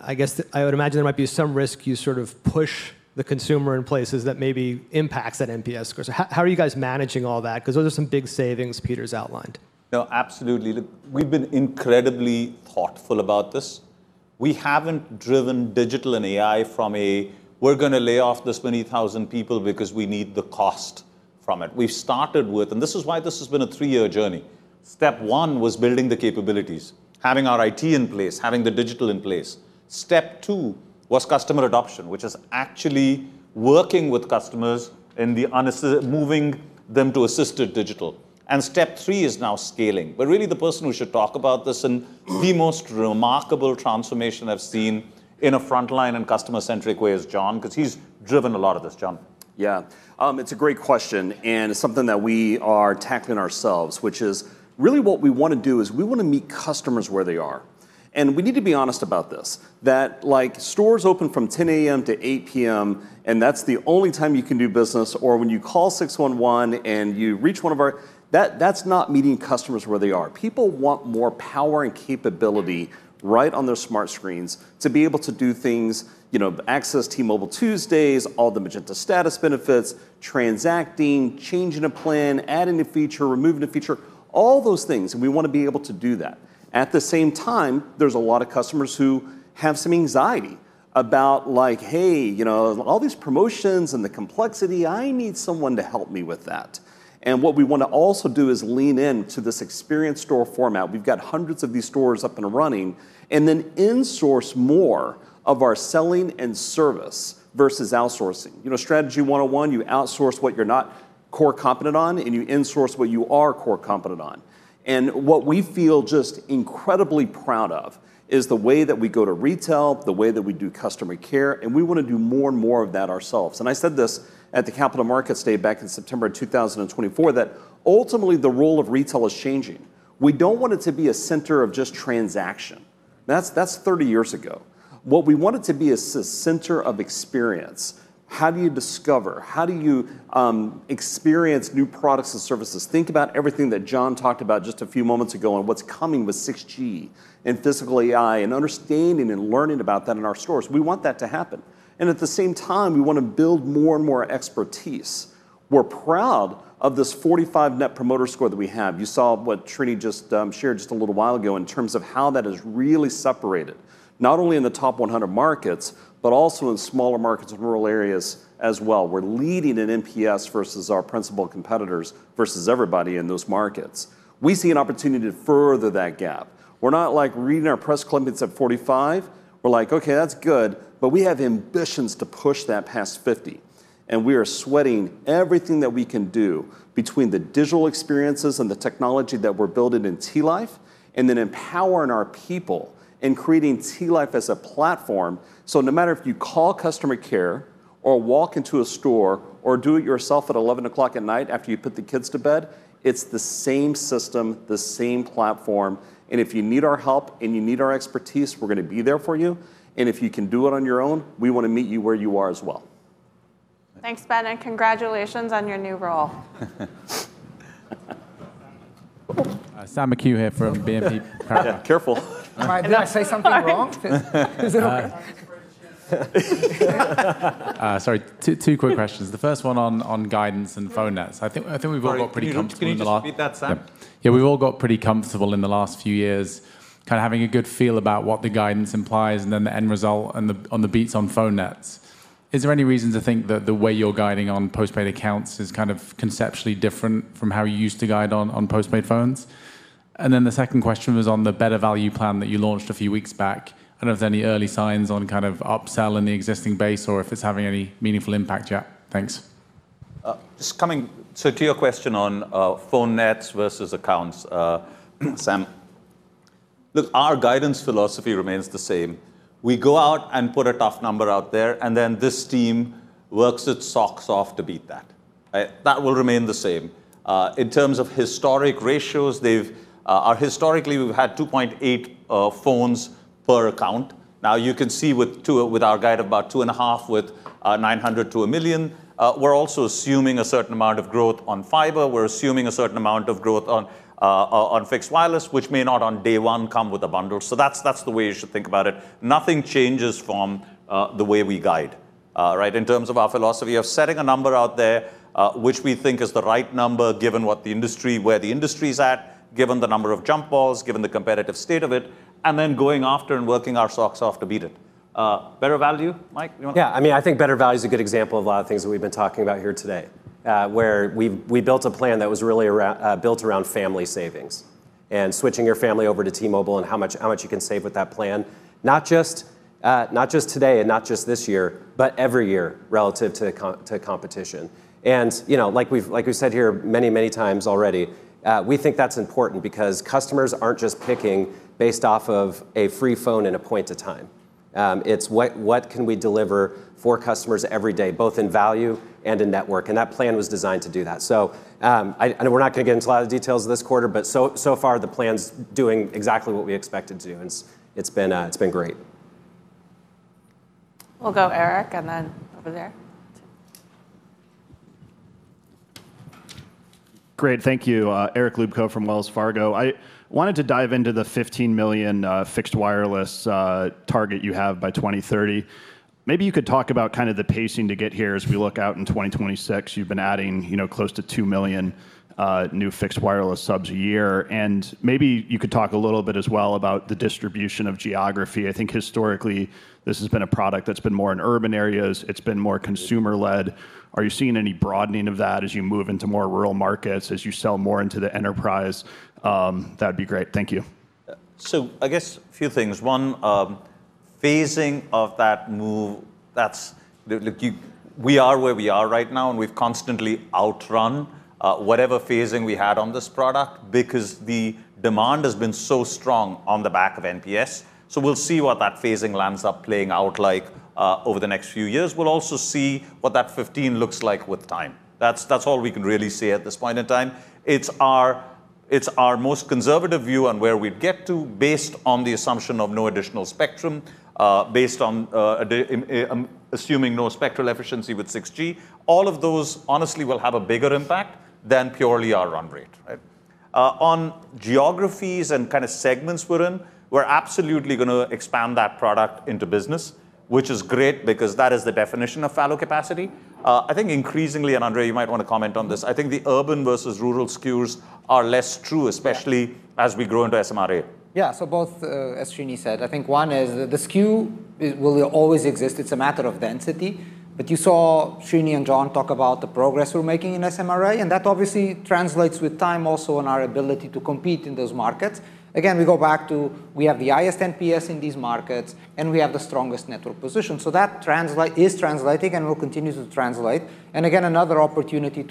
Speaker 21: I guess I would imagine there might be some risk you sort of push the consumer in places that maybe impacts that NPS score. So how are you guys managing all that? Because those are some big savings Peter's outlined.
Speaker 7: No, absolutely. Look, we've been incredibly thoughtful about this. We haven't driven digital and AI from a, "We're going to lay off this many thousand people because we need the cost from it." We've started with and this is why this has been a three-year journey. Step one was building the capabilities, having our IT in place, having the digital in place. Step two was customer adoption, which is actually working with customers and moving them to assisted digital. Step three is now scaling. Really, the person who should talk about this and the most remarkable transformation I've seen in a frontline and customer-centric way is John because he's driven a lot of this. John.
Speaker 17: Yeah. It's a great question and something that we are tackling ourselves, which is really what we want to do is we want to meet customers where they are. And we need to be honest about this, that stores open from 10:00 A.M. to 8:00 P.M., and that's the only time you can do business, or when you call 611 and you reach one of our that's not meeting customers where they are. People want more power and capability right on their smart screens to be able to do things, you know, access T-Mobile Tuesdays, all the Magenta Status benefits, transacting, changing a plan, adding a feature, removing a feature, all those things. And we want to be able to do that. At the same time, there's a lot of customers who have some anxiety about, like, "Hey, you know, all these promotions and the complexity, I need someone to help me with that." And what we want to also do is lean in to this experience store format. We've got hundreds of these stores up and running and then insource more of our selling and service versus outsourcing. You know, strategy 101, you outsource what you're not core competent on, and you insource what you are core competent on. And what we feel just incredibly proud of is the way that we go to retail, the way that we do customer care. And we want to do more and more of that ourselves. And I said this at the Capital Markets Day back in September of 2024, that ultimately, the role of retail is changing. We don't want it to be a center of just transaction. That's 30 years ago. What we want it to be is a center of experience. How do you discover? How do you experience new products and services? Think about everything that John talked about just a few moments ago and what's coming with 6G and Physical AI and understanding and learning about that in our stores. We want that to happen. And at the same time, we want to build more and more expertise. We're proud of this 45 Net Promoter Score that we have. You saw what Srini just shared just a little while ago in terms of how that is really separated, not only in the top 100 markets but also in smaller markets in rural areas as well. We're leading in NPS versus our principal competitors versus everybody in those markets. We see an opportunity to further that gap. We're not like reading our press clippings at 45. We're like, "Okay. That's good," but we have ambitions to push that past 50. And we are sweating everything that we can do between the digital experiences and the technology that we're building in T-Life and then empowering our people and creating T-Life as a platform. So no matter if you call customer care or walk into a store or do it yourself at 11:00 P.M. after you put the kids to bed, it's the same system, the same platform. And if you need our help and you need our expertise, we're going to be there for you. And if you can do it on your own, we want to meet you where you are as well.
Speaker 8: Thanks, Ben, and congratulations on your new role.
Speaker 15: Sam McHugh here from BNP Paribas.
Speaker 12: Yeah. Careful.
Speaker 21: Did I say something wrong? Is it okay?
Speaker 12: Sorry. Two quick questions. The first one on guidance and phone nets. I think we've all got pretty comfortable in the last.
Speaker 21: Can you just repeat that, Sam?
Speaker 12: Yeah. We've all got pretty comfortable in the last few years kind of having a good feel about what the guidance implies and then the end result and the beats on phone nets. Is there any reason to think that the way you're guiding on postpaid accounts is kind of conceptually different from how you used to guide on postpaid phones? And then the second question was on the better value plan that you launched a few weeks back. I don't know if there's any early signs on kind of upsell in the existing base or if it's having any meaningful impact yet. Thanks.
Speaker 7: Just coming to your question on phone nets versus accounts, Sam, look, our guidance philosophy remains the same. We go out and put a tough number out there, and then this team works its socks off to beat that, right? That will remain the same. In terms of historic ratios, they've historically, we've had 2.8 phones per account. Now, you can see with our guide, about 2.5 with 900,000 to 1 million. We're also assuming a certain amount of growth on fiber. We're assuming a certain amount of growth on fixed wireless, which may not on day one come with a bundle. So that's the way you should think about it. Nothing changes from the way we guide, right, in terms of our philosophy of setting a number out there which we think is the right number given what the industry, where the industry's at, given the number of jump balls, given the competitive state of it, and then going after and working our socks off to beat it. Better value, Mike? You want to?
Speaker 12: Yeah. I mean, I think better value's a good example of a lot of things that we've been talking about here today where we built a plan that was really built around family savings and switching your family over to T-Mobile and how much you can save with that plan, not just today and not just this year, but every year relative to competition. And, you know, like we've said here many, many times already, we think that's important because customers aren't just picking based off of a free phone in a point of time. It's what can we deliver for customers every day, both in value and in network. And that plan was designed to do that. So I know we're not going to get into a lot of details this quarter, but so far, the plan's doing exactly what we expected to do, and it's been great.
Speaker 8: We'll go, Eric, and then over there.
Speaker 15: Great. Thank you. Eric Luebchow from Wells Fargo. I wanted to dive into the 15 million fixed wireless target you have by 2030. Maybe you could talk about kind of the pacing to get here as we look out in 2026. You've been adding close to 2 million new fixed wireless subs a year. And maybe you could talk a little bit as well about the distribution of geography. I think historically, this has been a product that's been more in urban areas. It's been more consumer-led. Are you seeing any broadening of that as you move into more rural markets, as you sell more into the enterprise? That'd be great. Thank you.
Speaker 7: So I guess a few things. One, phasing of that move, that's, look, we are where we are right now, and we've constantly outrun whatever phasing we had on this product because the demand has been so strong on the back of NPS. So we'll see what that phasing ends up playing out like over the next few years. We'll also see what that 15 looks like with time. That's all we can really say at this point in time. It's our most conservative view on where we'd get to based on the assumption of no additional spectrum, based on assuming no spectral efficiency with 6G. All of those, honestly, will have a bigger impact than purely our run rate, right? On geographies and kind of segments we're in, we're absolutely going to expand that product into business, which is great because that is the definition of fallow capacity. I think increasingly, and, Andrea, you might want to comment on this. I think the urban versus rural SKUs are less true, especially as we grow into SMRA.
Speaker 6: Yeah. So both as Srini said, I think one is the SKU will always exist. It's a matter of density. But you saw Srini and John talk about the progress we're making in SMRA, and that obviously translates with time also on our ability to compete in those markets. Again, we go back to we have the highest NPS in these markets, and we have the strongest network position. So that is translating and will continue to translate. And again, another opportunity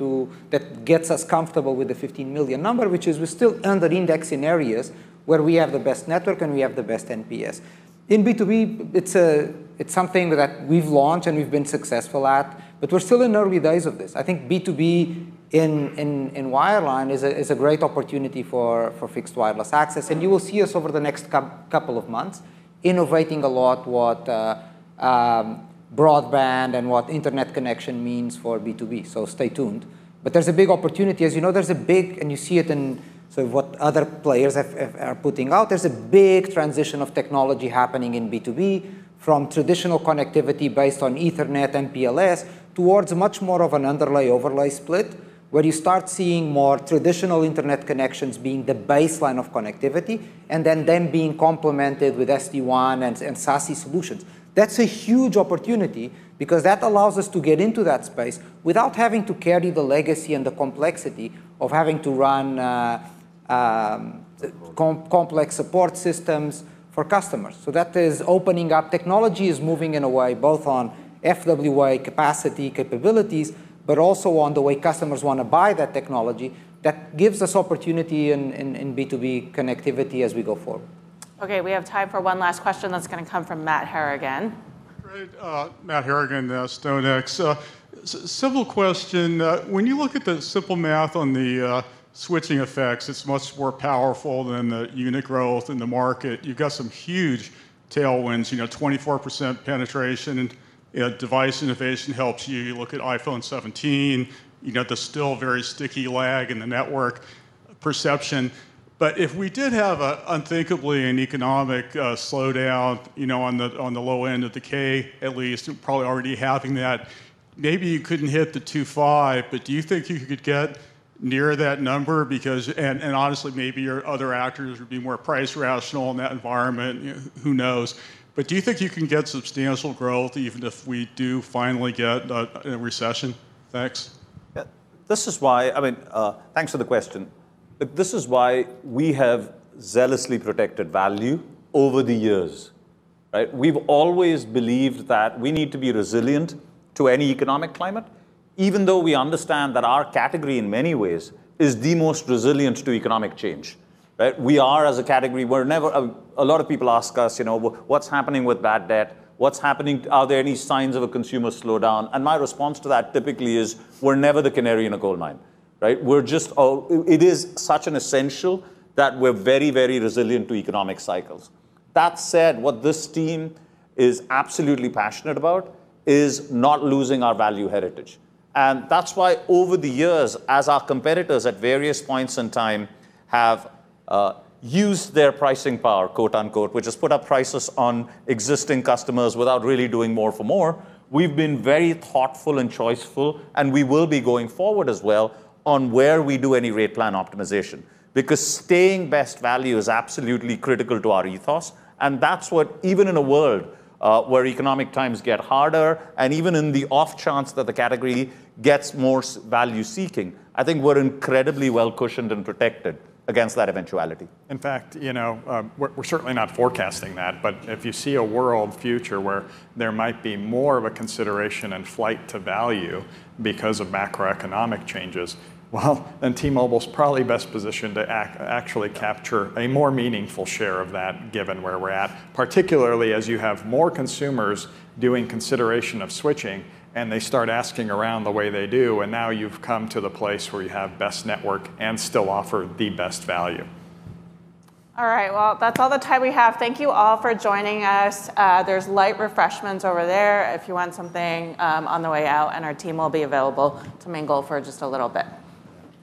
Speaker 6: that gets us comfortable with the 15 million number, which is we're still underindexed in areas where we have the best network and we have the best NPS. In B2B, it's something that we've launched and we've been successful at, but we're still in early days of this. I think B2B in wireline is a great opportunity for fixed wireless access. And you will see us over the next couple of months innovating a lot what broadband and what internet connection means for B2B. So stay tuned. But there's a big opportunity. As you know, there's a big and you see it in sort of what other players are putting out, there's a big transition of technology happening in B2B from traditional connectivity based on Ethernet, MPLS, towards much more of an underlay-overlay split where you start seeing more traditional internet connections being the baseline of connectivity and then them being complemented with SD-WAN and SASE solutions. That's a huge opportunity because that allows us to get into that space without having to carry the legacy and the complexity of having to run complex support systems for customers. So that is opening up. Technology is moving in a way both on FWA capacity, capabilities, but also on the way customers want to buy that technology. That gives us opportunity in B2B connectivity as we go forward.
Speaker 8: Okay. We have time for one last question. That's going to come from Matt Harrigan.
Speaker 22: Great. Matthew Harrigan, StoneX. Simple question. When you look at the simple math on the switching effects, it's much more powerful than the unit growth in the market. You've got some huge tailwinds, you know, 24% penetration. Device innovation helps you. You look at iPhone 17, you've got the still very sticky lag in the network perception. But if we did have an unthinkably economic slowdown on the low end of the K, at least, probably already having that, maybe you couldn't hit the 2.5, but do you think you could get near that number because and honestly, maybe your other actors would be more price rational in that environment. Who knows? But do you think you can get substantial growth even if we do finally get a recession? Thanks.
Speaker 7: Yeah. This is why I mean, thanks for the question. This is why we have zealously protected value over the years, right? We've always believed that we need to be resilient to any economic climate, even though we understand that our category in many ways is the most resilient to economic change, right? We are as a category we're never a lot of people ask us, you know, "What's happening with bad debt? What's happening? Are there any signs of a consumer slowdown?" And my response to that typically is, "We're never the canary in a coal mine," right? We're just it is such an essential that we're very, very resilient to economic cycles. That said, what this team is absolutely passionate about is not losing our value heritage. And that's why over the years, as our competitors at various points in time have used their "pricing power," which has put up prices on existing customers without really doing more for more, we've been very thoughtful and choiceful, and we will be going forward as well on where we do any rate plan optimization because staying best value is absolutely critical to our ethos. And that's what even in a world where economic times get harder and even in the off chance that the category gets more value-seeking, I think we're incredibly well cushioned and protected against that eventuality.
Speaker 5: In fact, you know, we're certainly not forecasting that. But if you see a world future where there might be more of a consideration and flight to value because of macroeconomic changes, well, then T-Mobile's probably best positioned to actually capture a more meaningful share of that given where we're at, particularly as you have more consumers doing consideration of switching, and they start asking around the way they do, and now you've come to the place where you have best network and still offer the best value.
Speaker 8: All right. Well, that's all the time we have. Thank you all for joining us. There's light refreshments over there if you want something on the way out, and our team will be available to mingle for just a little bit.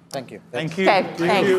Speaker 5: Thank you. Thank you.
Speaker 8: Thank you.